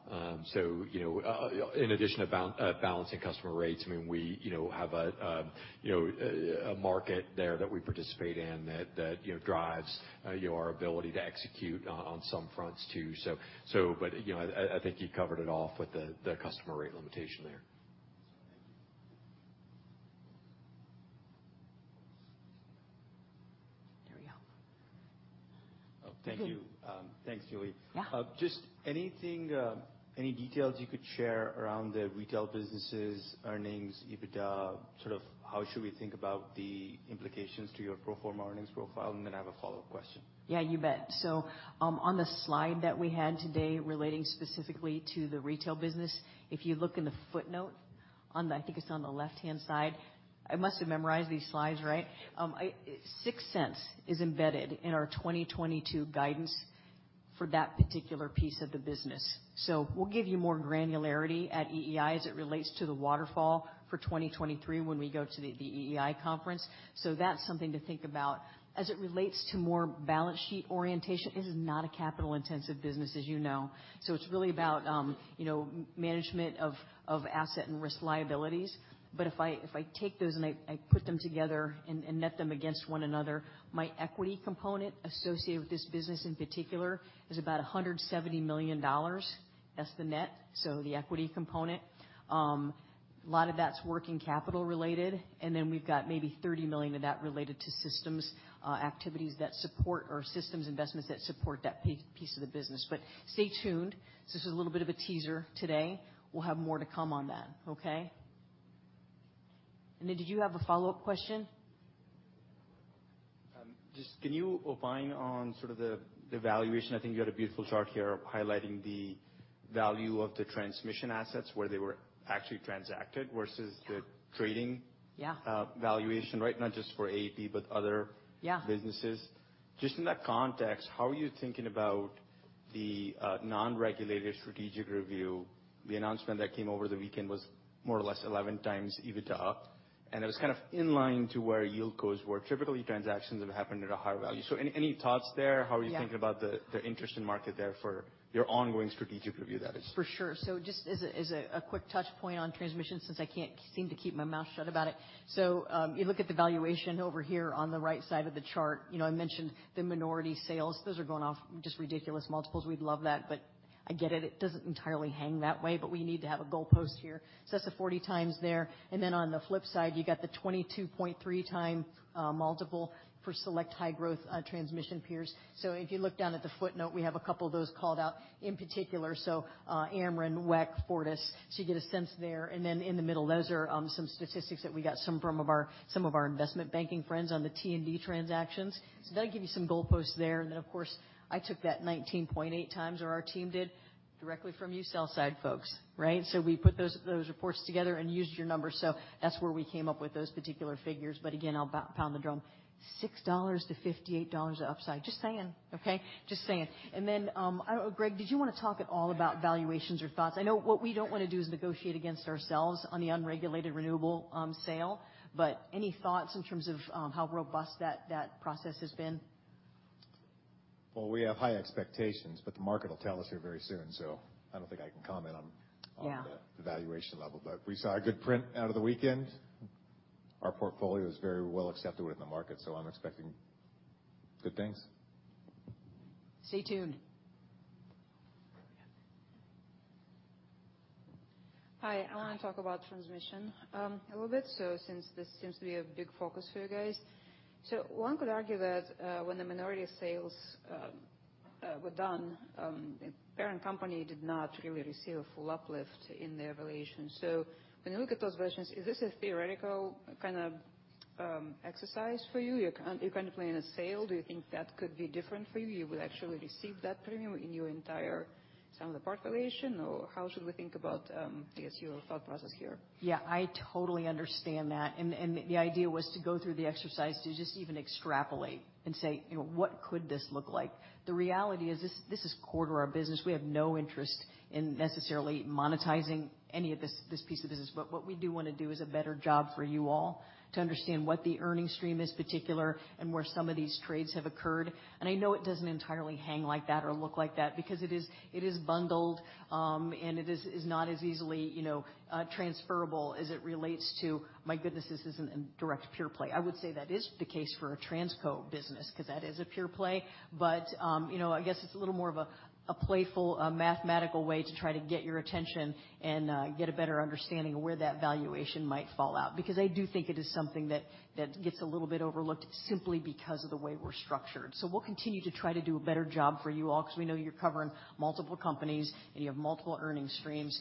You know, in addition to balancing customer rates, I mean, we have a market there that we participate in that you know drives our ability to execute on some fronts too. You know, I think you covered it off with the customer rate limitation there. There we go. Oh, thank you. Thanks, Julie. Yeah. Just anything, any details you could share around the retail businesses, earnings, EBITDA, sort of how should we think about the implications to your pro forma earnings profile? Then I have a follow-up question. Yeah, you bet. On the slide that we had today relating specifically to the retail business, if you look in the footnote on the, I think it's on the left-hand side. I must have memorized these slides, right? Sixth Sense is embedded in our 2022 guidance for that particular piece of the business. We'll give you more granularity at EEI as it relates to the waterfall for 2023 when we go to the EEI conference. That's something to think about. As it relates to more balance sheet orientation, this is not a capital-intensive business, as you know. It's really about, you know, management of asset and risk liabilities. If I take those and I put them together and net them against one another, my equity component associated with this business, in particular, is about $170 million. That's the net. The equity component. A lot of that's working capital related. We've got maybe $30 million of that related to systems activities that support our systems investments that support that piece of the business. Stay tuned. This is a little bit of a teaser today. We'll have more to come on that, okay? Did you have a follow-up question? Just can you opine on sort of the valuation? I think you had a beautiful chart here highlighting the value of the transmission assets where they were actually transacted versus the trading. Yeah. Valuation, right? Not just for AEP, but other- Yeah. ...businesses. Just in that context, how are you thinking about the non-regulated strategic review? The announcement that came over the weekend was more or less 11x EBITDA, and it was kind of in line, too, where yield cos were. Typically, transactions have happened at a higher value. Any thoughts there? Yeah. How are you thinking about the interest in market there for your ongoing strategic review, that is? For sure. Just a quick touch point on transmission, since I can't seem to keep my mouth shut about it. You look at the valuation over here on the right side of the chart. You know, I mentioned the minority sales. Those are going off just ridiculous multiples. We'd love that, but I get it. It doesn't entirely hang that way, but we need to have a goalpost here. That's the 40x there. And then on the flip side, you got the 22.3x multiple for select high growth transmission peers. If you look down at the footnote, we have a couple of those called out in particular. Ameren, ITC, Fortis. You get a sense there. Then in the middle, those are some statistics that we got, some from some of our investment banking friends on the T&D transactions. That'll give you some goalposts there. Then, of course, I took that 19.8x, or our team did, directly from you sell side folks, right? We put those reports together and used your numbers. That's where we came up with those particular figures. Again, I'll pound the drum. $6-$58 of upside. Just saying. Okay. Just saying. Then, I don't know, Greg, did you wanna talk at all about valuations or thoughts? I know what we don't wanna do is negotiate against ourselves on the unregulated renewable sale. Any thoughts in terms of how robust that process has been? Well, we have high expectations, but the market will tell us here very soon, so I don't think I can comment on- Yeah. ...on the valuation level. We saw a good print out of the weekend. Our portfolio is very well accepted within the market, so I'm expecting good things. Stay tuned. Hi. I wanna talk about transmission, a little bit, since this seems to be a big focus for you guys. One could argue that, when the minority sales were done, the parent company did not really receive a full uplift in their valuation. When you look at those versions, is this a theoretical kind of exercise for you? You're kind of planning a sale. Do you think that could be different for you? You will actually receive that premium in your entire sum-of-the-parts valuation, or how should we think about, I guess, your thought process here? Yeah. I totally understand that. The idea was to go through the exercise to just even extrapolate and say, you know, what could this look like? The reality is this is core to our business. We have no interest in necessarily monetizing any of this piece of business. What we do wanna do is a better job for you all to understand what the earnings stream is in particular and where some of these trades have occurred. I know it doesn't entirely hang like that or look like that because it is bundled and it is not as easily, you know, transferable as it relates to, my goodness, this isn't a direct pure play. I would say that is the case for a Transco business 'cause that is a pure play. I guess it's a little more of a playful mathematical way to try to get your attention and get a better understanding of where that valuation might fall out. Because I do think it is something that gets a little bit overlooked simply because of the way we're structured. We'll continue to try to do a better job for you all 'cause we know you're covering multiple companies and you have multiple earning streams.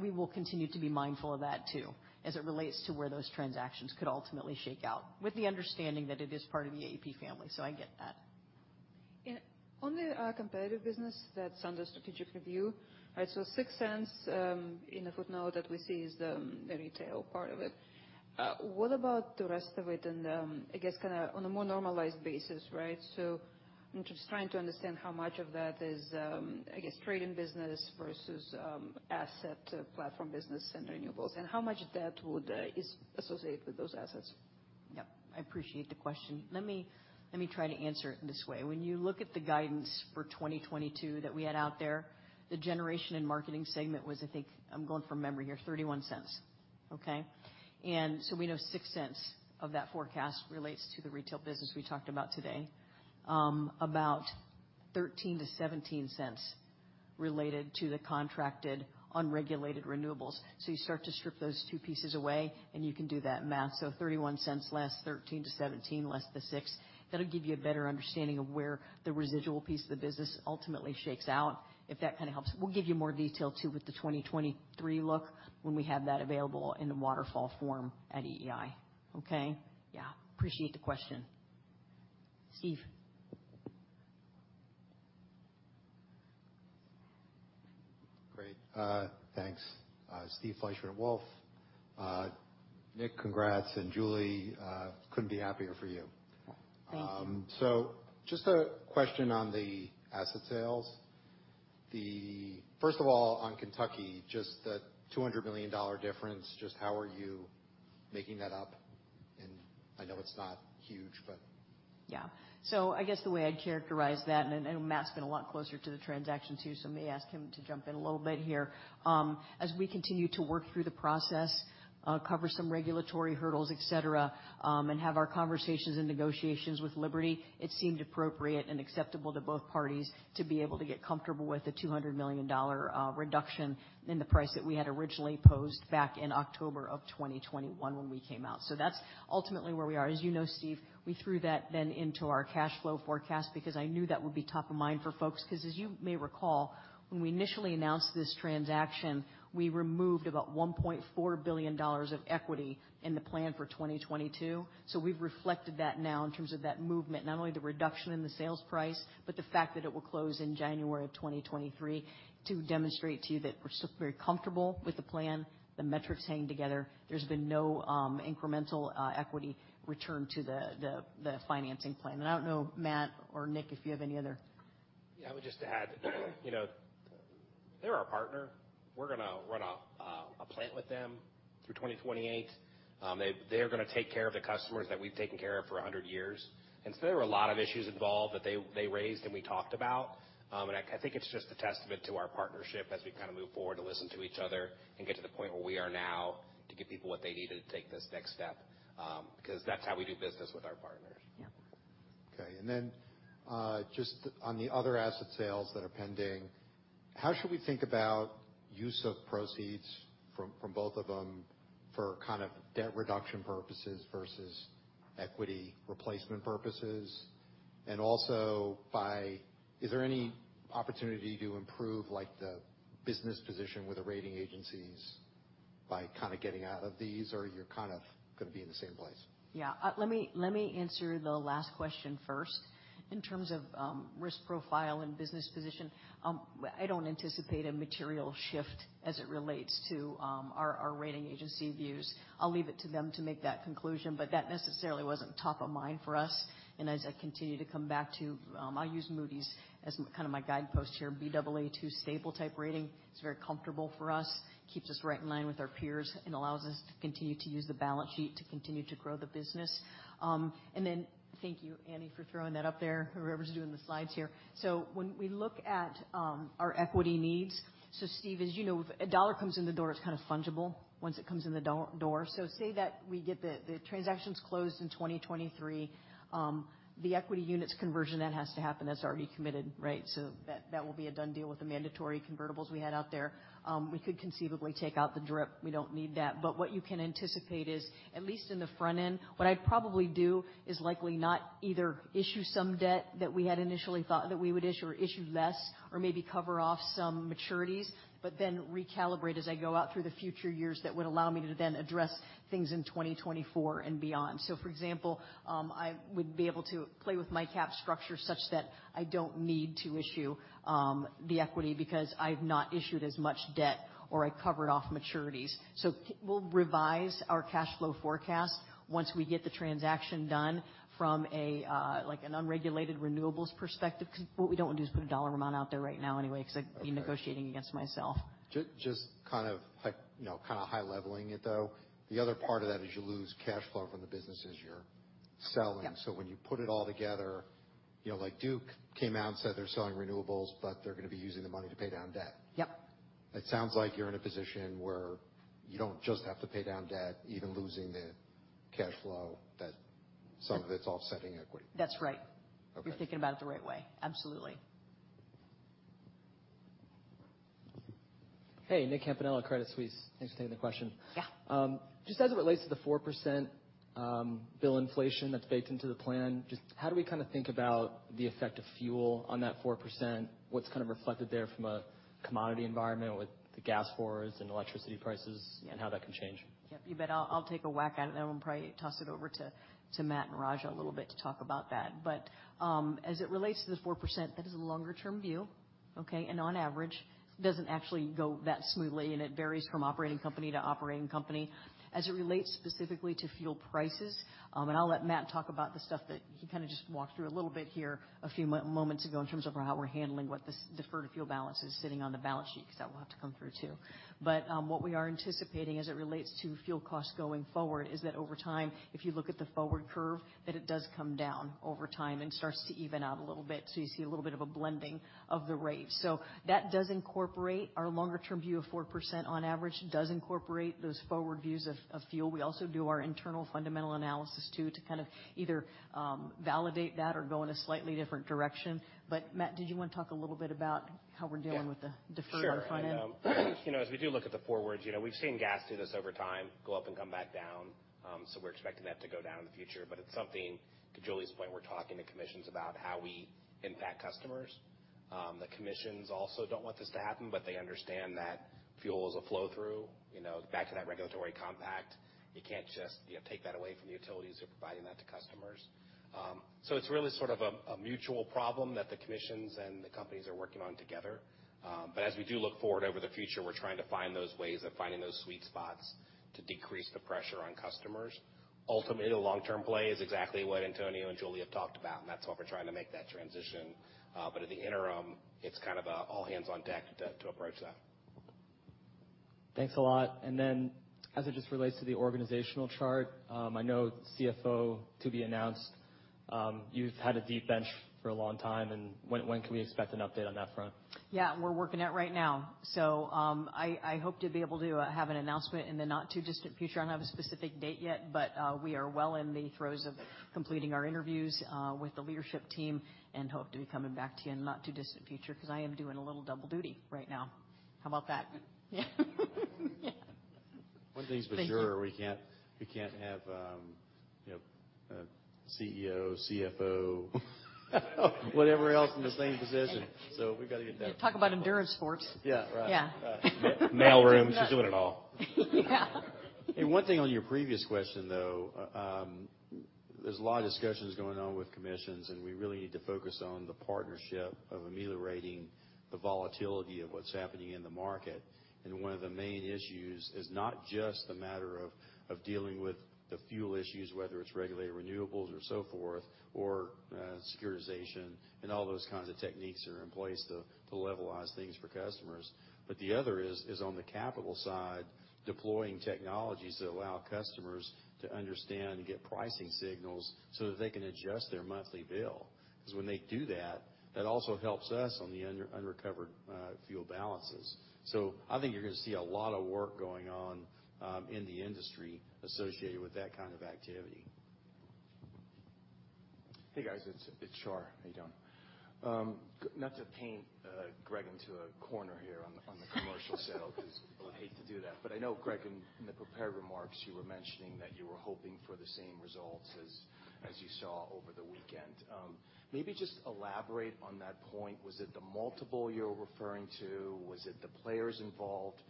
We will continue to be mindful of that too, as it relates to where those transactions could ultimately shake out, with the understanding that it is part of the AEP family. I get that. On the competitive business that's under strategic review, right? $0.06 in the footnote that we see is the retail part of it. What about the rest of it in the, I guess, kinda on a more normalized basis, right? I'm just trying to understand how much of that is, I guess, trading business versus asset platform business and renewables, and how much of that is associated with those assets? I appreciate the question. Let me try to answer it this way. When you look at the guidance for 2022 that we had out there, the generation and marketing segment was, I think, I'm going from memory here, $0.31. Okay? We know $0.06 of that forecast relates to the retail business we talked about today. About $0.13-$0.17 related to the contracted unregulated renewables. You start to strip those two pieces away, and you can do that math. $0.31 less $0.13-$0.17 less the $0.06, that'll give you a better understanding of where the residual piece of the business ultimately shakes out, if that kinda helps. We'll give you more detail too with the 2023 look when we have that available in the waterfall form at EEI, okay? Appreciate the question. Steve. Great. Thanks. Steve Fleishman at Wolfe Research. Nick, congrats, and Julie, couldn't be happier for you. Thank you. Just a question on the asset sales. First of all, on Kentucky, just the $200 million difference, just how are you making that up? I know it's not huge, but. Yeah. I guess the way I'd characterize that, and Matt's been a lot closer to the transaction too, so I may ask him to jump in a little bit here. As we continue to work through the process, cover some regulatory hurdles, et cetera, and have our conversations and negotiations with Liberty, it seemed appropriate and acceptable to both parties to be able to get comfortable with the $200 million reduction in the price that we had originally posed back in October of 2021 when we came out. That's ultimately where we are. As you know, Steve, we threw that then into our cash flow forecast because I knew that would be top of mind for folks. 'Cause as you may recall, when we initially announced this transaction, we removed about $1.4 billion of equity in the plan for 2022. We've reflected that now in terms of that movement, not only the reduction in the sales price, but the fact that it will close in January 2023 to demonstrate to you that we're still very comfortable with the plan, the metrics hanging together. There's been no incremental equity return to the financing plan. I don't know, Matt or Nick, if you have any other. Yeah. I would just add, you know, they're our partner. We're gonna run a plant with them through 2028. They're gonna take care of the customers that we've taken care of for 100 years. There were a lot of issues involved that they raised and we talked about. I think it's just a testament to our partnership as we kinda move forward to listen to each other and get to the point where we are now to give people what they need to take this next step, 'cause that's how we do business with our partners. Yeah. Okay. Just on the other asset sales that are pending, how should we think about use of proceeds from both of them for kind of debt reduction purposes versus equity replacement purposes? Also, is there any opportunity to improve, like, the business position with the rating agencies? By kind of getting out of these, or you're kind of gonna be in the same place? Yeah. Let me answer the last question first. In terms of risk profile and business position, I don't anticipate a material shift as it relates to our rating agency views. I'll leave it to them to make that conclusion, but that necessarily wasn't top of mind for us. As I continue to come back to, I'll use Moody's as kind of my guidepost here, Baa2 stable-type rating. It's very comfortable for us, keeps us right in line with our peers, and allows us to continue to use the balance sheet to continue to grow the business. Then thank you, Annie, for throwing that up there, whoever's doing the slides here. When we look at our equity needs, Steve, as you know, if a dollar comes in the door, it's kind of fungible once it comes in the door. Say that we get the transactions closed in 2023, the equity units conversion, that has to happen. That's already committed, right? That will be a done deal with the mandatory convertibles we had out there. We could conceivably take out the DRIP. We don't need that. But what you can anticipate is, at least in the front end, what I'd probably do is likely not either issue some debt that we had initially thought that we would issue, or issue less or maybe cover off some maturities, but then recalibrate as I go out through the future years that would allow me to then address things in 2024 and beyond. For example, I would be able to play with my capital structure such that I don't need to issue the equity because I've not issued as much debt or I covered off maturities. We'll revise our cash flow forecast once we get the transaction done from a like an unregulated renewables perspective. 'Cause what we don't want to do is put a dollar amount out there right now anyway, 'cause I'd be negotiating against myself. Just kind of like, you know, kind of high leveling it though. The other part of that is you lose cash flow from the businesses you're selling. Yeah. When you put it all together, you know, like Duke Energy came out and said they're selling renewables, but they're gonna be using the money to pay down debt. Yep. It sounds like you're in a position where you don't just have to pay down debt, even losing the cash flow that some of it's offsetting equity. That's right. Okay. You're thinking about it the right way. Absolutely. Hey, Nick Campanella, Credit Suisse. Thanks for taking the question. Yeah. Just as it relates to the 4%, bill inflation that's baked into the plan, just how do we kind of think about the effect of fuel on that 4%? What's kind of reflected there from a commodity environment with the gas forwards and electricity prices and how that can change? Yeah, you bet. I'll take a whack at it, then we'll probably toss it over to Matt and Raja a little bit to talk about that. As it relates to the 4%, that is a longer term view, okay? On average, doesn't actually go that smoothly, and it varies from operating company to operating company. As it relates specifically to fuel prices, and I'll let Matt talk about the stuff that he kind of just walked through a little bit here a few moments ago in terms of how we're handling what this deferred fuel balance is sitting on the balance sheet, 'cause that will have to come through too. What we are anticipating as it relates to fuel costs going forward is that over time, if you look at the forward curve, that it does come down over time and starts to even out a little bit. You see a little bit of a blending of the rates. That does incorporate our longer term view of 4% on average. It does incorporate those forward views of fuel. We also do our internal fundamental analysis too, to kind of either validate that or go in a slightly different direction. Matt, did you want to talk a little bit about how we're dealing- Yeah. ...with the deferred on front end? Sure. You know, as we do look at the forwards, you know, we've seen gas do this over time, go up and come back down. We're expecting that to go down in the future. It's something, to Julie's point, we're talking to commissions about how we impact customers. The commissions also don't want this to happen, but they understand that fuel is a flow through. You know, back to that regulatory compact. You can't just, you know, take that away from the utilities who are providing that to customers. It's really sort of a mutual problem that the commissions and the companies are working on together. As we do look forward over the future, we're trying to find those ways of finding those sweet spots to decrease the pressure on customers. Ultimately, the long-term play is exactly what Antonio and Julie have talked about, and that's why we're trying to make that transition. In the interim, it's kind of an all hands on deck to approach that. Thanks a lot. As it just relates to the organizational chart, I know CFO to be announced. You've had a deep bench for a long time. When can we expect an update on that front? Yeah, we're working it right now. I hope to be able to have an announcement in the not too distant future. I don't have a specific date yet, but we are well in the throes of completing our interviews with the leadership team and hope to be coming back to you in the not too distant future, 'cause I am doing a little double duty right now. How about that? Yeah. One thing's for sure. Thank you. We can't have, you know, a CEO, CFO, whatever else in the same position. Thank you. We gotta get that. Talk about endurance sports. Yeah, right. Yeah. Right. Mailroom. She's doing it all. Yeah. Hey, one thing on your previous question, though. There's a lot of discussions going on with commissions, and we really need to focus on the partnership of ameliorating the volatility of what's happening in the market. One of the main issues is not just the matter of dealing with the fuel issues, whether it's regulated renewables or so forth, securitization and all those kinds of techniques that are in place to levelize things for customers. The other is on the capital side, deploying technologies that allow customers to understand and get pricing signals so that they can adjust their monthly bill. 'Cause when they do that also helps us on the unrecovered fuel balances. I think you're gonna see a lot of work going on in the industry associated with that kind of activity. Hey, guys, it's Char. How you doing? Not to paint Greg into a corner here on the commercial sale 'cause I would hate to do that, but I know Greg and in prepared remarks, you were mentioning that you were hoping for the same results as you saw over the weekend. Maybe just elaborate on that point. Was it the multiple you're referring to? Was it the players involved?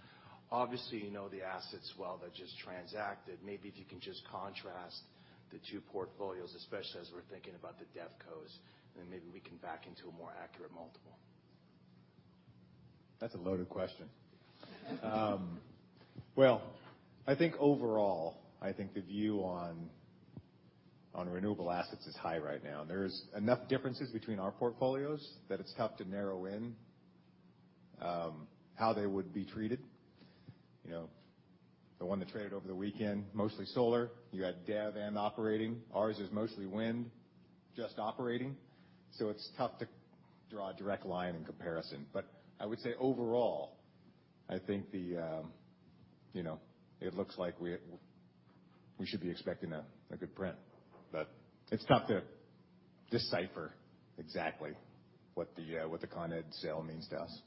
Obviously you know the assets well that just transacted. Maybe if you can just contrast the two portfolios, especially as we're thinking about the dev cos, and then maybe we can back into a more accurate multiple. That's a loaded question. Well, I think overall, the view on renewable assets is high right now, and there's enough differences between our portfolios that it's tough to narrow in how they would be treated. You know, the one that traded over the weekend, mostly solar. You had dev and operating. Ours is mostly wind, just operating. So it's tough to draw a direct line in comparison. I would say overall, you know, it looks like we should be expecting a good print, but it's tough to decipher exactly what the Con Ed sale means to us.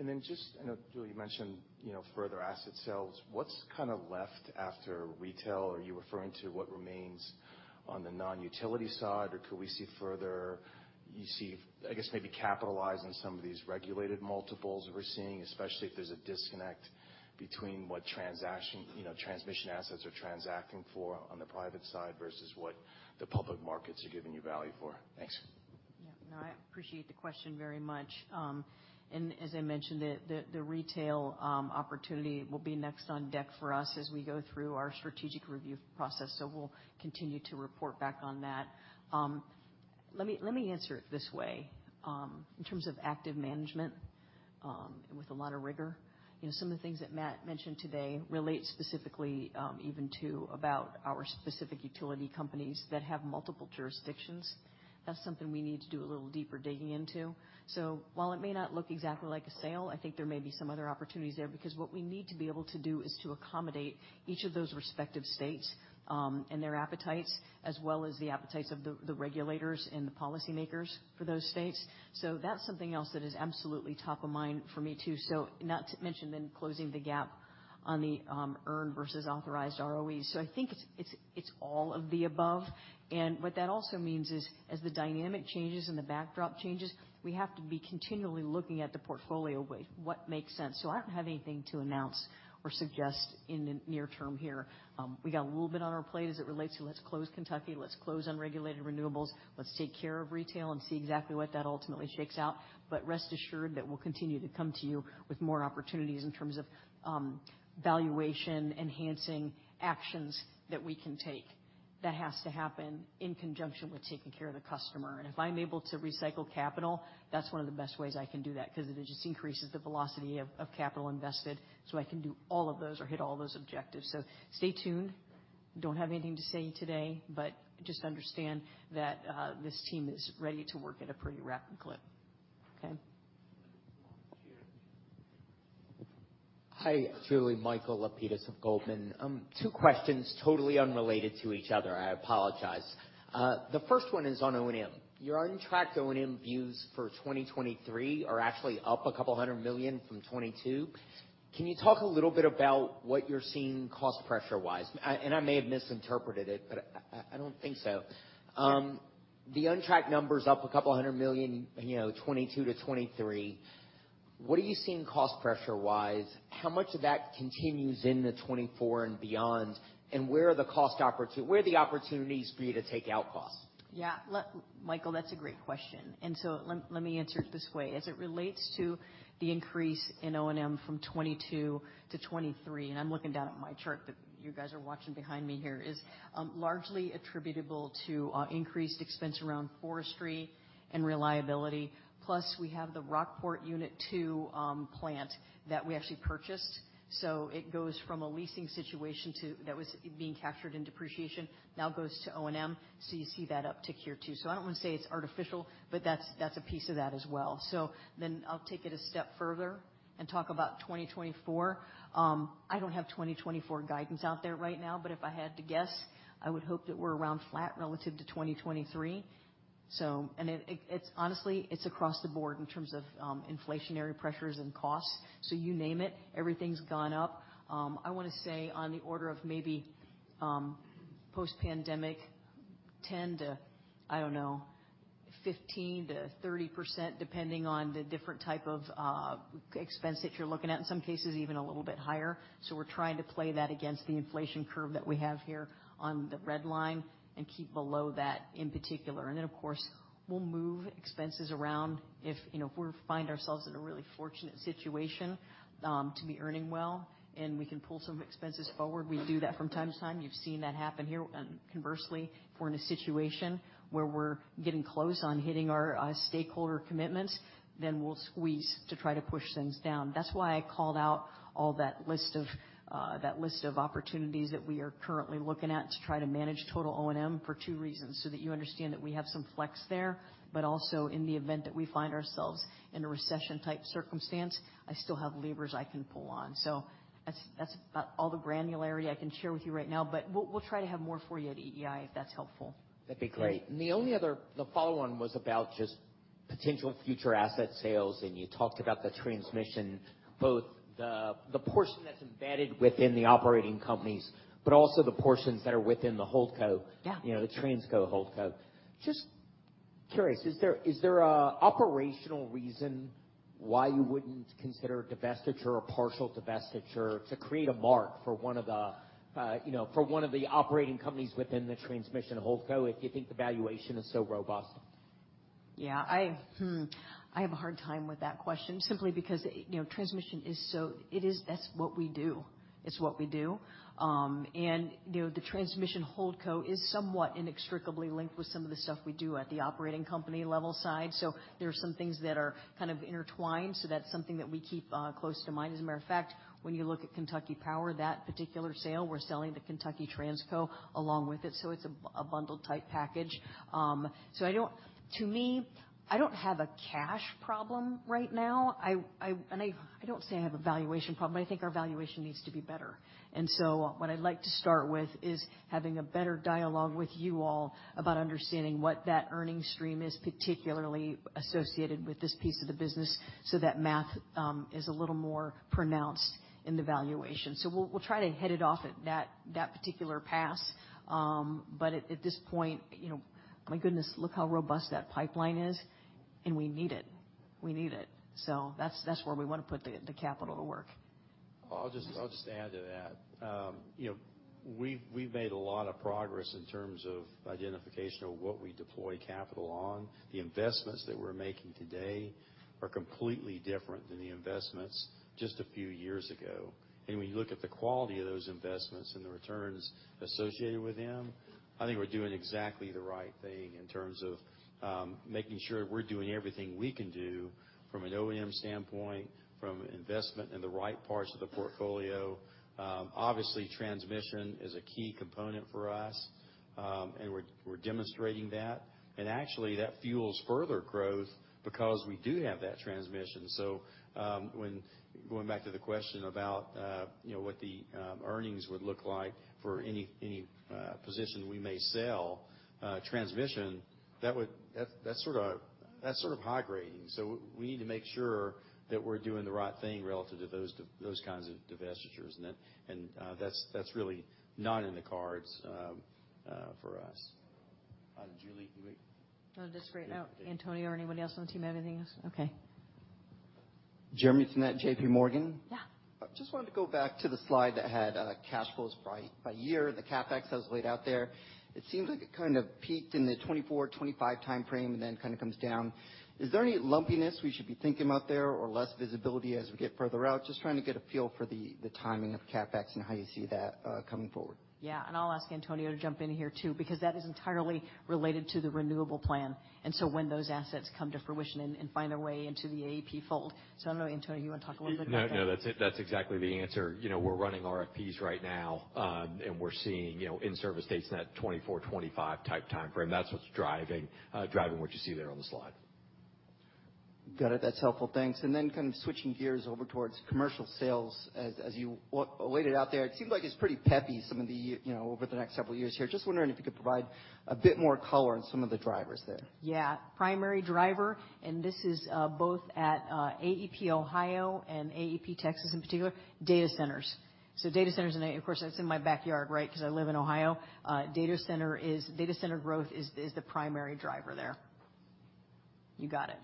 Okay. Got it. Just I know Julie mentioned, you know, further asset sales. What's kinda left after retail? Are you referring to what remains on the non-utility side, or could we see further, you see, I guess maybe capitalize on some of these regulated multiples we're seeing, especially if there's a disconnect between what transaction, you know, transmission assets are transacting for on the private side versus what the public markets are giving you value for? Thanks. Yeah. No, I appreciate the question very much. As I mentioned, the retail opportunity will be next on deck for us as we go through our strategic review process. We'll continue to report back on that. Let me answer it this way. In terms of active management, and with a lot of rigor, you know, some of the things that Matt mentioned today relate specifically, even to our specific utility companies that have multiple jurisdictions. That's something we need to do a little deeper digging into. While it may not look exactly like a sale, I think there may be some other opportunities there because what we need to be able to do is to accommodate each of those respective states, and their appetites, as well as the appetites of the regulators and the policymakers for those states. That's something else that is absolutely top of mind for me too. Not to mention then closing the gap on the earned versus authorized ROE. I think it's all of the above. What that also means is, as the dynamic changes and the backdrop changes, we have to be continually looking at the portfolio, with what makes sense. I don't have anything to announce or suggest in the near term here. We got a little bit on our plate as it relates to let's close Kentucky, let's close unregulated renewables, let's take care of retail and see exactly what that ultimately shakes out. Rest assured that we'll continue to come to you with more opportunities in terms of, valuation-enhancing actions that we can take. That has to happen in conjunction with taking care of the customer. If I'm able to recycle capital, that's one of the best ways I can do that because it just increases the velocity of capital invested, so I can do all of those or hit all those objectives. Stay tuned. Don't have anything to say today, but just understand that, this team is ready to work at a pretty rapid clip. Okay? Hi, Julie. Michael Lapides of Goldman Sachs. Two questions, totally unrelated to each other, I apologize. The first one is on O&M. Your untracked O&M views for 2023 are actually up a couple hundred million from 2022. Can you talk a little bit about what you're seeing cost pressure-wise? And I may have misinterpreted it, but I don't think so. The untracked number's up a couple hundred million, you know, 2022 to 2023. What are you seeing cost pressure-wise? How much of that continues into 2024 and beyond? And where are the opportunities for you to take out costs? Yeah. Michael, that's a great question. Let me answer it this way. As it relates to the increase in O&M from 2022 to 2023, and I'm looking down at my chart that you guys are watching behind me here, is largely attributable to increased expense around forestry and reliability. Plus, we have the Rockport Unit 2 plant that we actually purchased. It goes from a leasing situation to that was being captured in depreciation now goes to O&M. You see that uptick here too. I don't wanna say it's artificial, but that's a piece of that as well. I'll take it a step further and talk about 2024. I don't have 2024 guidance out there right now, but if I had to guess, I would hope that we're around flat relative to 2023. It's honestly across the board in terms of inflationary pressures and costs. You name it, everything's gone up. I wanna say on the order of maybe post-pandemic, 10 to, I don't know, 15 to 30%, depending on the different type of expense that you're looking at. In some cases, even a little bit higher. We're trying to play that against the inflation curve that we have here on the red line and keep below that in particular. Of course, we'll move expenses around if, you know, if we find ourselves in a really fortunate situation to be earning well, and we can pull some expenses forward. We do that from time to time. You've seen that happen here. Conversely, if we're in a situation where we're getting close on hitting our stakeholder commitments, then we'll squeeze to try to push things down. That's why I called out all that list of opportunities that we are currently looking at to try to manage total O&M for two reasons, so that you understand that we have some flex there, but also in the event that we find ourselves in a recession-type circumstance, I still have levers I can pull on. That's about all the granularity I can share with you right now, but we'll try to have more for you at EEI, if that's helpful. That'd be great. The follow-on was about just potential future asset sales, and you talked about the transmission, both the portion that's embedded within the operating companies, but also the portions that are within the HoldCo. Yeah. You know, the Transco HoldCo. Just curious, is there an operational reason why you wouldn't consider divestiture or partial divestiture to create a market for one of the, you know, for one of the operating companies within the Transmission HoldCo if you think the valuation is so robust? Yeah. I have a hard time with that question simply because, you know, transmission is so. It is. That's what we do. You know, the Transmission HoldCo is somewhat inextricably linked with some of the stuff we do at the operating company level side. There are some things that are kind of intertwined, so that's something that we keep close to mind. As a matter of fact, when you look at Kentucky Power, that particular sale, we're selling the Kentucky Transco along with it, so it's a bundled type package. To me, I don't have a cash problem right now. I don't say I have a valuation problem, but I think our valuation needs to be better. What I'd like to start with is having a better dialogue with you all about understanding what that earnings stream is particularly associated with this piece of the business so that math is a little more pronounced in the valuation. We'll try to hit it off at that particular pass. At this point, you know, my goodness, look how robust that pipeline is, and we need it. We need it. That's where we want to put the capital to work. I'll just add to that. You know, we've made a lot of progress in terms of identification of what we deploy capital on. The investments that we're making today are completely different than the investments just a few years ago. When you look at the quality of those investments and the returns associated with them, I think we're doing exactly the right thing in terms of making sure we're doing everything we can do from an O&M standpoint, from investment in the right parts of the portfolio. Obviously, transmission is a key component for us, and we're demonstrating that. Actually, that fuels further growth because we do have that transmission. When going back to the question about, you know, what the earnings would look like for any position we may sell, transmission, that's sort of high grading. We need to make sure that we're doing the right thing relative to those kinds of divestitures. And that's really not in the cards for us. Julie, you want? No, just right now. Antonio or anybody else on the team have anything else? Okay. Jeremy Tonet, J.P. Morgan. Yeah. Just wanted to go back to the slide that had cash flows by year, the CapEx that was laid out there. It seems like it kind of peaked in the 2024-2025 timeframe and then kind of comes down. Is there any lumpiness we should be thinking about there or less visibility as we get further out? Just trying to get a feel for the timing of CapEx and how you see that coming forward. Yeah. I'll ask Antonio to jump in here too, because that is entirely related to the renewable plan, and so when those assets come to fruition and find their way into the AEP fold. I don't know, Antonio, you wanna talk a little bit about that? No, no, that's it. That's exactly the answer. You know, we're running RFPs right now, and we're seeing, you know, in-service dates in that 2024-2025 type timeframe. That's what's driving what you see there on the slide. Got it. That's helpful. Thanks. Kind of switching gears over towards commercial sales. As you laid it out there, it seems like it's pretty peppy, you know, over the next several years here. Just wondering if you could provide a bit more color on some of the drivers there. Yeah. Primary driver, and this is both at AEP Ohio and AEP Texas in particular, data centers. Data centers, and of course, that's in my backyard, right? 'Cause I live in Ohio. Data center growth is the primary driver there. You got it.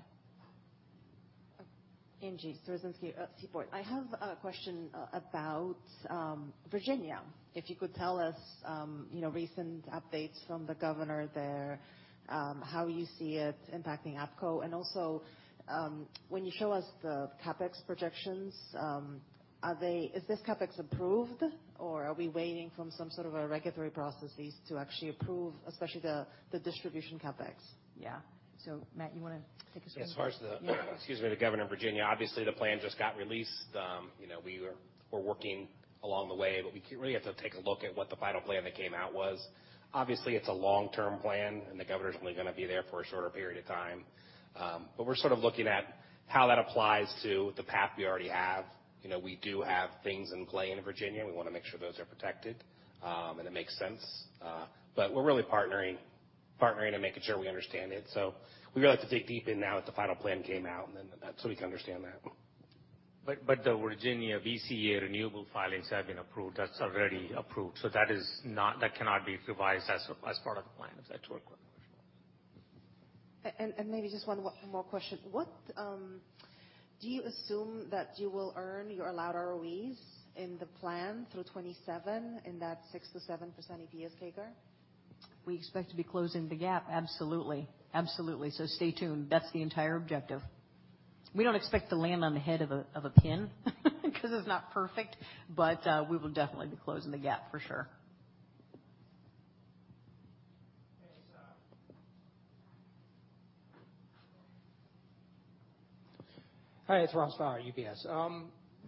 Angie Storozynski, Seaport. I have a question about Virginia. If you could tell us, you know, recent updates from the governor there, how you see it impacting APCO. And also, when you show us the CapEx projections, is this CapEx approved, or are we waiting for some sort of a regulatory processes to actually approve, especially the distribution CapEx? Yeah. Matt, you wanna take a swing? As far as the- Yeah. Excuse me, the Governor of Virginia. Obviously, the plan just got released. You know, we're working along the way, but we really have to take a look at what the final plan that came out was. Obviously, it's a long-term plan, and the governor's only gonna be there for a shorter period of time. But we're sort of looking at how that applies to the path we already have. You know, we do have things in play in Virginia. We wanna make sure those are protected, and it makes sense. But we're really partnering and making sure we understand it. We really have to dig deep in now that the final plan came out and then that, so we can understand that. The Virginia VCEA renewable filings have been approved. That's already approved. That cannot be revised as part of the plan if that were approved. Maybe just one more question. What do you assume that you will earn your allowed ROEs in the plan through 2027 in that 6%-7% EPS CAGR? We expect to be closing the gap. Absolutely. Stay tuned. That's the entire objective. We don't expect to land on the head of a pin because it's not perfect, but we will definitely be closing the gap for sure. Hey. Hi, it's Ross Fowler, UBS.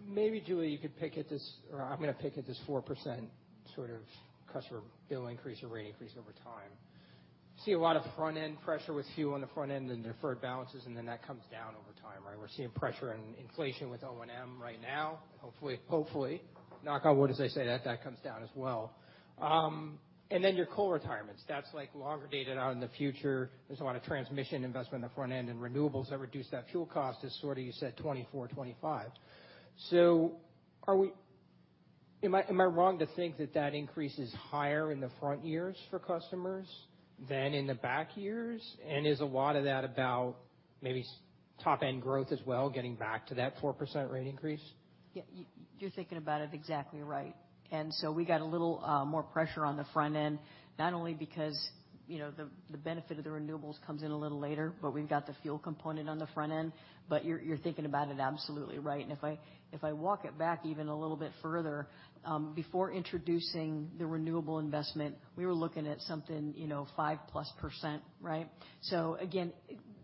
Maybe, Julie Sloat, you could pick at this, or I'm gonna pick at this 4% sort of customer bill increase or rate increase over time. See a lot of front-end pressure with fuel on the front end and deferred balances, and then that comes down over time, right? We're seeing pressure and inflation with O&M right now. Hopefully, knock on wood as they say, that comes down as well. And then your coal retirements, that's like longer dated out in the future. There's a lot of transmission investment on the front end and renewables that reduce that fuel cost, sort of you said 2024, 2025. Are we am I wrong to think that increase is higher in the front years for customers than in the back years? Is a lot of that about maybe top-end growth as well, getting back to that 4% rate increase? Yeah. You're thinking about it exactly right. We got a little more pressure on the front end, not only because, you know, the benefit of the renewables comes in a little later, but we've got the fuel component on the front end. You're thinking about it absolutely right. If I walk it back even a little bit further, before introducing the renewable investment, we were looking at something, you know, 5%+, right? Again,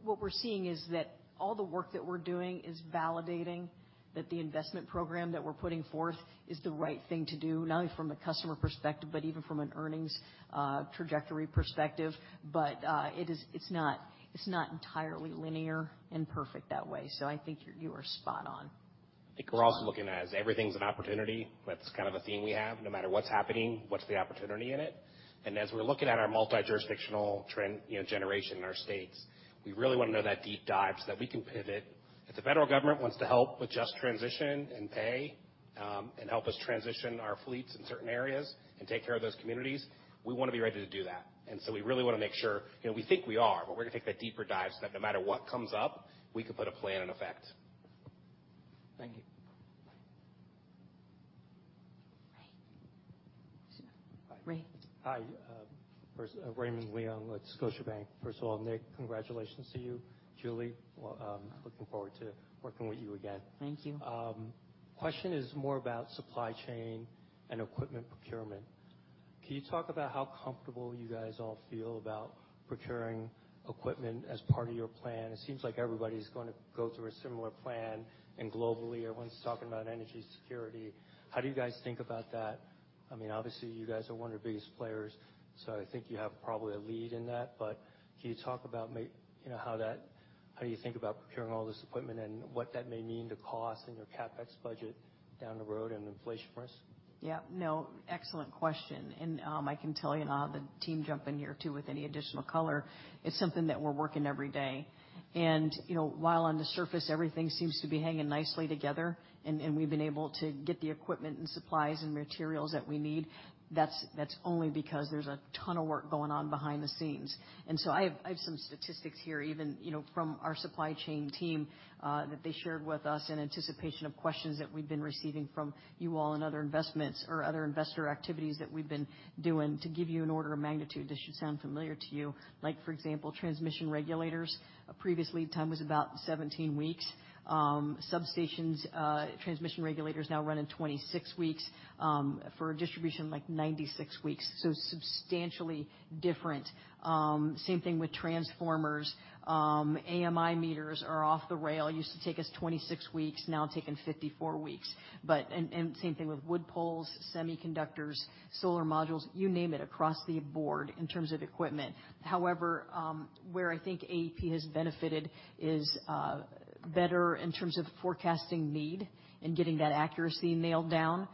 what we're seeing is that all the work that we're doing is validating that the investment program that we're putting forth is the right thing to do, not only from the customer perspective, but even from an earnings trajectory perspective. It is. It's not entirely linear and perfect that way. I think you are spot on. I think we're also looking at is everything's an opportunity. That's kind of a theme we have. No matter what's happening, what's the opportunity in it? As we're looking at our multi-jurisdictional trend, you know, generation in our states, we really wanna know that deep dive so that we can pivot. If the federal government wants to help with just transition and pay, and help us transition our fleets in certain areas and take care of those communities, we wanna be ready to do that. We really wanna make sure, you know, we think we are, but we're gonna take that deeper dive so that no matter what comes up, we can put a plan in effect. Thank you. Ray. Hi. Ray. Hi. First, Raymond Leung with Scotiabank. First of all, Nick, congratulations to you. Julie, well, looking forward to working with you again. Thank you. Question is more about supply chain and equipment procurement. Can you talk about how comfortable you guys all feel about procuring equipment as part of your plan? It seems like everybody's gonna go through a similar plan, and globally, everyone's talking about energy security. How do you guys think about that? I mean, obviously, you guys are one of the biggest players, so I think you have probably a lead in that. But can you talk about, you know, how you think about procuring all this equipment and what that may mean to cost and your CapEx budget down the road and inflation for us? Yeah. No, excellent question. I can tell you, and I'll have the team jump in here too with any additional color, it's something that we're working every day. You know, while on the surface everything seems to be hanging nicely together, and we've been able to get the equipment and supplies and materials that we need, that's only because there's a ton of work going on behind the scenes. I have some statistics here, even, you know, from our supply chain team, that they shared with us in anticipation of questions that we've been receiving from you all in other investments or other investor activities that we've been doing to give you an order of magnitude. This should sound familiar to you. Like for example, transmission regulators, a previous lead time was about 17 weeks. Substations, transmission regulators now run in 26 weeks. For distribution, like 96 weeks, so substantially different. Same thing with transformers. AMI meters are off the rails. Used to take us 26 weeks, now taking 54 weeks. Same thing with wood poles, semiconductors, solar modules, you name it, across the board in terms of equipment. However, where I think AEP has benefited is better in terms of forecasting need and getting that accuracy nailed down,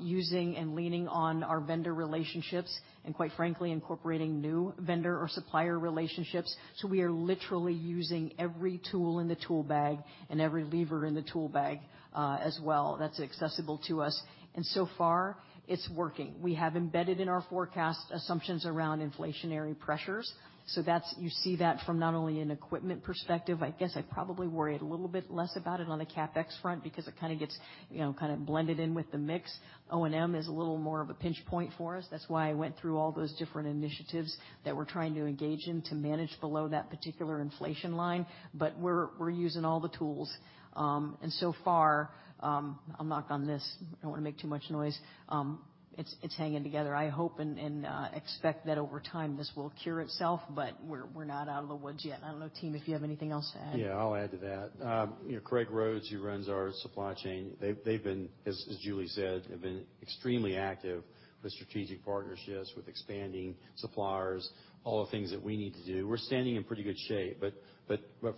using and leaning on our vendor relationships, and quite frankly, incorporating new vendor or supplier relationships. So we are literally using every tool in the tool bag and every lever in the tool bag, as well, that's accessible to us. So far, it's working. We have embedded in our forecast assumptions around inflationary pressures, so that's you see that from not only an equipment perspective, I guess I probably worry a little bit less about it on the CapEx front because it kinda gets, you know, kinda blended in with the mix. O&M is a little more of a pinch point for us. That's why I went through all those different initiatives that we're trying to engage in to manage below that particular inflation line. We're using all the tools. So far, I'll knock on this. I don't wanna make too much noise. It's hanging together. I hope and expect that over time this will cure itself, but we're not out of the woods yet. I don't know, team, if you have anything else to add. Yeah, I'll add to that. You know, Craig Rhoades, who runs our supply chain, they've been, as Julie said, extremely active with strategic partnerships, with expanding suppliers, all the things that we need to do. We're standing in pretty good shape.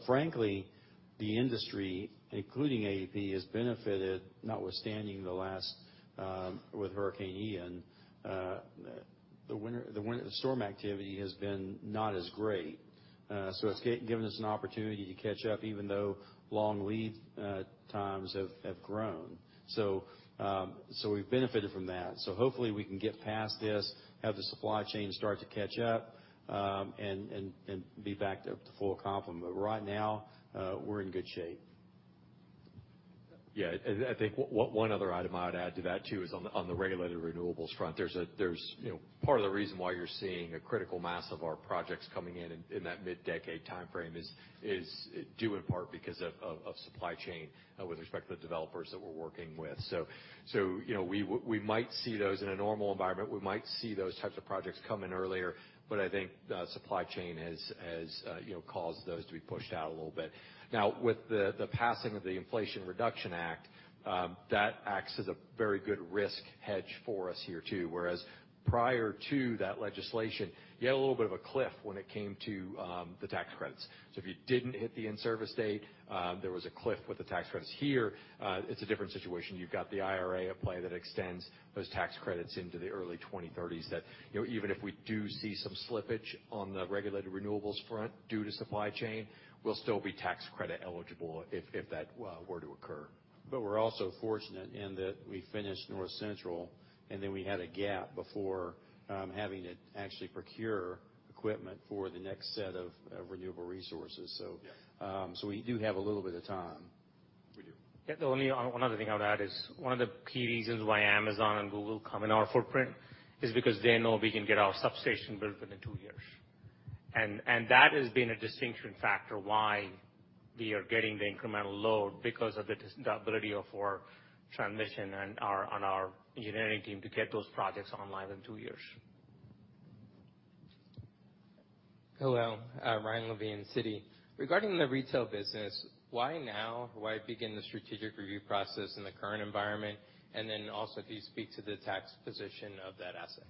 Frankly, the industry, including AEP, has benefited notwithstanding the last with Hurricane Ian. The winter storm activity has been not as great. It's given us an opportunity to catch up even though long lead times have grown. We've benefited from that. Hopefully we can get past this, have the supply chain start to catch up, and be back to full complement. Right now, we're in good shape. Yeah. I think one other item I would add to that too is on the regulated renewables front. There's, you know, part of the reason why you're seeing a critical mass of our projects coming in that mid-decade timeframe is due in part because of supply chain with respect to the developers that we're working with. You know, we might see those in a normal environment. We might see those types of projects come in earlier, but I think the supply chain has, you know, caused those to be pushed out a little bit. Now, with the passing of the Inflation Reduction Act, that acts as a very good risk hedge for us here too, whereas prior to that legislation, you had a little bit of a cliff when it came to the tax credits. If you didn't hit the in-service date, there was a cliff with the tax credits. Here, it's a different situation. You've got the IRA at play that extends those tax credits into the early 2030s that, you know, even if we do see some slippage on the regulated renewables front due to supply chain, we'll still be tax credit eligible if that were to occur. We're also fortunate in that we finished North Central, and then we had a gap before having to actually procure equipment for the next set of renewable resources, so. Yeah. We do have a little bit of time. We do. Yeah. The only one other thing I would add is one of the key reasons why Amazon and Google come in our footprint is because they know we can get our substation built within two years. That has been a distinguishing factor why we are getting the incremental load because of the ability of our transmission and our engineering team to get those projects online in two years. Hello. Ryan Levine, Citi. Regarding the retail business, why now? Why begin the strategic review process in the current environment? And then also if you speak to the tax position of that asset.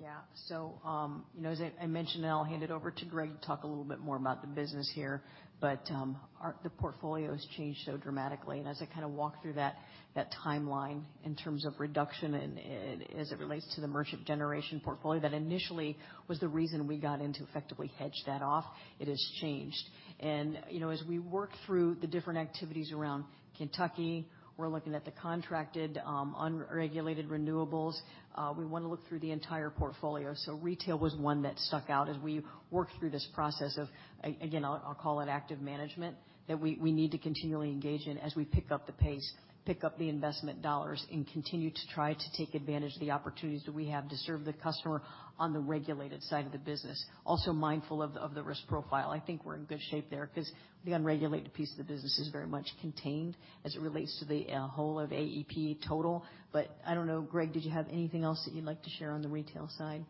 Yeah, you know, as I mentioned and I'll hand it over to Greg to talk a little bit more about the business here, but our portfolio has changed so dramatically. As I kind of walk through that timeline in terms of reduction and as it relates to the merchant generation portfolio that initially was the reason we got in to effectively hedge that off, it has changed. You know, as we work through the different activities around Kentucky, we're looking at the contracted unregulated renewables. We wanna look through the entire portfolio. Retail was one that stuck out as we worked through this process of, again, I'll call it active management, that we need to continually engage in as we pick up the pace, pick up the investment dollars, and continue to try to take advantage of the opportunities that we have to serve the customer on the regulated side of the business. Also mindful of the risk profile. I think we're in good shape there 'cause the unregulated piece of the business is very much contained as it relates to the whole of AEP total. I don't know, Greg, did you have anything else that you'd like to share on the retail side?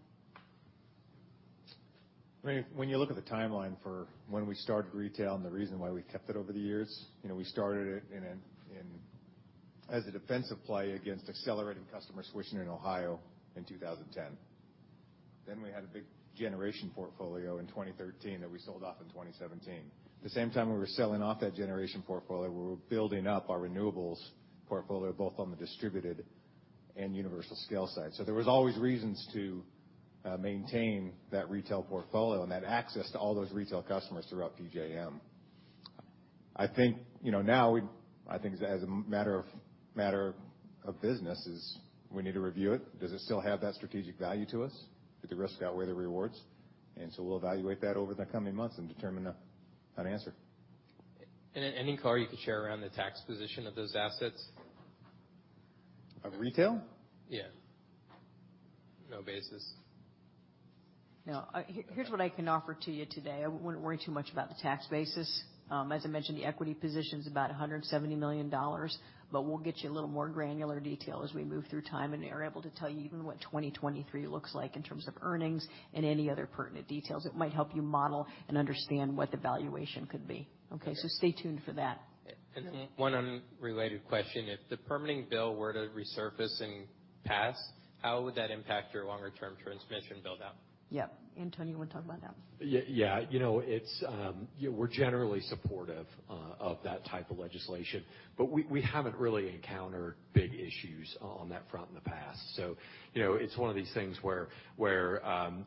I mean, when you look at the timeline for when we started retail and the reason why we kept it over the years, you know, we started it in as a defensive play against accelerating customer switching in Ohio in 2010. We had a big generation portfolio in 2013 that we sold off in 2017. The same time we were selling off that generation portfolio, we were building up our renewables portfolio, both on the distributed and utility scale side. There was always reasons to maintain that retail portfolio and that access to all those retail customers throughout PJM. I think, you know, now I think as a matter of business we need to review it. Does it still have that strategic value to us? Did the risks outweigh the rewards? We'll evaluate that over the coming months and determine an answer. Any color you could share around the tax position of those assets? Of retail? Yeah. No basis. No. Here's what I can offer to you today. I wouldn't worry too much about the tax basis. As I mentioned, the equity position's about $170 million, but we'll get you a little more granular detail as we move through time and are able to tell you even what 2023 looks like in terms of earnings and any other pertinent details that might help you model and understand what the valuation could be. Okay? Okay. Stay tuned for that. One unrelated question. If the permitting bill were to resurface and pass, how would that impact your longer-term transmission build-out? Yeah. Antonio, you wanna talk about that? Yeah. You know, it's you know, we're generally supportive of that type of legislation, but we haven't really encountered big issues on that front in the past. You know, it's one of these things where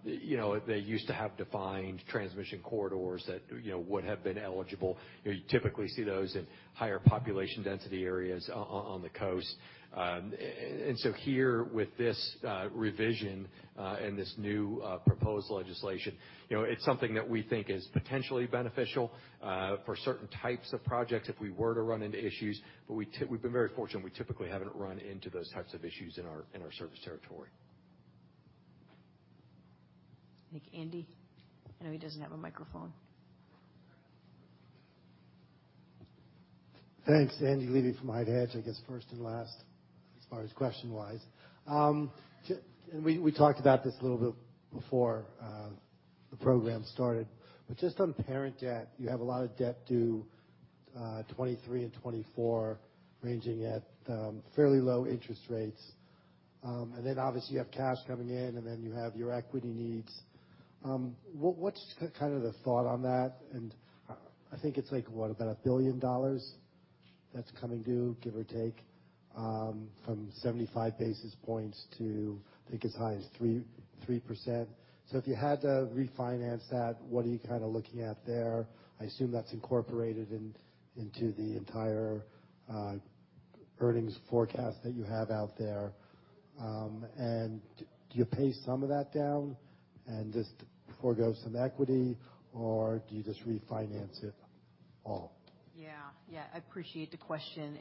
you know, they used to have defined transmission corridors that you know, would have been eligible. You know, you typically see those in higher population density areas on the coast. Here with this revision and this new proposed legislation, you know, it's something that we think is potentially beneficial for certain types of projects if we were to run into issues. We've been very fortunate, we typically haven't run into those types of issues in our service territory. I think Andy. I know he doesn't have a microphone. Thanks. Andy Levy from Hedge. I guess first and last as far as question-wise. We talked about this a little bit before the program started. Just on parent debt, you have a lot of debt due 2023 and 2024, ranging at fairly low interest rates. And then obviously you have cash coming in, and then you have your equity needs. What's kind of the thought on that? And I think it's like what? About $1 billion that's coming due, give or take, from 75 basis points to I think as high as 3%. So if you had to refinance that, what are you kinda looking at there? I assume that's incorporated into the entire earnings forecast that you have out there. Do you pay some of that down and just forego some equity, or do you just refinance it all? Yeah. Yeah. I appreciate the question.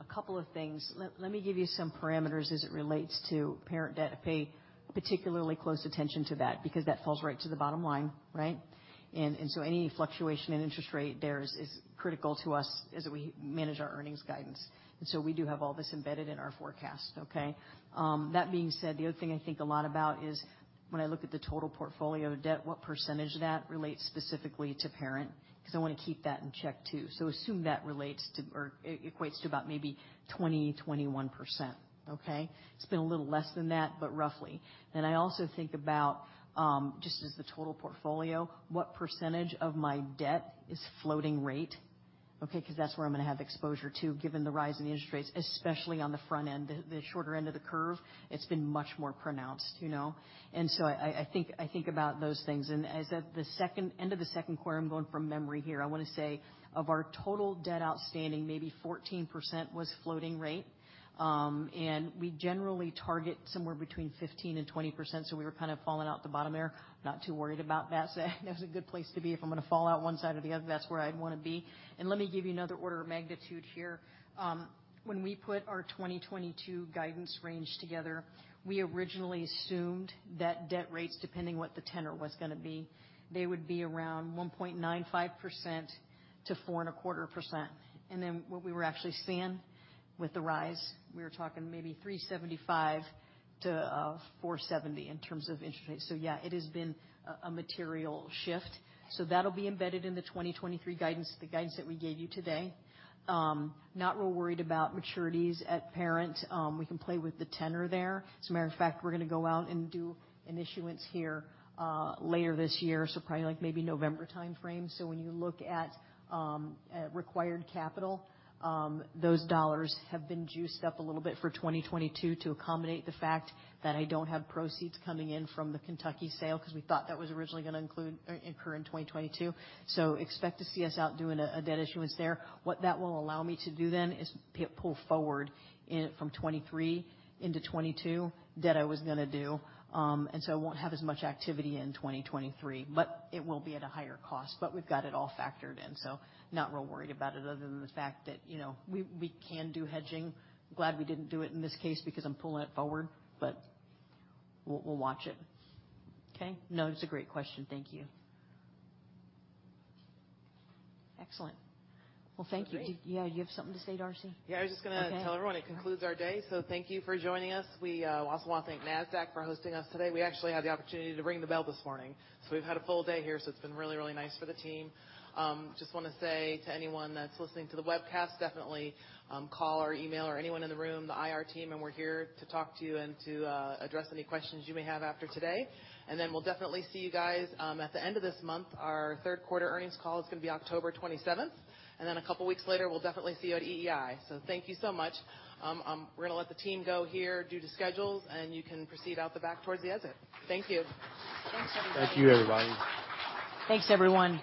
A couple of things. Let me give you some parameters as it relates to parent debt. I pay particularly close attention to that because that falls right to the bottom line, right? Any fluctuation in interest rate there is critical to us as we manage our earnings guidance. We do have all this embedded in our forecast, okay? That being said, the other thing I think a lot about is when I look at the total portfolio debt, what percentage of that relates specifically to parent? 'Cause I wanna keep that in check too. Assume that relates to or equates to about maybe 20%-21%, okay? It's been a little less than that, but roughly. I also think about, just as the total portfolio, what percentage of my debt is floating rate. Okay, 'cause that's where I'm gonna have exposure to, given the rise in the interest rates, especially on the front end, the shorter end of the curve, it's been much more pronounced, you know. I think about those things. As of the end of the second quarter, I'm going from memory here, I wanna say of our total debt outstanding, maybe 14% was floating rate. We generally target somewhere between 15% and 20%, so we were kind of falling out the bottom there. Not too worried about that. That was a good place to be. If I'm gonna fall out one side or the other, that's where I'd wanna be. Let me give you another order of magnitude here. When we put our 2022 guidance range together, we originally assumed that debt rates, depending what the tenor was gonna be, they would be around 1.95%-4.25%. What we were actually seeing with the rise, we were talking maybe 3.75%-4.70% in terms of interest rates. Yeah, it has been a material shift. That'll be embedded in the 2023 guidance, the guidance that we gave you today. Not real worried about maturities at parent. We can play with the tenor there. As a matter of fact, we're gonna go out and do an issuance here later this year, so probably like maybe November timeframe. When you look at required capital, those dollars have been juiced up a little bit for 2022 to accommodate the fact that I don't have proceeds coming in from the Kentucky sale, 'cause we thought that was originally gonna occur in 2022. Expect to see us out doing a debt issuance there. What that will allow me to do then is pull forward from 2023 into 2022 debt I was gonna do, and so I won't have as much activity in 2023, but it will be at a higher cost. We've got it all factored in, so not real worried about it other than the fact that, you know, we can do hedging. Glad we didn't do it in this case because I'm pulling it forward, but we'll watch it. Okay? No, it's a great question. Thank you. Excellent. Well, thank you. Great. Yeah. You have something to say, Darcy? Yeah, I was just gonna. Okay. Tell everyone it concludes our day, so thank you for joining us. We also wanna thank Nasdaq for hosting us today. We actually had the opportunity to ring the bell this morning, so we've had a full day here, so it's been really, really nice for the team. Just wanna say to anyone that's listening to the webcast, definitely call or email or anyone in the room, the IR team, and we're here to talk to you and to address any questions you may have after today. Then we'll definitely see you guys at the end of this month. Our third quarter earnings call is gonna be October 27th, and then a couple weeks later, we'll definitely see you at EEI. Thank you so much. We're gonna let the team go here due to schedules, and you can proceed out the back towards the exit. Thank you. Thanks, everybody. Thank you, everybody. Thanks, everyone.